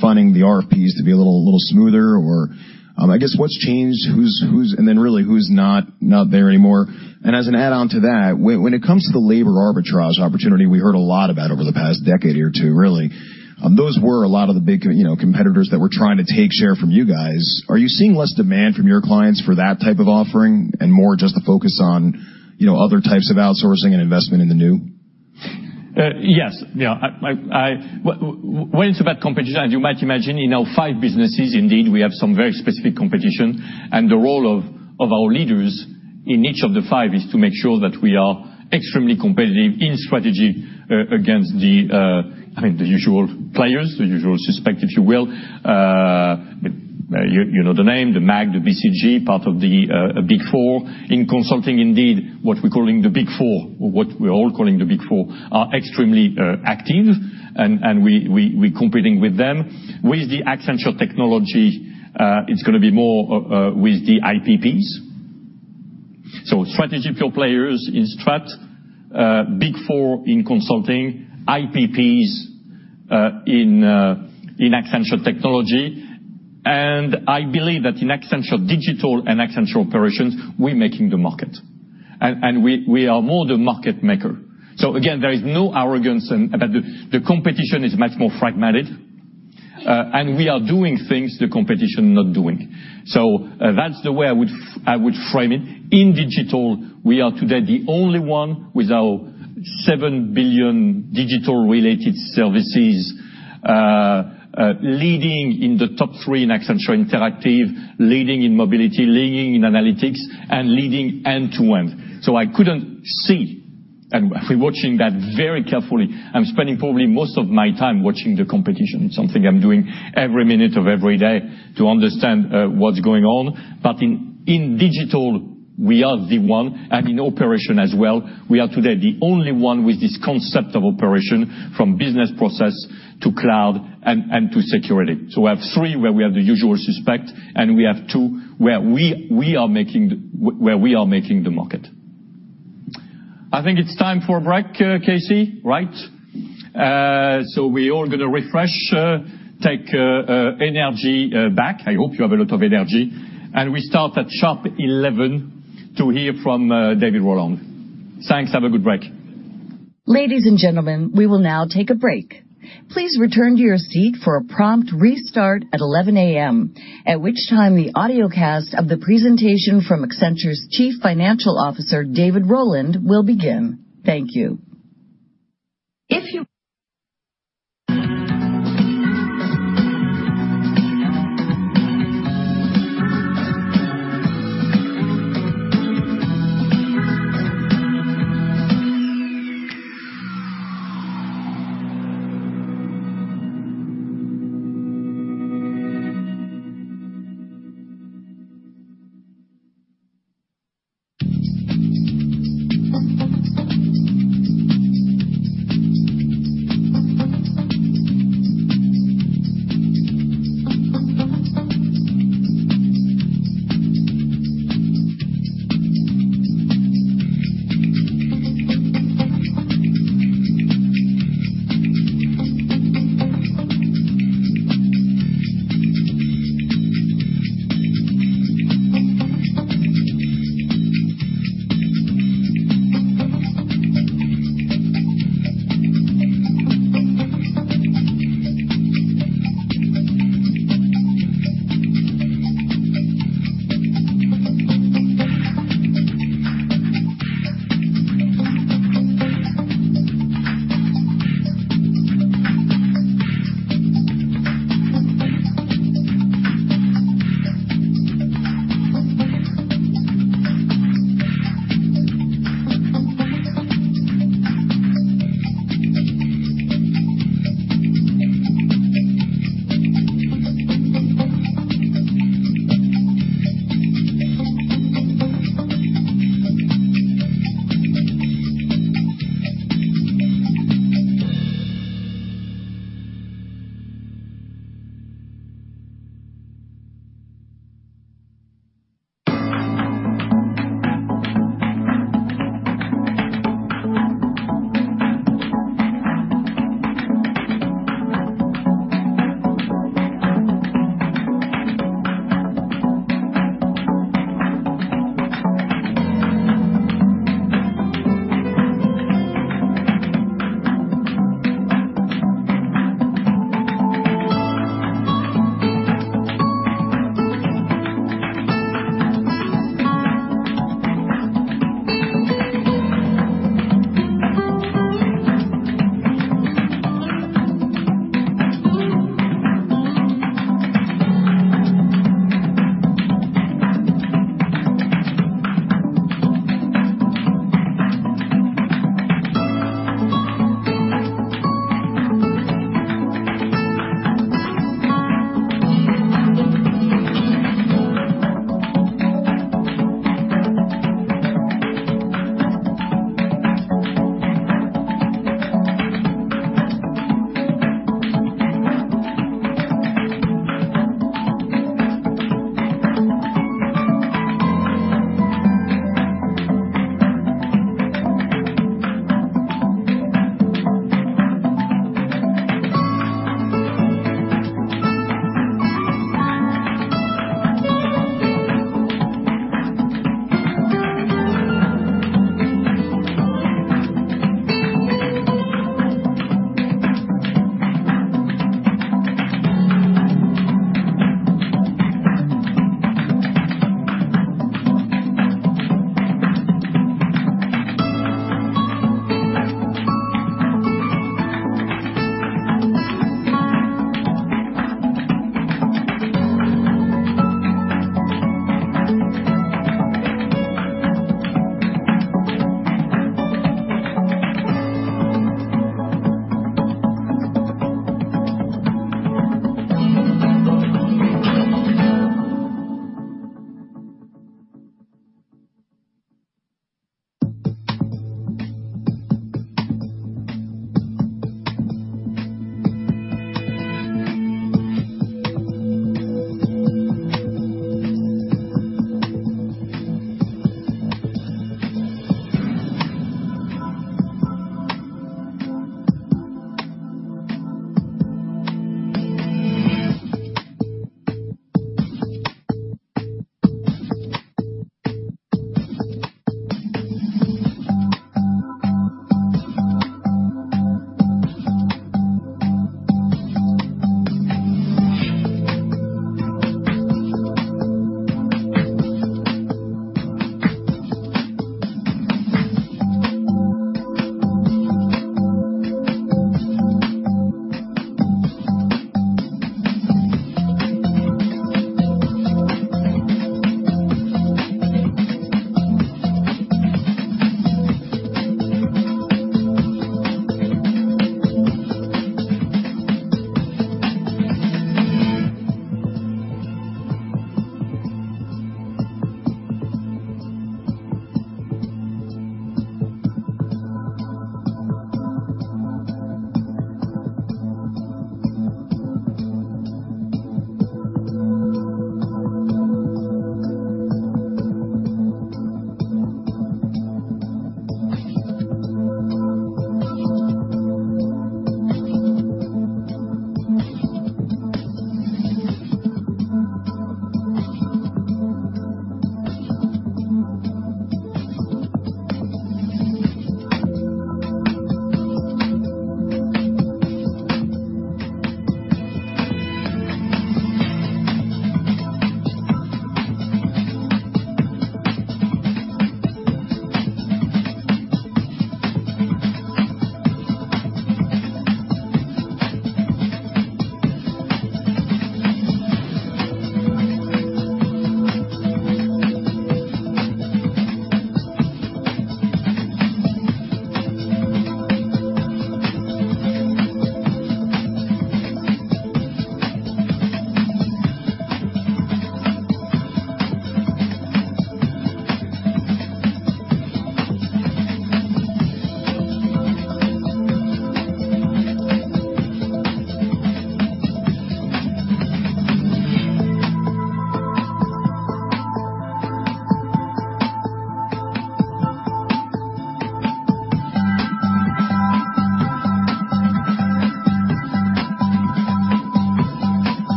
finding the RFPs to be a little smoother? I guess, what's changed? Then really, who's not there anymore? As an add-on to that, when it comes to the labor arbitrage opportunity we heard a lot about over the past decade or two, really, those were a lot of the big competitors that were trying to take share from you guys. Are you seeing less demand from your clients for that type of offering and more just the focus on other types of outsourcing and investment in the new? Yes. When it's about competition, you might imagine in our five businesses, indeed, we have some very specific competition. The role of our leaders in each of the five is to make sure that we are extremely competitive in strategy against the usual players, the usual suspects, if you will. You know the name, the MAG, the BCG, part of the Big Four. In consulting, indeed, what we're calling the Big Four, or what we're all calling the Big Four, are extremely active, and we're competing with them. With the Accenture Technology, it's going to be more with the IPPs. Strategical players in Strat, Big Four in consulting, IPPs in Accenture Technology. I believe that in Accenture Digital and Accenture Operations, we're making the market. We are more the market maker. Again, there is no arrogance. The competition is much more fragmented. We are doing things the competition is not doing. That's the way I would frame it. In digital, we are today the only one with our $7 billion digital-related services, leading in the top 3 in Accenture Interactive, leading in mobility, leading in analytics, and leading end to end. I couldn't see, and we're watching that very carefully. I'm spending probably most of my time watching the competition. It's something I'm doing every minute of every day to understand what's going on. In digital, we are the one, and in operation as well, we are today the only one with this concept of operation from business process to cloud and to security. We have 3 where we have the usual suspects, and we have 2 where we are making the market. I think it's time for a break, Casey, right? We're all going to refresh, take energy back. I hope you have a lot of energy. We start at sharp 11:00 A.M. to hear from David Rowland. Thanks. Have a good break. Ladies and gentlemen, we will now take a break. Please return to your seat for a prompt restart at 11:00 A.M., at which time the audiocast of the presentation from Accenture's Chief Financial Officer, David Rowland, will begin. Thank you.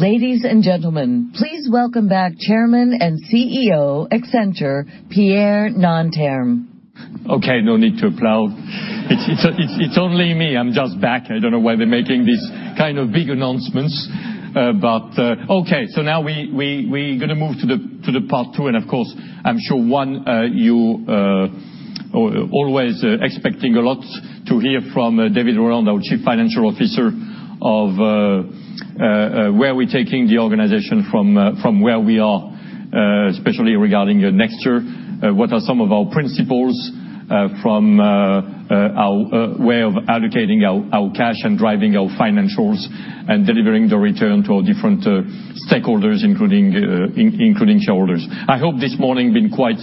Ladies and gentlemen, please welcome back Chairman and CEO, Accenture, Pierre Nanterme. Okay, no need to applaud. It's only me. I'm just back. I don't know why they're making these kind of big announcements. Now we going to move to the part two, and of course, I'm sure, one, you always expecting a lot to hear from David Rowland, our Chief Financial Officer, of where we're taking the organization from where we are, especially regarding next year. What are some of our principles from our way of allocating our cash and driving our financials and delivering the return to our different stakeholders, including shareholders. I hope this morning been quite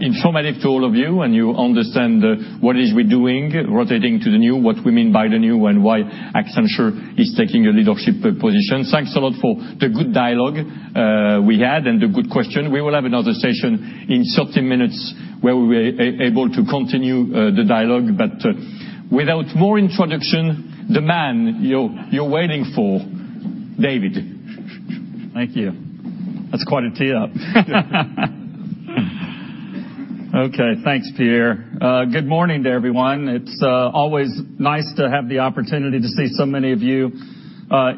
informative to all of you, and you understand what is we doing, rotating to the new, what we mean by the new, and why Accenture is taking a leadership position. Thanks a lot for the good dialogue we had and the good question. We will have another session in 30 minutes where we able to continue the dialogue. Without more introduction, the man you're waiting for, David. Thank you. That's quite a tee-up. Thanks, Pierre. Good morning to everyone. It's always nice to have the opportunity to see so many of you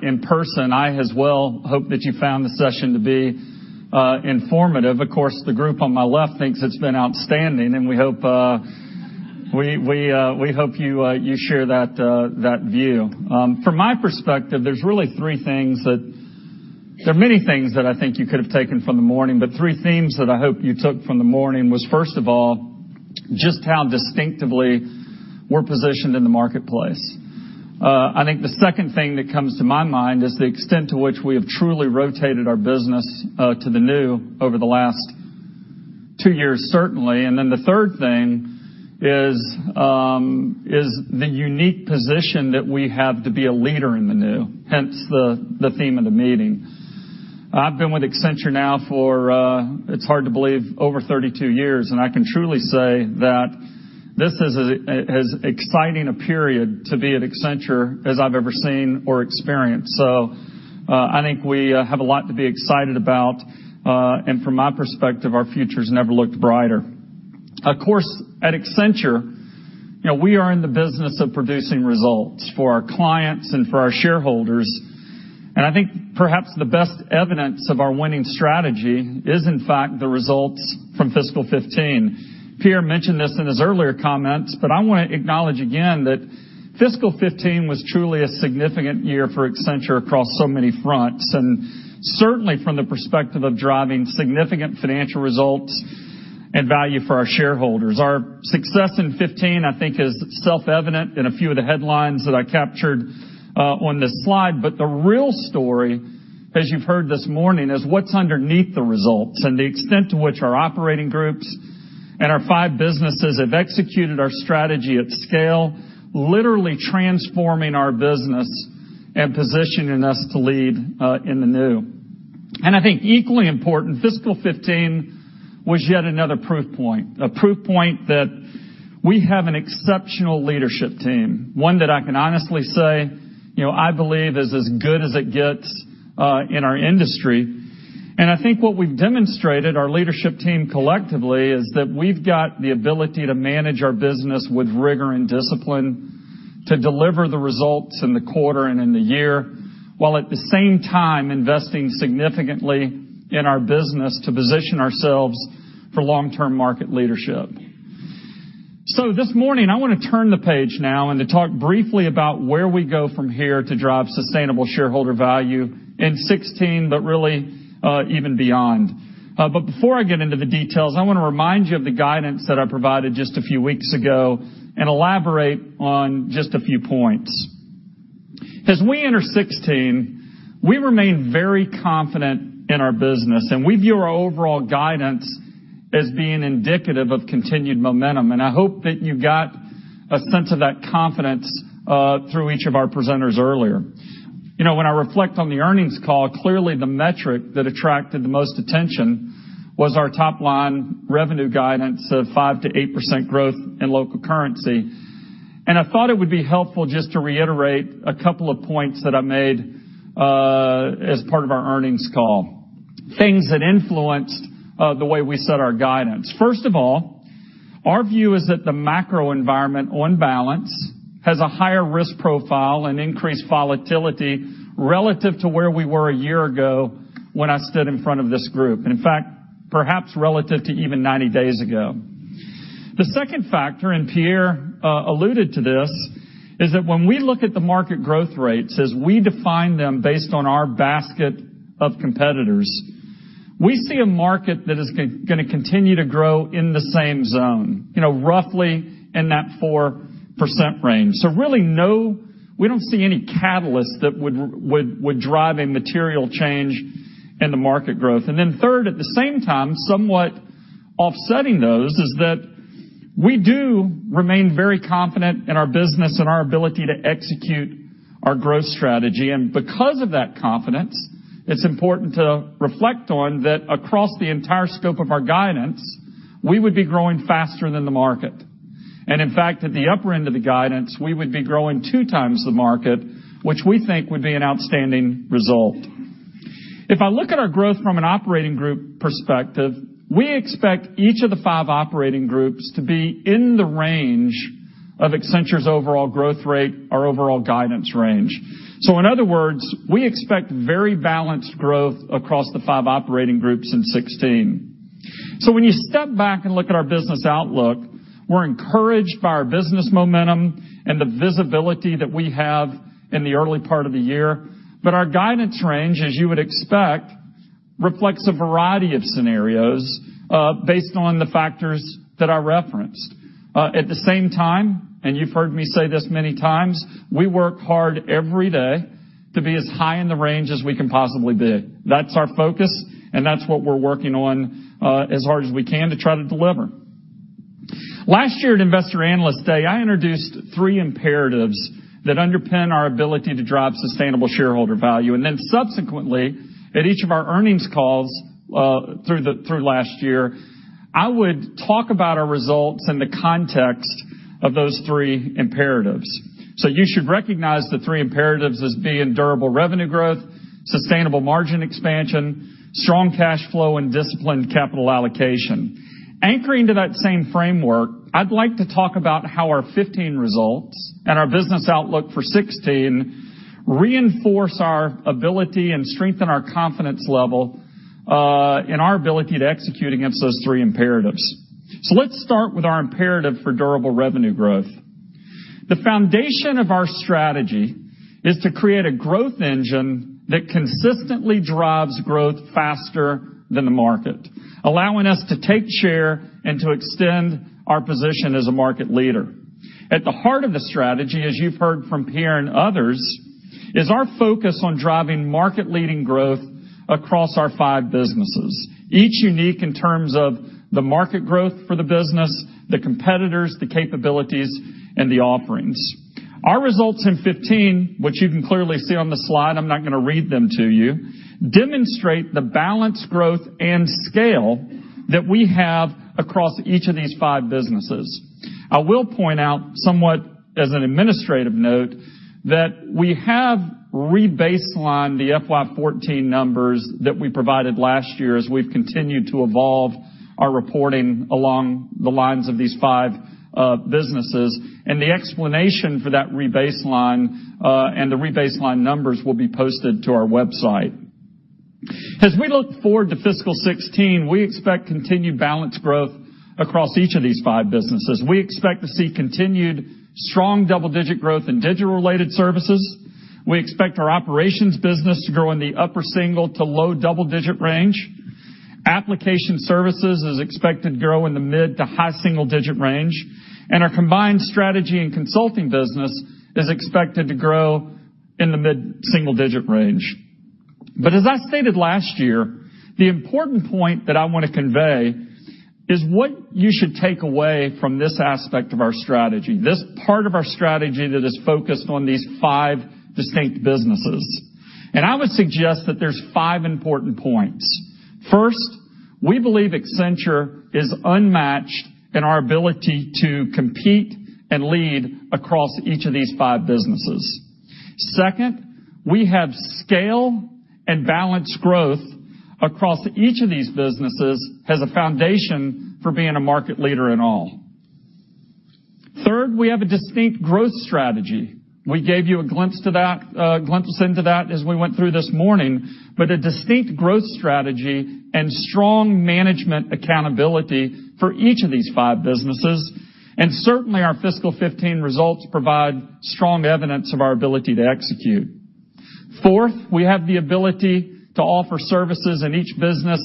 in person. I as well hope that you found the session to be informative. Of course, the group on my left thinks it's been outstanding, and we hope you share that view. From my perspective, there are many things that I think you could have taken from the morning, but three themes that I hope you took from the morning was, first of all, just how distinctively we're positioned in the marketplace. I think the second thing that comes to my mind is the extent to which we have truly rotated our business to the new over the last two years, certainly. The third thing is the unique position that we have to be a leader in the new, hence the theme of the meeting. I've been with Accenture now for, it's hard to believe, over 32 years, and I can truly say that this is as exciting a period to be at Accenture as I've ever seen or experienced. I think we have a lot to be excited about, and from my perspective, our future's never looked brighter. Of course, at Accenture, we are in the business of producing results for our clients and for our shareholders. I think perhaps the best evidence of our winning strategy is, in fact, the results from fiscal 2015. Pierre mentioned this in his earlier comments, but I want to acknowledge again that fiscal 2015 was truly a significant year for Accenture across so many fronts, and certainly from the perspective of driving significant financial results and value for our shareholders. Our success in 2015, I think, is self-evident in a few of the headlines that I captured on this slide. The real story, as you've heard this morning, is what's underneath the results and the extent to which our operating groups and our five businesses have executed our strategy at scale, literally transforming our business and positioning us to lead in the new. I think equally important, fiscal 2015 was yet another proof point, a proof point that we have an exceptional leadership team, one that I can honestly say, I believe is as good as it gets in our industry. I think what we've demonstrated, our leadership team collectively, is that we've got the ability to manage our business with rigor and discipline, to deliver the results in the quarter and in the year, while at the same time investing significantly in our business to position ourselves for long-term market leadership. This morning, I want to turn the page now and to talk briefly about where we go from here to drive sustainable shareholder value in 2016, but really, even beyond. Before I get into the details, I want to remind you of the guidance that I provided just a few weeks ago and elaborate on just a few points. As we enter 2016, we remain very confident in our business, and we view our overall guidance as being indicative of continued momentum. I hope that you got a sense of that confidence through each of our presenters earlier. When I reflect on the earnings call, clearly, the metric that attracted the most attention was our top-line revenue guidance of 5%-8% growth in local currency. I thought it would be helpful just to reiterate a couple of points that I made as part of our earnings call, things that influenced the way we set our guidance. First of all, our view is that the macro environment, on balance, has a higher risk profile and increased volatility relative to where we were a year ago when I stood in front of this group, and in fact, perhaps relative to even 90 days ago. The second factor, Pierre alluded to this, is that when we look at the market growth rates as we define them based on our basket of competitors, we see a market that is going to continue to grow in the same zone, roughly in that 4% range. Really, we don't see any catalyst that would drive a material change in the market growth. Then third, at the same time, somewhat offsetting those, is that we do remain very confident in our business and our ability to execute our growth strategy. Because of that confidence, it's important to reflect on that across the entire scope of our guidance, we would be growing faster than the market. In fact, at the upper end of the guidance, we would be growing two times the market, which we think would be an outstanding result. If I look at our growth from an operating group perspective, we expect each of the five operating groups to be in the range of Accenture's overall growth rate, our overall guidance range. In other words, we expect very balanced growth across the five operating groups in 2016. When you step back and look at our business outlook, we are encouraged by our business momentum and the visibility that we have in the early part of the year. Our guidance range, as you would expect, reflects a variety of scenarios based on the factors that I referenced. At the same time, you've heard me say this many times, we work hard every day to be as high in the range as we can possibly be. That's our focus, and that's what we are working on as hard as we can to try to deliver. Last year at Investor Analyst Day, I introduced three imperatives that underpin our ability to drive sustainable shareholder value. Subsequently, at each of our earnings calls through last year, I would talk about our results in the context of those three imperatives. You should recognize the three imperatives as being durable revenue growth, sustainable margin expansion, strong cash flow, and disciplined capital allocation. Anchoring to that same framework, I would like to talk about how our 2015 results and our business outlook for 2016 reinforce our ability and strengthen our confidence level in our ability to execute against those three imperatives. Let's start with our imperative for durable revenue growth. The foundation of our strategy is to create a growth engine that consistently drives growth faster than the market, allowing us to take share and to extend our position as a market leader. At the heart of the strategy, as you've heard from Pierre and others, is our focus on driving market-leading growth across our five businesses, each unique in terms of the market growth for the business, the competitors, the capabilities, and the offerings. Our results in 2015, which you can clearly see on the slide, I am not going to read them to you, demonstrate the balanced growth and scale that we have across each of these five businesses. I will point out, somewhat as an administrative note, that we have re-baselined the FY 2014 numbers that we provided last year as we've continued to evolve our reporting along the lines of these five businesses. The explanation for that re-baseline, and the re-baseline numbers will be posted to our website. As we look forward to fiscal 2016, we expect continued balanced growth across each of these five businesses. We expect to see continued strong double-digit growth in digital-related services. We expect our operations business to grow in the upper single to low double-digit range. Application services is expected to grow in the mid to high single-digit range, and our combined strategy and consulting business is expected to grow in the mid-single digit range. As I stated last year, the important point that I want to convey is what you should take away from this aspect of our strategy, this part of our strategy that is focused on these five distinct businesses. I would suggest that there's five important points. First, we believe Accenture is unmatched in our ability to compete and lead across each of these five businesses. Second, we have scale and balanced growth across each of these businesses as a foundation for being a market leader in all. Third, we have a distinct growth strategy. We gave you a glimpse into that as we went through this morning, but a distinct growth strategy and strong management accountability for each of these five businesses, and certainly our fiscal 2015 results provide strong evidence of our ability to execute. Fourth, we have the ability to offer services in each business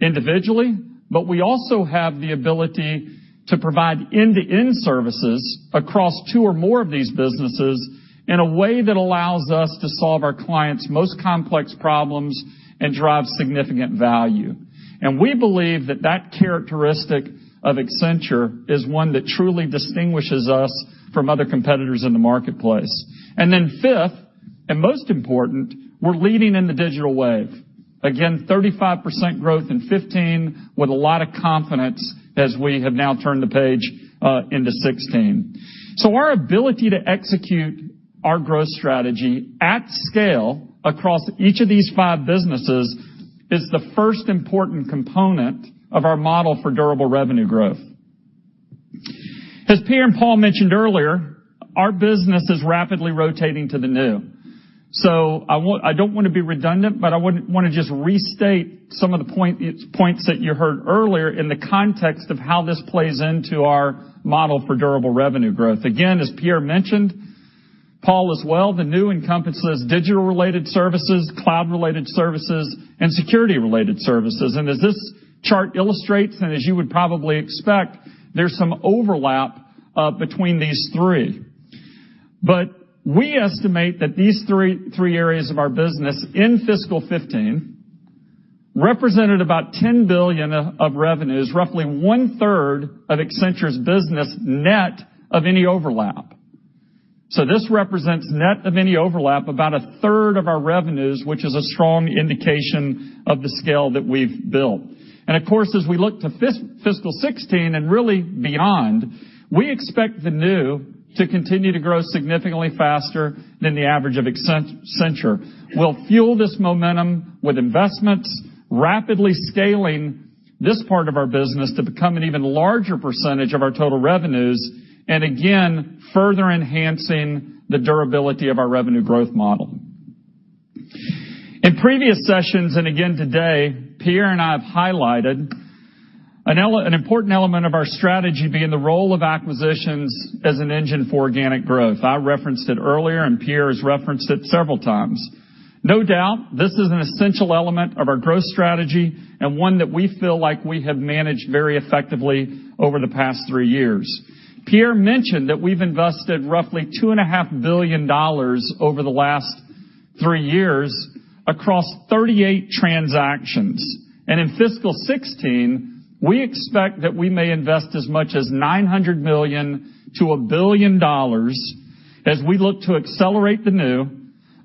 individually, but we also have the ability to provide end-to-end services across two or more of these businesses in a way that allows us to solve our clients' most complex problems and drive significant value. We believe that that characteristic of Accenture is one that truly distinguishes us from other competitors in the marketplace. Fifth, and most important, we're leading in the digital wave. Again, 35% growth in 2015 with a lot of confidence as we have now turned the page into 2016. Our ability to execute our growth strategy at scale across each of these five businesses is the first important component of our model for durable revenue growth. As Pierre and Paul mentioned earlier, our business is rapidly rotating to the new. I don't want to be redundant, but I want to just restate some of the points that you heard earlier in the context of how this plays into our model for durable revenue growth. Again, as Pierre mentioned, Paul as well, the new encompasses digital-related services, cloud-related services, and security-related services. As this chart illustrates, and as you would probably expect, there's some overlap between these three. We estimate that these three areas of our business in fiscal 2015 represented about $10 billion of revenues, roughly one-third of Accenture's business net of any overlap. This represents net of any overlap, about a third of our revenues, which is a strong indication of the scale that we've built. Of course, as we look to fiscal 2016 and really beyond, we expect the new to continue to grow significantly faster than the average of Accenture. We'll fuel this momentum with investments, rapidly scaling this part of our business to become an even larger percentage of our total revenues, and again, further enhancing the durability of our revenue growth model. In previous sessions, and again today, Pierre and I have highlighted an important element of our strategy being the role of acquisitions as an engine for organic growth. I referenced it earlier, and Pierre has referenced it several times. No doubt, this is an essential element of our growth strategy and one that we feel like we have managed very effectively over the past three years. Pierre mentioned that we've invested roughly $2.5 billion over the last three years across 38 transactions. In fiscal 2016, we expect that we may invest as much as $900 million to $1 billion as we look to accelerate the new,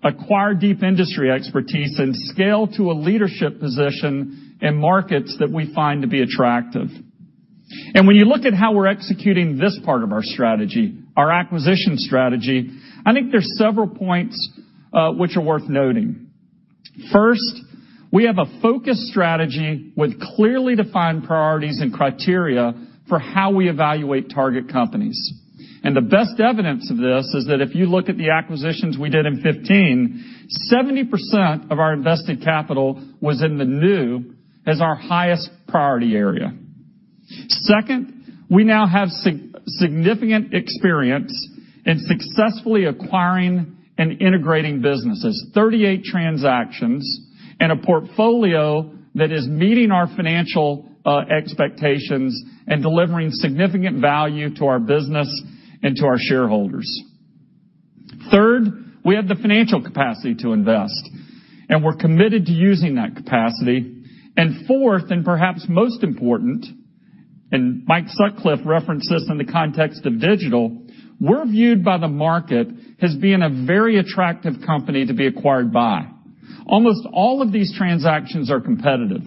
acquire deep industry expertise, and scale to a leadership position in markets that we find to be attractive. When you look at how we're executing this part of our strategy, our acquisition strategy, I think there's several points which are worth noting. First, we have a focused strategy with clearly defined priorities and criteria for how we evaluate target companies. The best evidence of this is that if you look at the acquisitions we did in 2015, 70% of our invested capital was in the new as our highest priority area. Second, we now have significant experience in successfully acquiring and integrating businesses. 38 transactions. A portfolio that is meeting our financial expectations and delivering significant value to our business and to our shareholders. Third, we have the financial capacity to invest, and we're committed to using that capacity. Fourth, and perhaps most important, and Mike Sutcliff referenced this in the context of Accenture Digital, we're viewed by the market as being a very attractive company to be acquired by. Almost all of these transactions are competitive.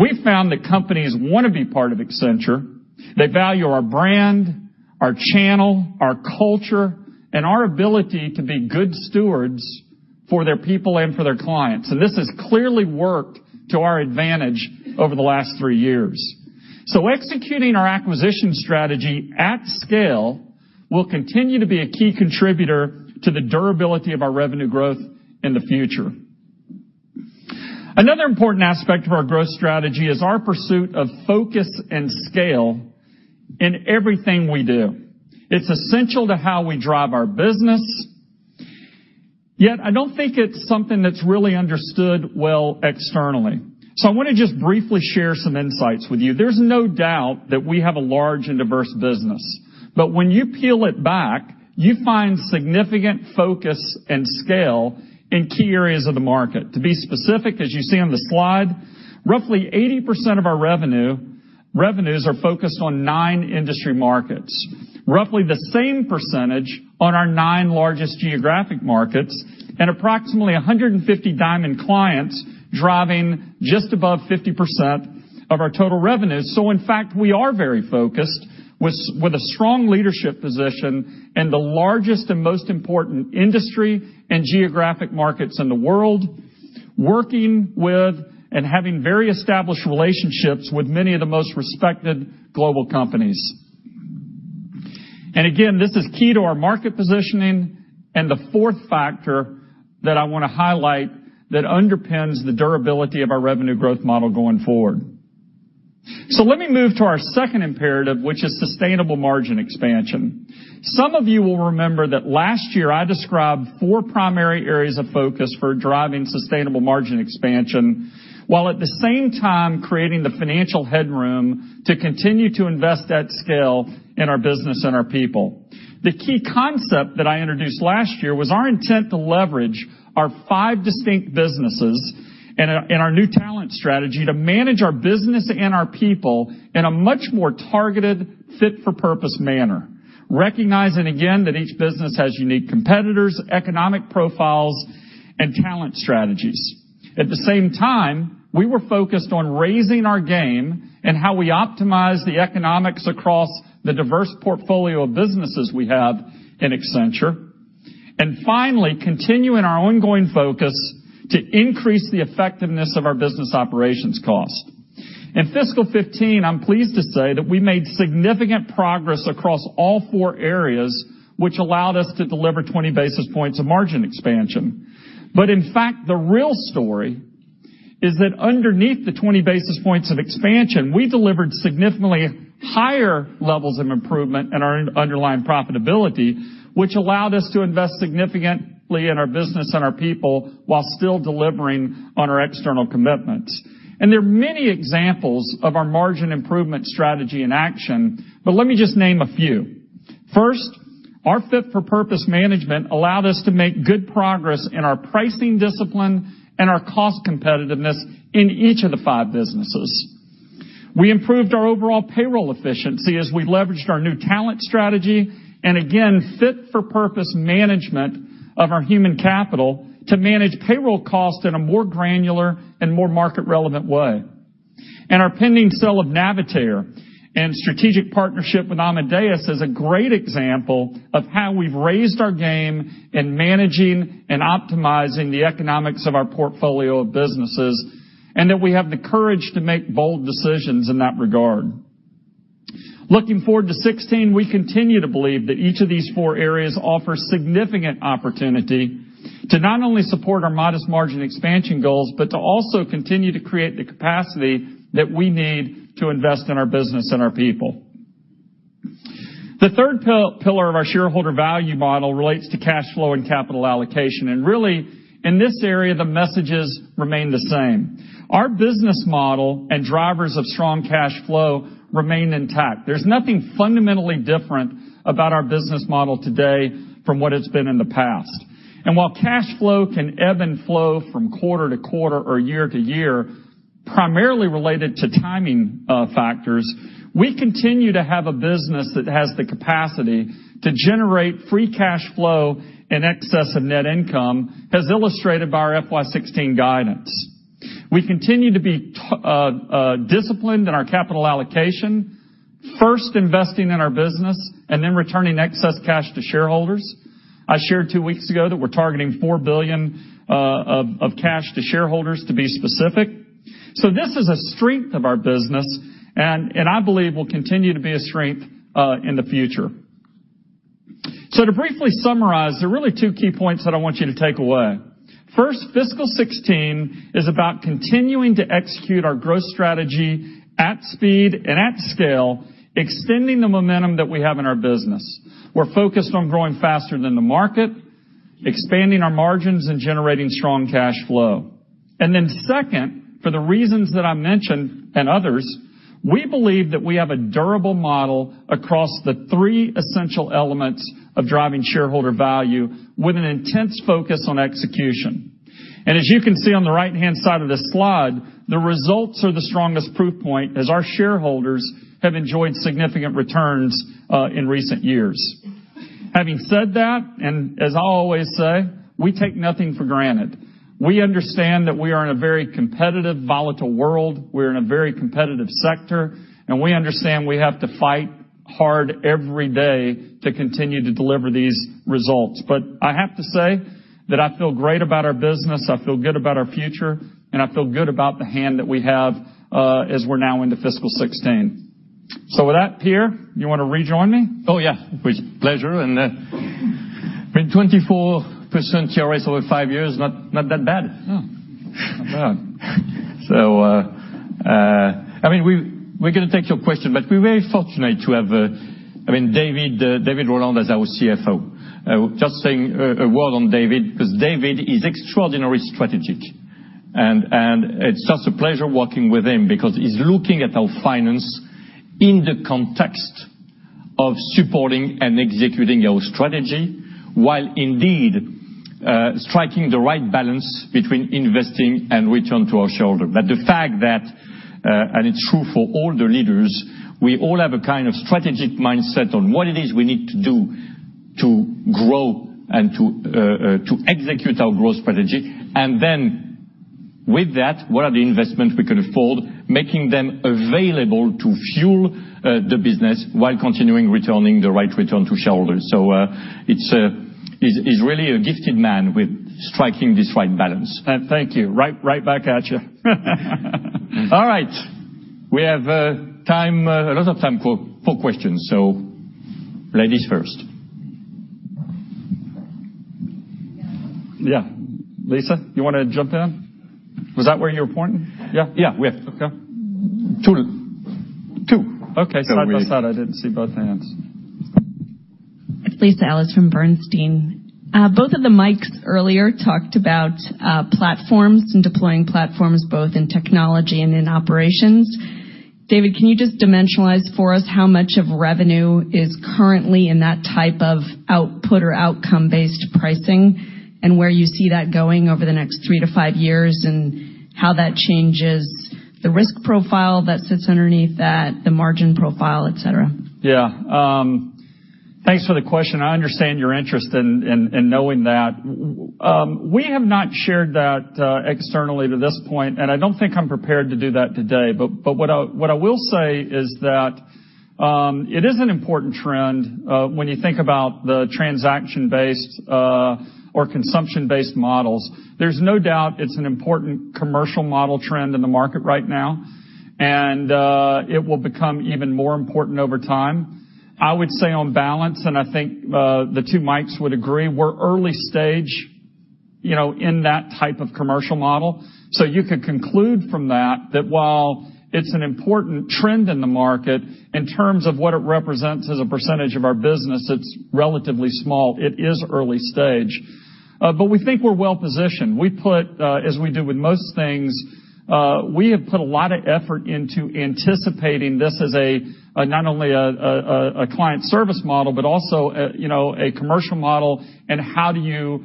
We've found that companies want to be part of Accenture. They value our brand, our channel, our culture, and our ability to be good stewards for their people and for their clients. This has clearly worked to our advantage over the last three years. Executing our acquisition strategy at scale will continue to be a key contributor to the durability of our revenue growth in the future. Another important aspect of our growth strategy is our pursuit of focus and scale in everything we do. It's essential to how we drive our business. I don't think it's something that's really understood well externally. I want to just briefly share some insights with you. There's no doubt that we have a large and diverse business. When you peel it back, you find significant focus and scale in key areas of the market. To be specific, as you see on the slide, roughly 80% of our revenues are focused on nine industry markets. Roughly the same percentage on our nine largest geographic markets, and approximately 150 Diamond clients driving just above 50% of our total revenues. In fact, we are very focused, with a strong leadership position in the largest and most important industry and geographic markets in the world, working with and having very established relationships with many of the most respected global companies. Again, this is key to our market positioning and the fourth factor that I want to highlight that underpins the durability of our revenue growth model going forward. Let me move to our second imperative, which is sustainable margin expansion. Some of you will remember that last year I described four primary areas of focus for driving sustainable margin expansion, while at the same time creating the financial headroom to continue to invest at scale in our business and our people. The key concept that I introduced last year was our intent to leverage our five distinct businesses and our new talent strategy to manage our business and our people in a much more targeted, fit-for-purpose manner, recognizing again that each business has unique competitors, economic profiles, and talent strategies. At the same time, we were focused on raising our game and how we optimize the economics across the diverse portfolio of businesses we have in Accenture. Finally, continuing our ongoing focus to increase the effectiveness of our business operations cost. In fiscal 2015, I'm pleased to say that we made significant progress across all four areas, which allowed us to deliver 20 basis points of margin expansion. In fact, the real story is that underneath the 20 basis points of expansion, we delivered significantly higher levels of improvement in our underlying profitability, which allowed us to invest significantly in our business and our people while still delivering on our external commitments. There are many examples of our margin improvement strategy in action, but let me just name a few. First, our fit-for-purpose management allowed us to make good progress in our pricing discipline and our cost competitiveness in each of the five businesses. We improved our overall payroll efficiency as we leveraged our new talent strategy, and again, fit-for-purpose management of our human capital to manage payroll costs in a more granular and more market-relevant way. Our pending sale of Navitaire and strategic partnership with Amadeus is a great example of how we've raised our game in managing and optimizing the economics of our portfolio of businesses, and that we have the courage to make bold decisions in that regard. Looking forward to 2016, we continue to believe that each of these four areas offers significant opportunity to not only support our modest margin expansion goals, to also continue to create the capacity that we need to invest in our business and our people. The third pillar of our shareholder value model relates to cash flow and capital allocation. Really, in this area, the messages remain the same. Our business model and drivers of strong cash flow remain intact. There's nothing fundamentally different about our business model today from what it's been in the past. While cash flow can ebb and flow from quarter to quarter or year to year, primarily related to timing factors, we continue to have a business that has the capacity to generate free cash flow in excess of net income, as illustrated by our FY 2016 guidance. We continue to be disciplined in our capital allocation, first investing in our business, and then returning excess cash to shareholders. I shared two weeks ago that we're targeting $4 billion of cash to shareholders to be specific. This is a strength of our business, and I believe will continue to be a strength in the future. To briefly summarize, there are really two key points that I want you to take away. First, fiscal 2016 is about continuing to execute our growth strategy at speed and at scale, extending the momentum that we have in our business. We're focused on growing faster than the market, expanding our margins, and generating strong cash flow. Second, for the reasons that I mentioned and others, we believe that we have a durable model across the three essential elements of driving shareholder value with an intense focus on execution. As you can see on the right-hand side of this slide, the results are the strongest proof point, as our shareholders have enjoyed significant returns in recent years. Having said that, as I always say, we take nothing for granted. We understand that we are in a very competitive, volatile world, we're in a very competitive sector, and we understand we have to fight hard every day to continue to deliver these results. I have to say that I feel great about our business, I feel good about our future, and I feel good about the hand that we have as we're now into fiscal 2016. With that, Pierre, you want to rejoin me? Oh, yeah. With pleasure. I mean, 24% year over five years, not that bad. No. Not bad. We're going to take your question, but we're very fortunate to have David Rowland as our CFO. Just saying a word on David, because David is extraordinarily strategic. It's just a pleasure working with him because he's looking at our finance in the context of supporting and executing our strategy while indeed striking the right balance between investing and return to our shareholder. The fact that, and it's true for all the leaders, we all have a kind of strategic mindset on what it is we need to do to grow and to execute our growth strategy. Then with that, what are the investments we can afford, making them available to fuel the business while continuing returning the right return to shareholders. He's really a gifted man with striking this right balance. Thank you. Right back at you. All right. We have a lot of time for questions. Ladies first. Yeah. Lisa, you want to jump in? Was that where you were pointing? Yeah. Yeah. We have two. Two. Okay. Side by side. I didn't see both hands. It's Lisa Ellis from Bernstein. Both of the Mikes earlier talked about platforms and deploying platforms both in technology and in operations. David, can you just dimensionalize for us how much of revenue is currently in that type of output or outcome-based pricing, and where you see that going over the next three to five years, and how that changes the risk profile that sits underneath that, the margin profile, et cetera? Yeah. Thanks for the question. I understand your interest in knowing that. We have not shared that externally to this point, and I don't think I'm prepared to do that today. What I will say is that it is an important trend, when you think about the transaction-based or consumption-based models. There's no doubt it's an important commercial model trend in the market right now, and it will become even more important over time. I would say on balance, and I think the two Mikes would agree, we're early stage in that type of commercial model. You could conclude from that while it's an important trend in the market, in terms of what it represents as a percentage of our business, it's relatively small. It is early stage. We think we're well-positioned. As we do with most things, we have put a lot of effort into anticipating this as not only a client service model, but also a commercial model and how do you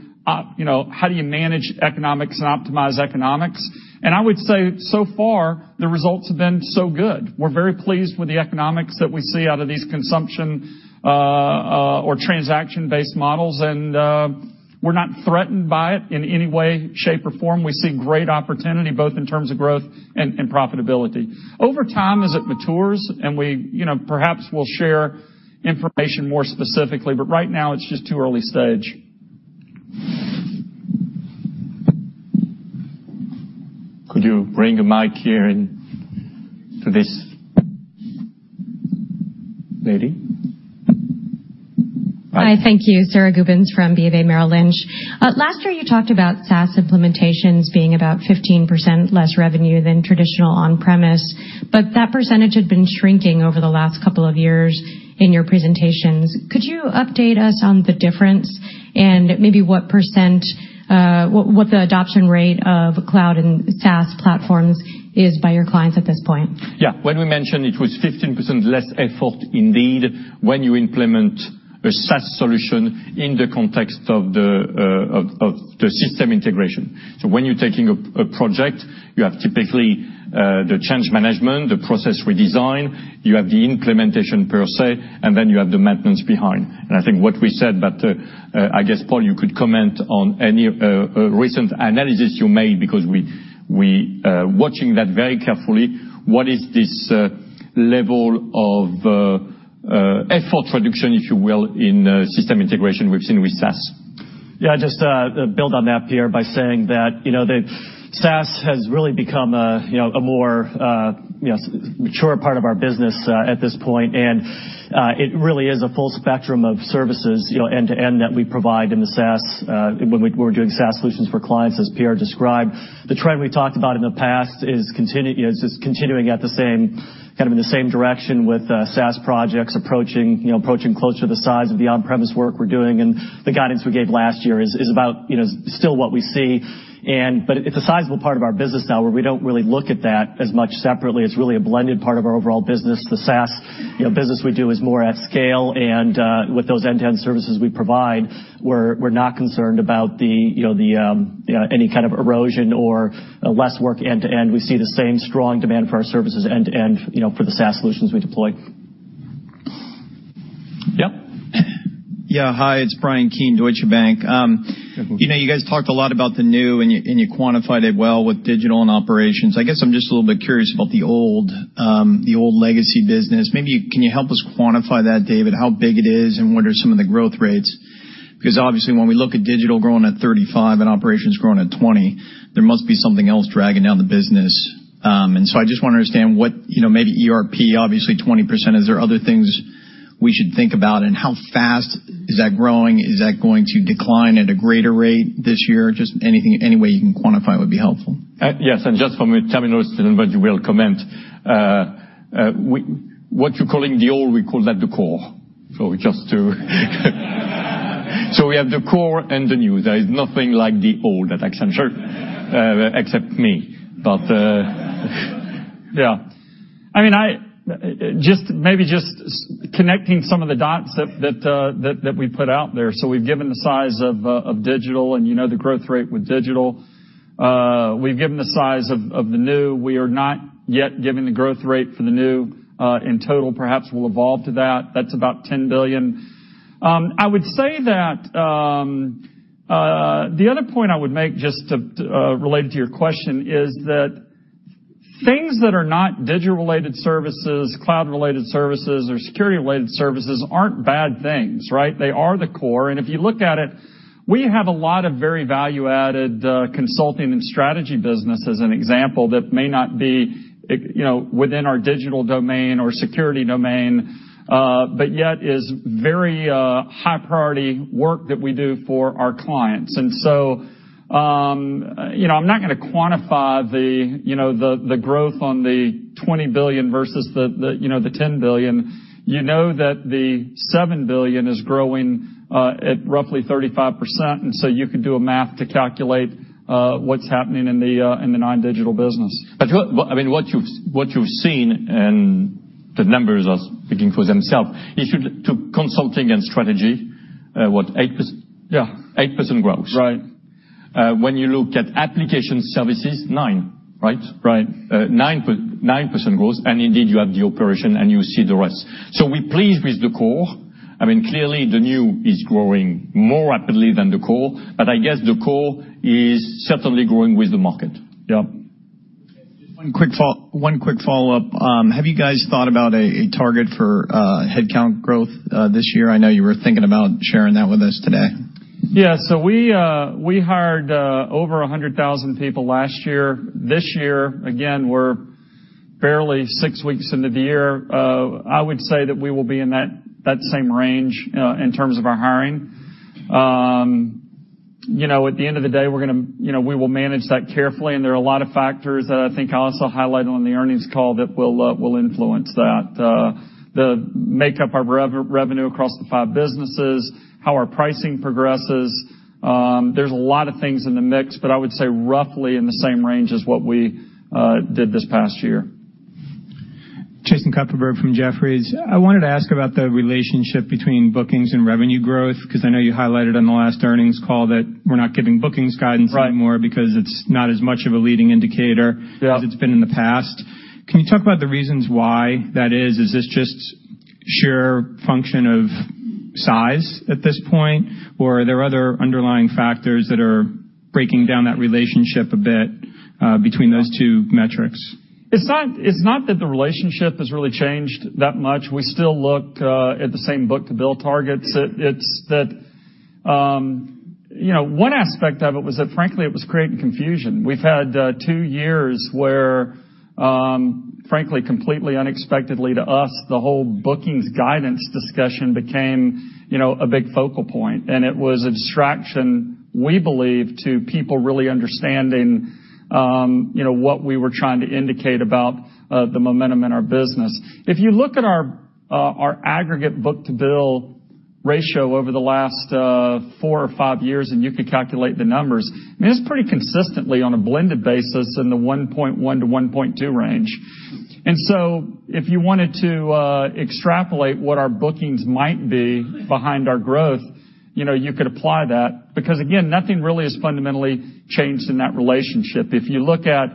manage economics and optimize economics. I would say so far the results have been so good. We're very pleased with the economics that we see out of these consumption or transaction-based models, and we're not threatened by it in any way, shape, or form. We see great opportunity both in terms of growth and profitability. Over time, as it matures, and we perhaps will share information more specifically, but right now it's just too early stage. Could you bring a mic here in to this lady? Hi. Thank you. Sara Gubins from BofA Merrill Lynch. Last year, you talked about SaaS implementations being about 15% less revenue than traditional on-premise, but that percentage had been shrinking over the last couple of years in your presentations. Could you update us on the difference and maybe what the adoption rate of cloud and SaaS platforms is by your clients at this point? Yeah. When we mentioned it was 15% less effort, indeed, when you implement a SaaS solution in the context of the system integration. When you're taking a project, you have typically the change management, the process redesign, you have the implementation per se, and then you have the maintenance behind. I think what we said, but I guess, Paul, you could comment on any recent analysis you made because we watching that very carefully. What is this level of effort reduction, if you will, in system integration we've seen with SaaS? Yeah, just to build on that, Pierre, by saying that the SaaS has really become a more mature part of our business at this point, and it really is a full spectrum of services end-to-end that we provide when we're doing SaaS solutions for clients, as Pierre described. The trend we talked about in the past is just continuing kind of in the same direction with SaaS projects approaching closer to the size of the on-premise work we're doing. The guidance we gave last year is still what we see. It's a sizable part of our business now where we don't really look at that as much separately. It's really a blended part of our overall business, the SaaS The business we do is more at scale, with those end-to-end services we provide, we're not concerned about any kind of erosion or less work end to end. We see the same strong demand for our services end-to-end, for the SaaS solutions we deploy. Yep. Yeah. Hi, it's Bryan Keane, Deutsche Bank. You guys talked a lot about the new, you quantified it well with Accenture Digital and Accenture Operations. I guess I'm just a little bit curious about the old legacy business. Maybe can you help us quantify that, David? How big it is, what are some of the growth rates? Obviously, when we look at Accenture Digital growing at 35% and Accenture Operations growing at 20%, there must be something else dragging down the business. I just want to understand what, maybe ERP, obviously 20%, is there other things we should think about, and how fast is that growing? Is that going to decline at a greater rate this year? Just anything, any way you can quantify would be helpful. Yes, just from a terminal comment. What you're calling the old, we call that the core. We have the core and the new. There is nothing like the old at Accenture, except me. Yeah. Maybe just connecting some of the dots that we put out there. We've given the size of digital and you know the growth rate with digital. We've given the size of the new. We are not yet giving the growth rate for the new in total. Perhaps we'll evolve to that. That's about $10 billion. The other point I would make, just related to your question, is that things that are not digital-related services, cloud-related services, or security-related services aren't bad things, right? They are the core. If you look at it, we have a lot of very value-added consulting and strategy business, as an example, that may not be within our digital domain or security domain, but yet is very high-priority work that we do for our clients. I'm not going to quantify the growth on the $20 billion versus the $10 billion. You know that the $7 billion is growing at roughly 35%, you could do a math to calculate what's happening in the non-digital business. What you've seen, the numbers are speaking for themselves. If you took consulting and strategy, what, 8%? Yeah. 8% growth. Right. When you look at application services, 9%, right? Right. 9% growth. Indeed, you have the operation and you see the rest. We're pleased with the core. Clearly, the new is growing more rapidly than the core, I guess the core is certainly growing with the market. Yep. Just one quick follow-up. Have you guys thought about a target for headcount growth this year? I know you were thinking about sharing that with us today. Yeah, we hired over 100,000 people last year. This year, again, we're barely six weeks into the year. I would say that we will be in that same range in terms of our hiring. At the end of the day, we will manage that carefully, there are a lot of factors that I think I'll also highlight on the earnings call that will influence that. The makeup of revenue across the five businesses, how our pricing progresses. There's a lot of things in the mix, I would say roughly in the same range as what we did this past year. Jason Kupferberg from Jefferies. I wanted to ask about the relationship between bookings and revenue growth, because I know you highlighted on the last earnings call that we're not giving bookings guidance anymore. Right Because it's not as much of a leading indicator. Yeah As it's been in the past. Can you talk about the reasons why that is? Is this just sheer function of size at this point, or are there other underlying factors that are breaking down that relationship a bit between those two metrics? It's not that the relationship has really changed that much. We still look at the same book-to-bill targets. One aspect of it was that, frankly, it was creating confusion. We've had two years where, frankly, completely unexpectedly to us, the whole bookings guidance discussion became a big focal point. It was a distraction, we believe, to people really understanding what we were trying to indicate about the momentum in our business. If you look at our aggregate book-to-bill ratio over the last four or five years, and you could calculate the numbers, it's pretty consistently, on a blended basis, in the 1.1-1.2 range. So if you wanted to extrapolate what our bookings might be behind our growth, you could apply that, because again, nothing really has fundamentally changed in that relationship. If you look at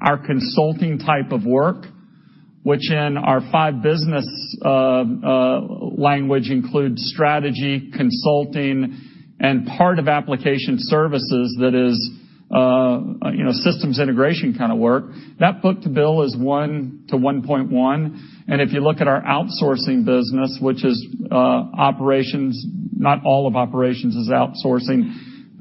our consulting type of work, which in our five business language includes strategy, consulting, and part of application services that is systems integration kind of work, that book-to-bill is one to 1.1. If you look at our outsourcing business, which is operations, not all of operations is outsourcing.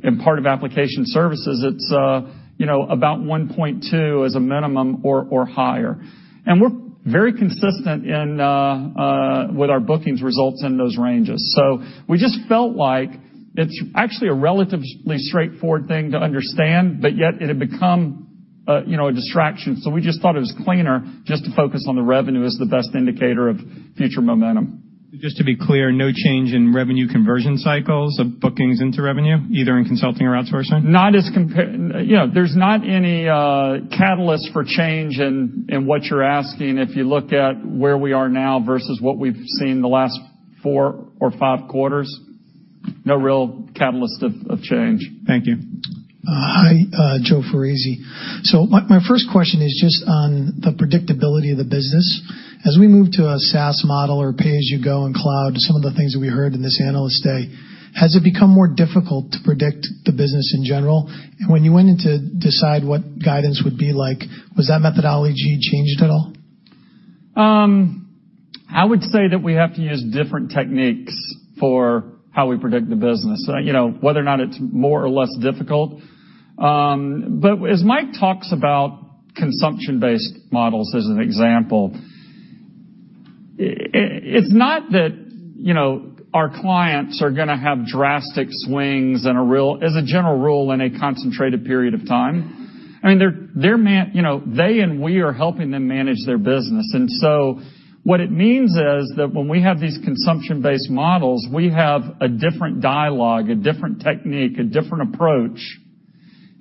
In part of application services, it's about 1.2 as a minimum or higher. We're very consistent with our bookings results in those ranges. We just felt like it's actually a relatively straightforward thing to understand, but yet it had become a distraction. We just thought it was cleaner just to focus on the revenue as the best indicator of future momentum. Just to be clear, no change in revenue conversion cycles of bookings into revenue, either in consulting or outsourcing? There's not any catalyst for change in what you're asking if you look at where we are now versus what we've seen in the last four or five quarters. No real catalyst of change. Thank you. Hi, Joseph Foresi. My first question is just on the predictability of the business. As we move to a SaaS model or pay-as-you-go in cloud, some of the things that we heard in this Analyst Day, has it become more difficult to predict the business in general? When you went in to decide what guidance would be like, was that methodology changed at all? I would say that we have to use different techniques for how we predict the business, whether or not it's more or less difficult. As Mike talks about consumption-based models as an example, it's not that our clients are going to have drastic swings as a general rule in a concentrated period of time. They and we are helping them manage their business. What it means is that when we have these consumption-based models, we have a different dialogue, a different technique, a different approach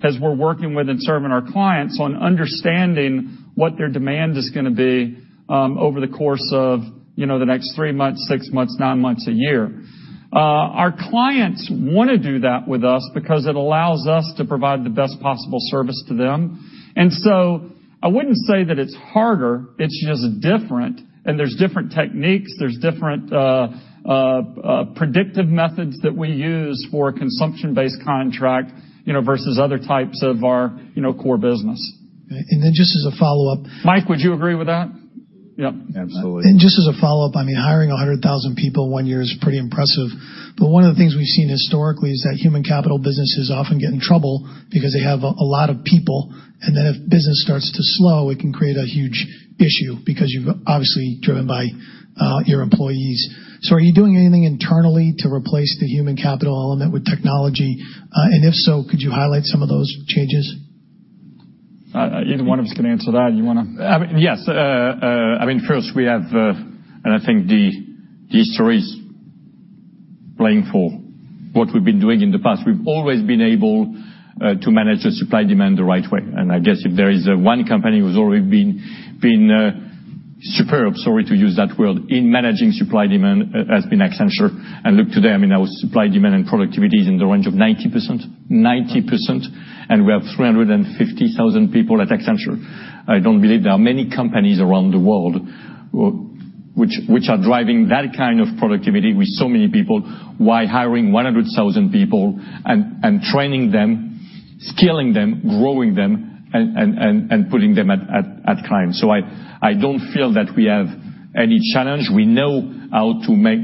as we're working with and serving our clients on understanding what their demand is going to be over the course of the next three months, six months, nine months, a year. Our clients want to do that with us because it allows us to provide the best possible service to them. I wouldn't say that it's harder, it's just different, and there's different techniques, there's different predictive methods that we use for a consumption-based contract versus other types of our core business. Just as a follow-up. Mike, would you agree with that? Yep. Absolutely. Just as a follow-up, hiring 100,000 people one year is pretty impressive. One of the things we've seen historically is that human capital businesses often get in trouble because they have a lot of people, then if business starts to slow, it can create a huge issue because you're obviously driven by your employees. Are you doing anything internally to replace the human capital element with technology? If so, could you highlight some of those changes? Either one of us can answer that. You want to? Yes. First we have. I think the history is playing for what we've been doing in the past. We've always been able to manage the supply-demand the right way. I guess if there is one company who's always been superb, sorry to use that word, in managing supply-demand, it has been Accenture. Look today, our supply, demand, and productivity is in the range of 90%. 90%. We have 350,000 people at Accenture. I don't believe there are many companies around the world which are driving that kind of productivity with so many people while hiring 100,000 people and training them, skilling them, growing them, and putting them at client. I don't feel that we have any challenge. We know how to make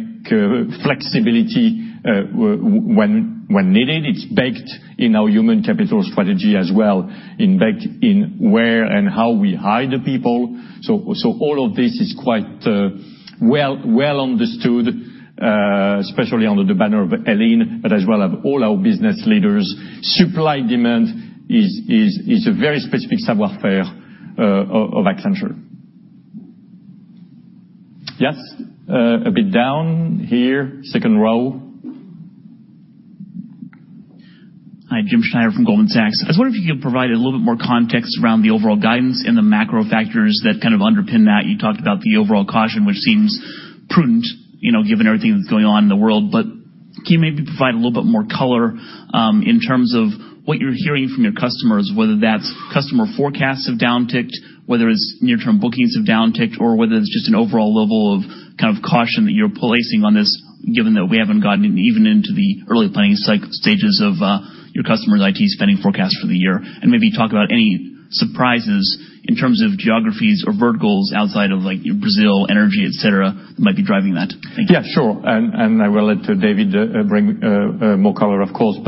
flexibility when needed. It's baked in our human capital strategy as well, in where and how we hire the people. All of this is quite well understood, especially under the banner of Ellyn, but as well of all our business leaders. Supply-demand is a very specific savoir faire of Accenture. Yes. A bit down here, second row. Hi, James Schneider from Goldman Sachs. I was wondering if you could provide a little bit more context around the overall guidance and the macro factors that kind of underpin that. You talked about the overall caution, which seems prudent given everything that's going on in the world. Can you maybe provide a little bit more color in terms of what you're hearing from your customers, whether that's customer forecasts have downticked, whether it's near-term bookings have downticked, or whether it's just an overall level of caution that you're placing on this, given that we haven't gotten even into the early planning stages of your customers' IT spending forecast for the year? Maybe talk about any surprises in terms of geographies or verticals outside of Brazil, energy, et cetera, that might be driving that. Thank you. Yeah, sure. I will let David bring more color, of course.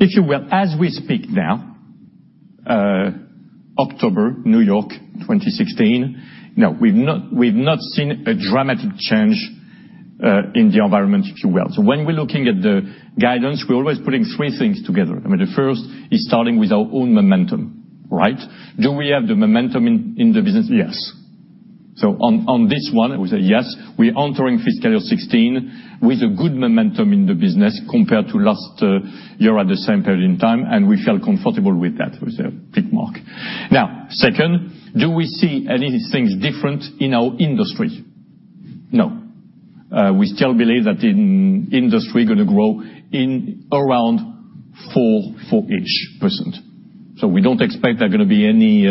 If you will, as we speak now, October, New York, 2016, we've not seen a dramatic change in the environment, if you will. When we're looking at the guidance, we're always putting three things together. The first is starting with our own momentum. Do we have the momentum in the business? Yes. On this one, we say yes. We're entering fiscal year 2016 with a good momentum in the business compared to last year at the same period in time, and we feel comfortable with that. With a tick mark. Second, do we see anything different in our industry? No. We still believe that industry is going to grow around 4%, 4-ish%. We don't expect there are going to be any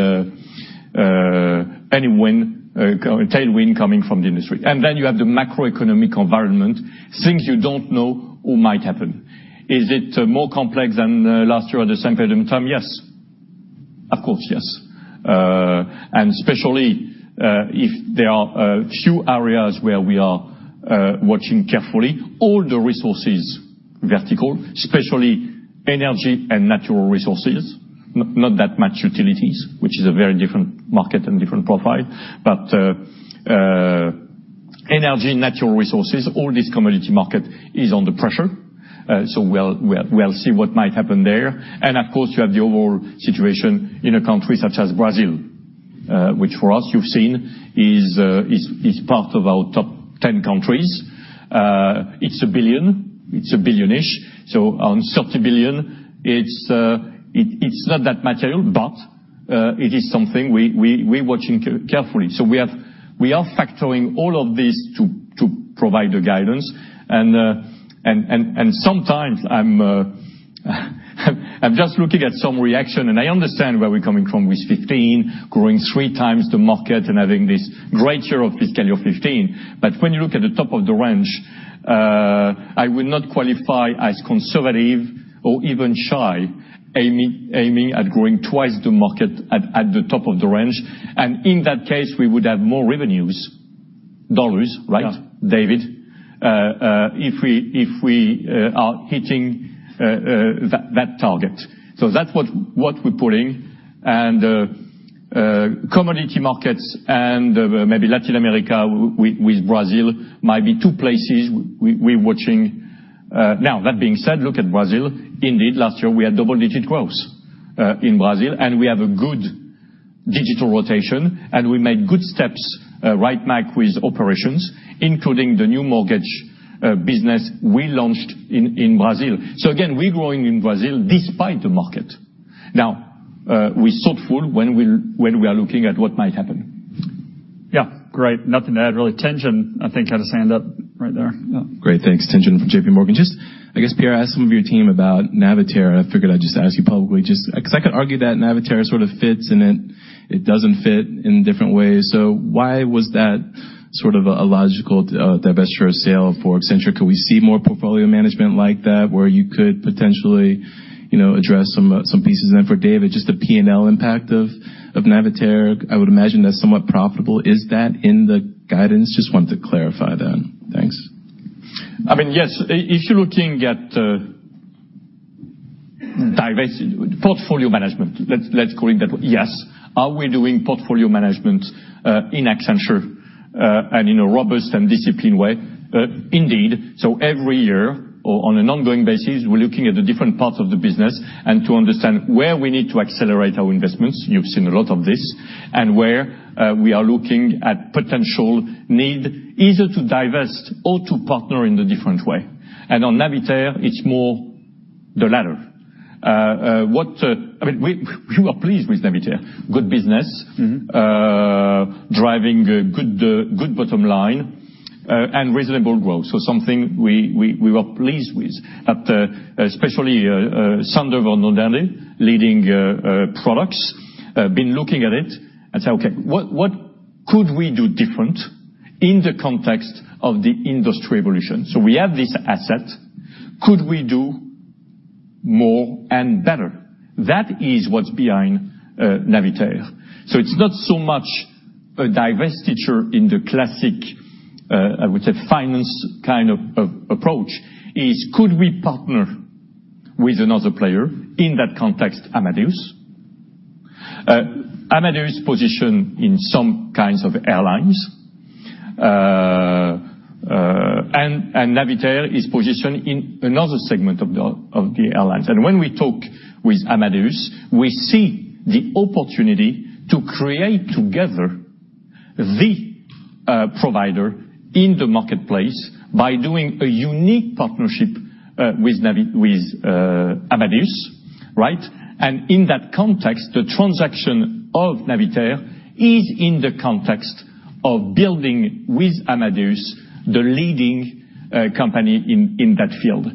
tailwind coming from the industry. You have the macroeconomic environment, things you don't know or might happen. Is it more complex than last year at the same period in time? Yes. Of course. Yes. Especially if there are a few areas where we are watching carefully, all the resources vertical, especially energy and natural resources, not that much utilities, which is a very different market and different profile. Energy, natural resources, all this commodity market is under pressure. We'll see what might happen there. Of course, you have the overall situation in a country such as Brazil. Which for us, you've seen is part of our top 10 countries. It's $1 billion. It's $1 billion-ish. On $30 billion, it's not that material, but it is something we're watching carefully. We are factoring all of this to provide the guidance. Sometimes I'm just looking at some reaction, and I understand where we're coming from with FY 2015, growing 3 times the market and having this great year of fiscal year 2015. When you look at the top of the range, I will not qualify as conservative or even shy, aiming at growing 2 times the market at the top of the range. In that case, we would have more revenues, dollars, right, David? Yeah. If we are hitting that target. That's what we're putting. Commodity markets and maybe Latin America with Brazil might be two places we're watching. That being said, look at Brazil. Indeed, last year we had double-digit growth in Brazil, and we have a good digital rotation, and we made good steps, right, Mike, with operations, including the new mortgage business we launched in Brazil. Again, we're growing in Brazil despite the market. We're thoughtful when we are looking at what might happen. Yeah. Great. Nothing to add, really. Tien-Tsin, I think, had his hand up right there. Yeah. Great. Thanks. Tien-Tsin from J.P. Morgan. Just, I guess, Pierre, I asked some of your team about Navitaire. I figured I'd just ask you publicly, just because I could argue that Navitaire sort of fits and it doesn't fit in different ways. Why was that sort of a logical divestiture sale for Accenture? Could we see more portfolio management like that where you could potentially address some pieces? For David, just the P&L impact of Navitaire. I would imagine that's somewhat profitable. Is that in the guidance? Just wanted to clarify that. Thanks. Yes. If you're looking at portfolio management, let's call it that. Yes, are we doing portfolio management in Accenture and in a robust and disciplined way? Indeed. Every year or on an ongoing basis, we're looking at the different parts of the business and to understand where we need to accelerate our investments, you've seen a lot of this, and where we are looking at potential need either to divest or to partner in a different way. On Navitaire, it's more the latter. We were pleased with Navitaire. Good business. Driving good bottom line and reasonable growth. Something we were pleased with, especially Sander van 't Noordende, leading products, been looking at it and say, "Okay. What could we do different in the context of the industry evolution? We have this asset, could we do more and better?" That is what's behind Navitaire. It's not so much a divestiture in the classic, I would say, finance kind of approach. It is could we partner with another player in that context, Amadeus. Amadeus' position in some kinds of airlines, and Navitaire is positioned in another segment of the airlines. When we talk with Amadeus, we see the opportunity to create together the provider in the marketplace by doing a unique partnership with Amadeus, right? In that context, the transaction of Navitaire is in the context of building with Amadeus, the leading company in that field.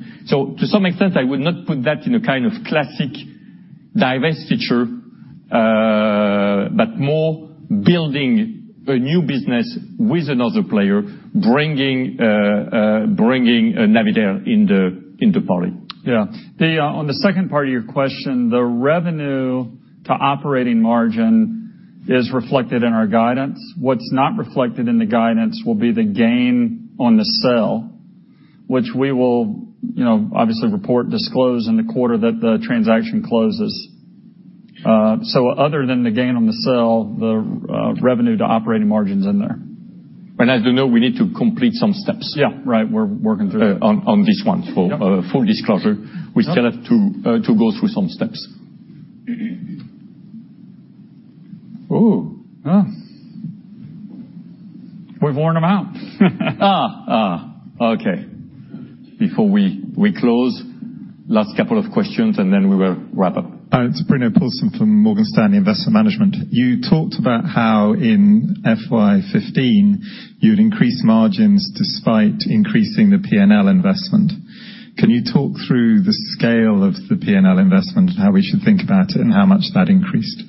To some extent, I would not put that in a kind of classic divestiture, but more building a new business with another player, bringing Navitaire in the party. Yeah. On the second part of your question, the revenue to operating margin's reflected in our guidance. What's not reflected in the guidance will be the gain on the sale, which we will obviously report, disclose in the quarter that the transaction closes. Other than the gain on the sale, the revenue to operating margin's in there. As you know, we need to complete some steps. Yeah. Right. We're working through that. On this one. Yep full disclosure. Yep. We still have to go through some steps. We've worn them out. Okay. Before we close, last couple of questions, and then we will wrap up. Hi, it's Bruno Paulson from Morgan Stanley Investment Management. You talked about how in FY 2015 you'd increase margins despite increasing the P&L investment. Can you talk through the scale of the P&L investment and how we should think about it and how much that increased?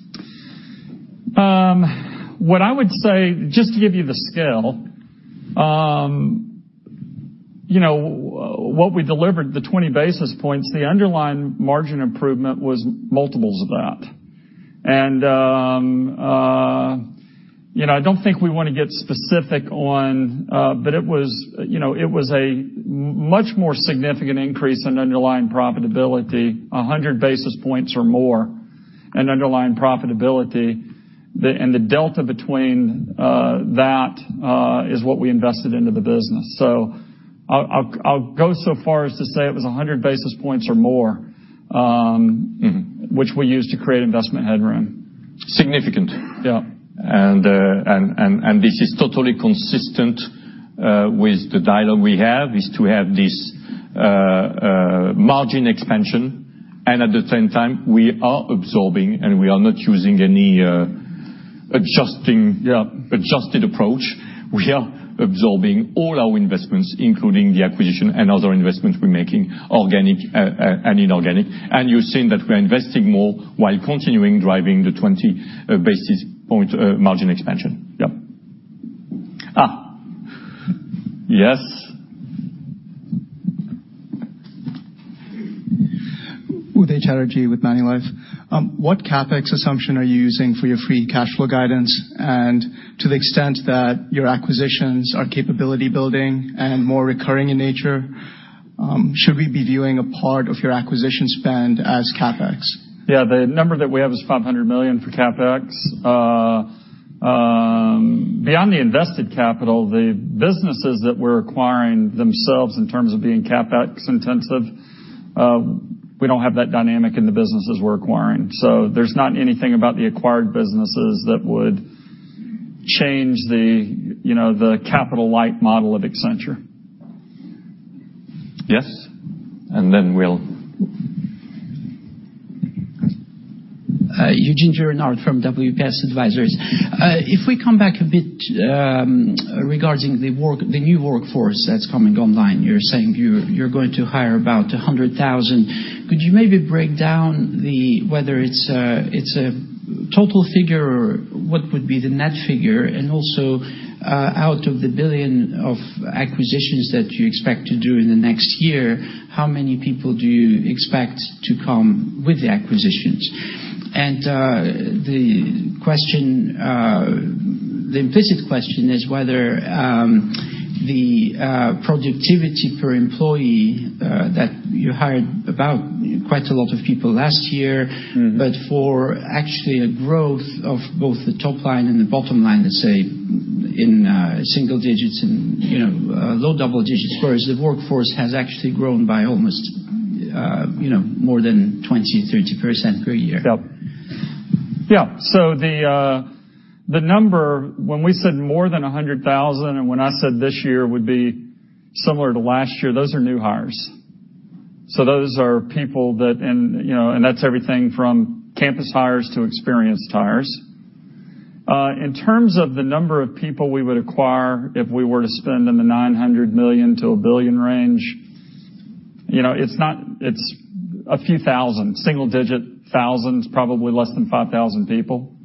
What I would say, just to give you the scale, what we delivered, the 20 basis points, the underlying margin improvement was multiples of that. I don't think we want to get specific on, but it was a much more significant increase in underlying profitability, 100 basis points or more in underlying profitability. The delta between that is what we invested into the business. I'll go so far as to say it was 100 basis points or more, which we used to create investment headroom. Significant. Yeah. This is totally consistent with the dialogue we have, is to have this margin expansion. At the same time, we are absorbing and we are not using any adjusted approach. We are absorbing all our investments, including the acquisition and other investments we're making, organic and inorganic. You've seen that we're investing more while continuing driving the 20 basis point margin expansion. Yeah. Yes. Uday Chatterjee with Manulife. What CapEx assumption are you using for your free cash flow guidance? To the extent that your acquisitions are capability building and more recurring in nature, should we be viewing a part of your acquisition spend as CapEx? Yeah. The number that we have is $500 million for CapEx. Beyond the invested capital, the businesses that we're acquiring themselves in terms of being CapEx intensive, we don't have that dynamic in the businesses we're acquiring. There's not anything about the acquired businesses that would change the capital-light model of Accenture. Yes. We'll Eugene Gerard from WPS Advisors. If we come back a bit regarding the new workforce that's coming online, you're saying you're going to hire about 100,000. Could you maybe break down whether it's a total figure or what would be the net figure? Also, out of the $1 billion of acquisitions that you expect to do in the next year, how many people do you expect to come with the acquisitions? The implicit question is whether the productivity per employee that you hired about quite a lot of people last year, but for actually a growth of both the top line and the bottom line, let's say in single digits and low double digits, whereas the workforce has actually grown by almost more than 20%, 30% per year. Yeah. The number, when we said more than 100,000, and when I said this year would be similar to last year, those are new hires. Those are people that, and that's everything from campus hires to experienced hires. In terms of the number of people we would acquire if we were to spend in the $900 million-$1 billion range, it's a few thousand, single digit thousands, probably less than 5,000 people.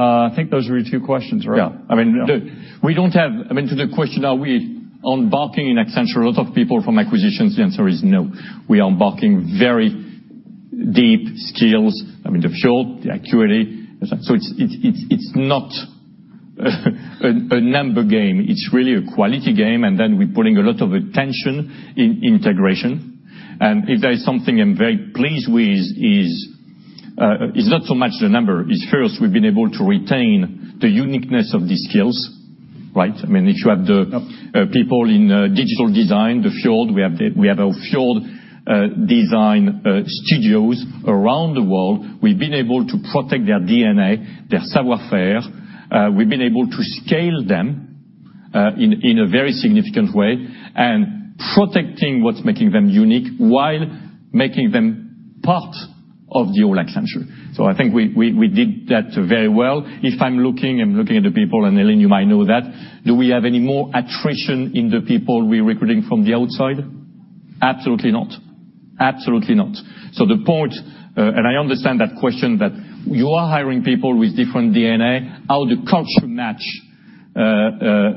I think those were your two questions, right? Yeah. We don't have, to the question, are we embarking in Accenture a lot of people from acquisitions? The answer is no. We are embarking very deep skills. Fjord, Acquity. It's not a number game. It's really a quality game, we're putting a lot of attention in integration. If there is something I'm very pleased with is not so much the number. It's first we've been able to retain the uniqueness of these skills, right? If you have the people in digital design, Fjord, we have our Fjord design studios around the world. We've been able to protect their DNA, their savoir faire. We've been able to scale them in a very significant way and protecting what's making them unique while making them part of the whole Accenture. I think we did that very well. If I'm looking at the people, Ellyn, you might know that, do we have any more attrition in the people we're recruiting from the outside? Absolutely not. The point, I understand that question that you are hiring people with different DNA, how the culture match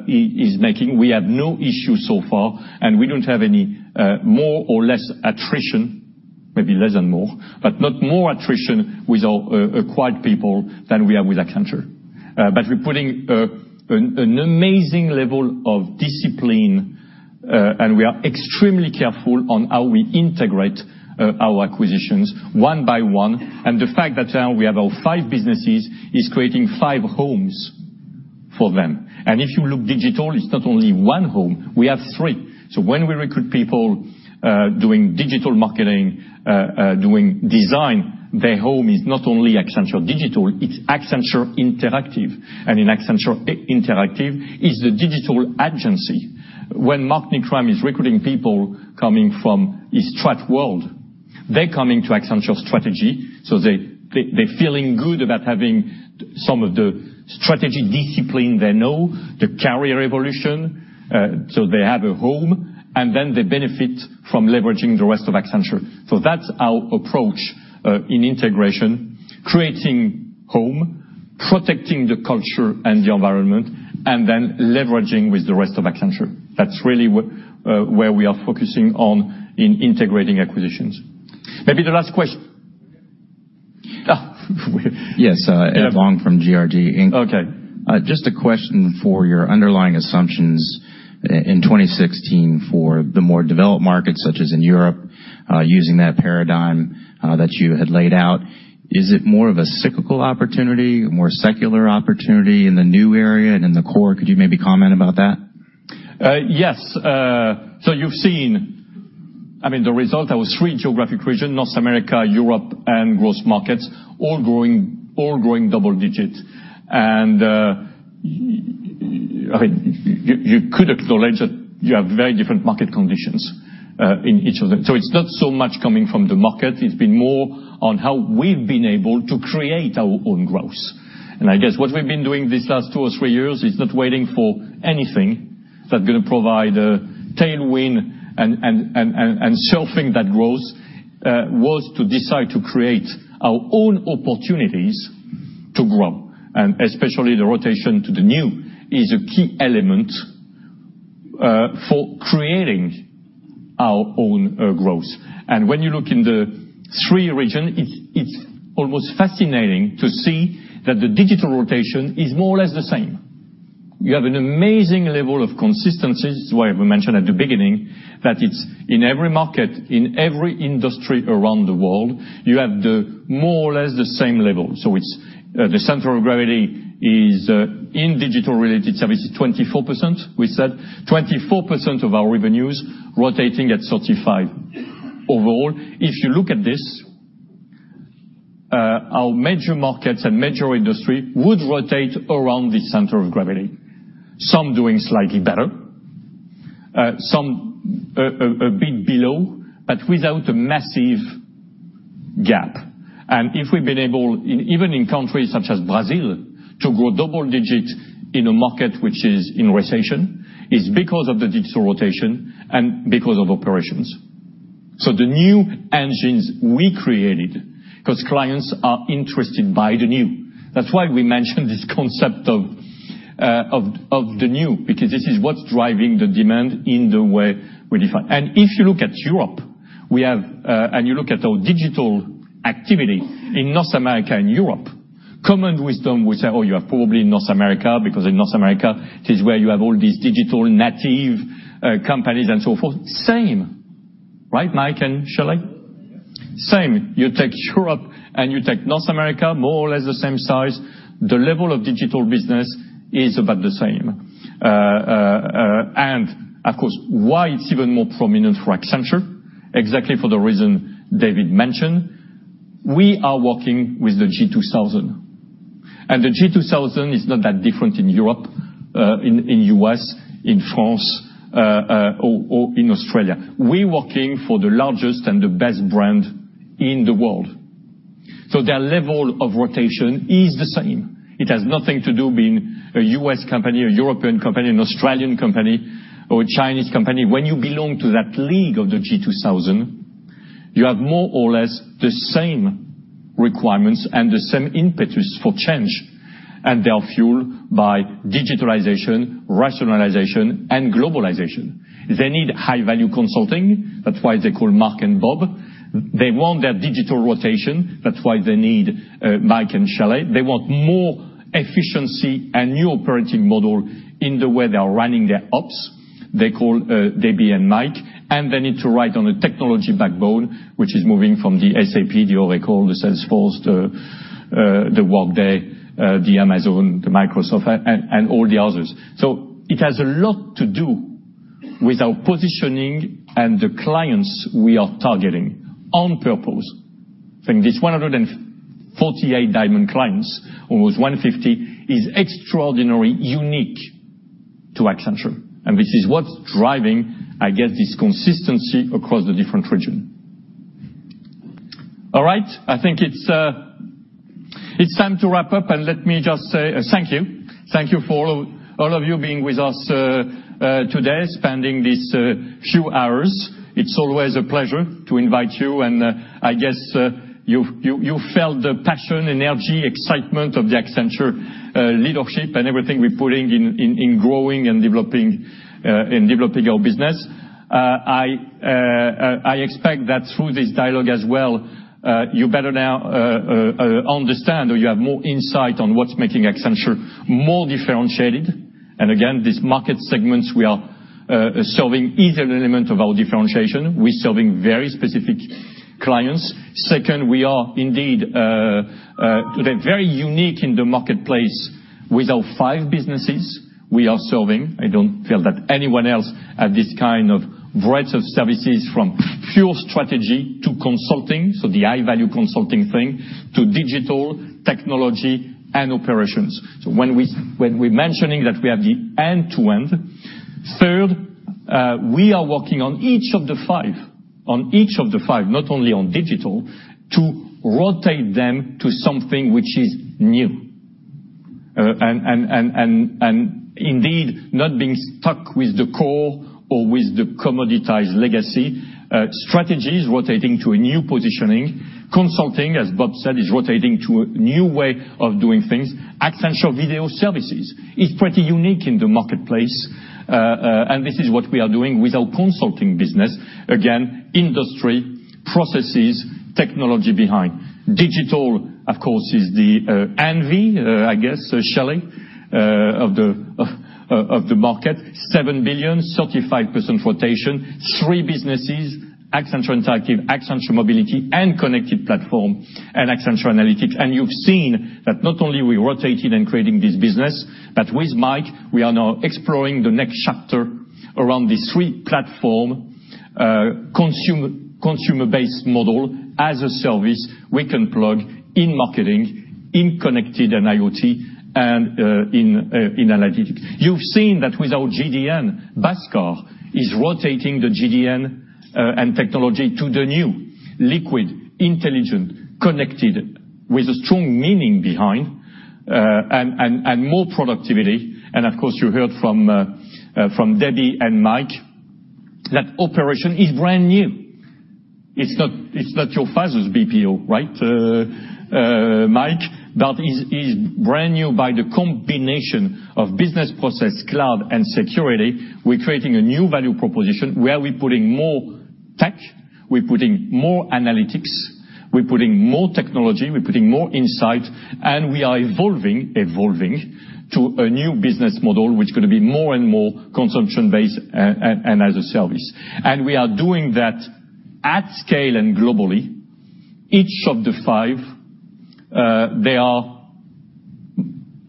is making. We have no issue so far, we don't have any more or less attrition, maybe less than more, not more attrition with our acquired people than we have with Accenture. We're putting an amazing level of discipline, we are extremely careful on how we integrate our acquisitions one by one. The fact that now we have our five businesses is creating five homes for them. If you look Digital, it's not only one home, we have three. When we recruit people doing digital marketing, doing design, their home is not only Accenture Digital, it's Accenture Interactive. In Accenture Interactive is the digital agency. When Mark Knickrehm is recruiting people coming from his Strat world, they're coming to Accenture Strategy, they're feeling good about having some of the strategy discipline they know, the career evolution. They have a home, they benefit from leveraging the rest of Accenture. That's our approach in integration, creating home, protecting the culture and the environment, leveraging with the rest of Accenture. That's really where we are focusing on in integrating acquisitions. Maybe the last question. Yes, Ed Long from GRG Inc. Okay. Just a question for your underlying assumptions in 2016 for the more developed markets, such as in Europe, using that paradigm that you had laid out. Is it more of a cyclical opportunity, a more secular opportunity in the new area than the core? Could you maybe comment about that? Yes. You've seen The result, our three geographic region, North America, Europe, and growth markets, all growing double digits. You could acknowledge that you have very different market conditions in each of them. It's not so much coming from the market. It's been more on how we've been able to create our own growth. I guess what we've been doing these last two or three years is not waiting for anything that's going to provide a tailwind and surfing that growth, was to decide to create our own opportunities to grow. Especially the rotation to the new is a key element for creating our own growth. When you look in the three region, it's almost fascinating to see that the digital rotation is more or less the same. You have an amazing level of consistency. This is why we mentioned at the beginning that it's in every market, in every industry around the world, you have the more or less the same level. The center of gravity is, in digital-related services, 24%, we said 24% of our revenues rotating at 35%. Overall, if you look at this, our major markets and major industry would rotate around the center of gravity. Some doing slightly better, some a bit below, but without a massive gap. If we've been able, even in countries such as Brazil, to grow double digits in a market which is in recession, it's because of the digital rotation and because of operations. The new engines we created, because clients are interested by the new. That's why we mentioned this concept of the new, because this is what's driving the demand in the way we define. If you look at Europe, and you look at our digital activity in North America and Europe, common wisdom would say, "Oh, you are probably in North America, because in North America, it is where you have all these digital native companies and so forth." Same. Right, Mike and Shelly? Same. You take Europe and you take North America, more or less the same size. The level of digital business is about the same. Of course, why it's even more prominent for Accenture, exactly for the reason David mentioned, we are working with the G2000. The G2000 is not that different in Europe, in U.S., in France, or in Australia. We're working for the largest and the best brand in the world. Their level of rotation is the same. It has nothing to do being a U.S. company, a European company, an Australian company or a Chinese company. When you belong to that league of the G2000, you have more or less the same requirements and the same impetus for change, and they are fueled by digitalization, rationalization, and globalization. They need high-value consulting. That's why they call Mark and Bob. That's why they need Mike and Shelly. They want more efficiency and new operating model in the way they are running their ops. They call Debbie and Mike. They need to ride on a technology backbone, which is moving from the SAP, the Oracle, the Salesforce, the Workday, the Amazon, the Microsoft, and all the others. It has a lot to do with our positioning and the clients we are targeting on purpose. I think this 148 Diamond clients, almost 150, is extraordinarily unique to Accenture, this is what's driving, I get this consistency across the different region. All right. I think it's time to wrap up. Let me just say thank you. Thank you for all of you being with us today, spending these few hours. It's always a pleasure to invite you, I guess you felt the passion, energy, excitement of the Accenture leadership and everything we're putting in growing and developing our business. I expect that through this dialogue as well, you better now understand or you have more insight on what's making Accenture more differentiated. Again, these market segments we are serving is an element of our differentiation. We're serving very specific clients. Second, we are indeed today very unique in the marketplace with our 5 businesses we are serving. I don't feel that anyone else have this kind of breadth of services from pure Strategy to Consulting, so the high-value Consulting thing, to Digital, Technology, and Operations. When we're mentioning that we have the end-to-end. Third, we are working on each of the 5, not only on Digital, to rotate them to something which is new. Indeed, not being stuck with the core or with the commoditized legacy. Strategy is rotating to a new positioning. Consulting, as Bob said, is rotating to a new way of doing things. Accenture Video Services is pretty unique in the marketplace. This is what we are doing with our Consulting business. Again, industry, processes, technology behind. Digital, of course, is the envy, I guess, Shelly, of the market. $7 billion, 35% rotation, 3 businesses, Accenture Interactive, Accenture Mobility, and Connected Platform, and Accenture Analytics. You've seen that not only we rotated and creating this business, but with Mike, we are now exploring the next chapter Around the 3 platform, consumer-based model as a service, we can plug in marketing, in connected and IoT, and in Analytics. You've seen that with our GDN, Bhaskar is rotating the GDN and Technology to the new liquid, intelligent, connected, with a strong meaning behind, and more productivity. Of course, you heard from Debbie and Mike that Operations is brand new. It's not your father's BPO, right, Mike? That is brand new by the combination of business process cloud and security. We're creating a new value proposition where we're putting more tech, we're putting more Analytics, we're putting more Technology, we're putting more insight, and we are evolving to a new business model, which is going to be more and more consumption-based and as a service. We are doing that at scale and globally. Each of the 5, they are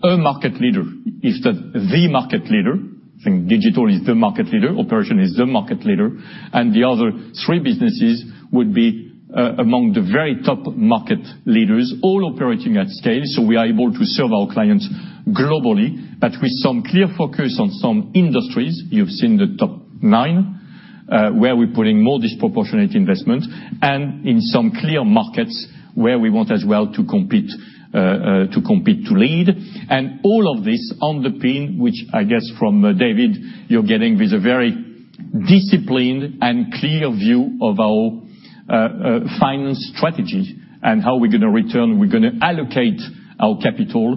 a market leader instead the market leader. I think Digital is the market leader, Operations is the market leader, and the other 3 businesses would be among the very top market leaders, all operating at scale. We are able to serve our clients globally, but with some clear focus on some industries, you've seen the top nine, where we're putting more disproportionate investment, and in some clear markets where we want as well to compete to lead. All of this on the pin, which I guess from David, you're getting with a very disciplined and clear view of our finance strategy and how we're going to return. We're going to allocate our capital,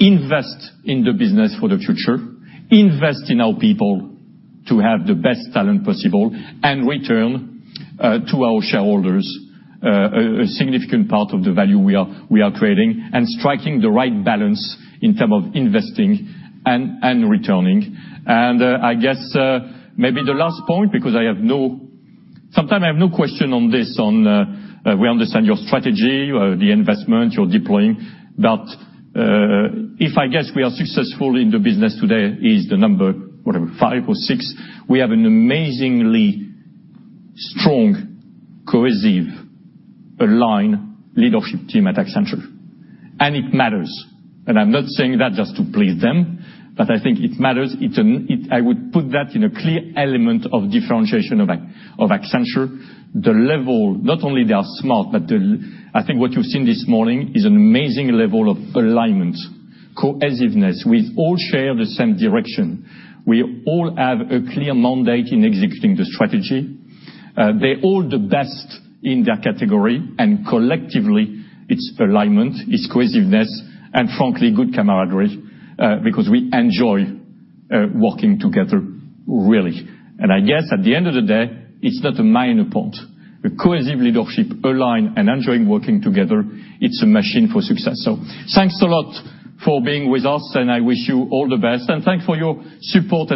invest in the business for the future, invest in our people to have the best talent possible, and return to our shareholders a significant part of the value we are creating. Striking the right balance in terms of investing and returning. I guess maybe the last point, because sometimes I have no question on this, on we understand your strategy or the investment you're deploying, but if I guess we are successful in the business today is the number, whatever, five or six, we have an amazingly strong, cohesive, aligned leadership team at Accenture, and it matters. I'm not saying that just to please them, but I think it matters. I would put that in a clear element of differentiation of Accenture. Not only they are smart, but I think what you've seen this morning is an amazing level of alignment, cohesiveness. We all share the same direction. We all have a clear mandate in executing the strategy. They're all the best in their category, and collectively, it's alignment, it's cohesiveness, and frankly, good camaraderie, because we enjoy working together really. I guess at the end of the day, it's not a minor point. A cohesive leadership align and enjoying working together, it's a machine for success. Thanks a lot for being with us, and I wish you all the best. Thanks for your support.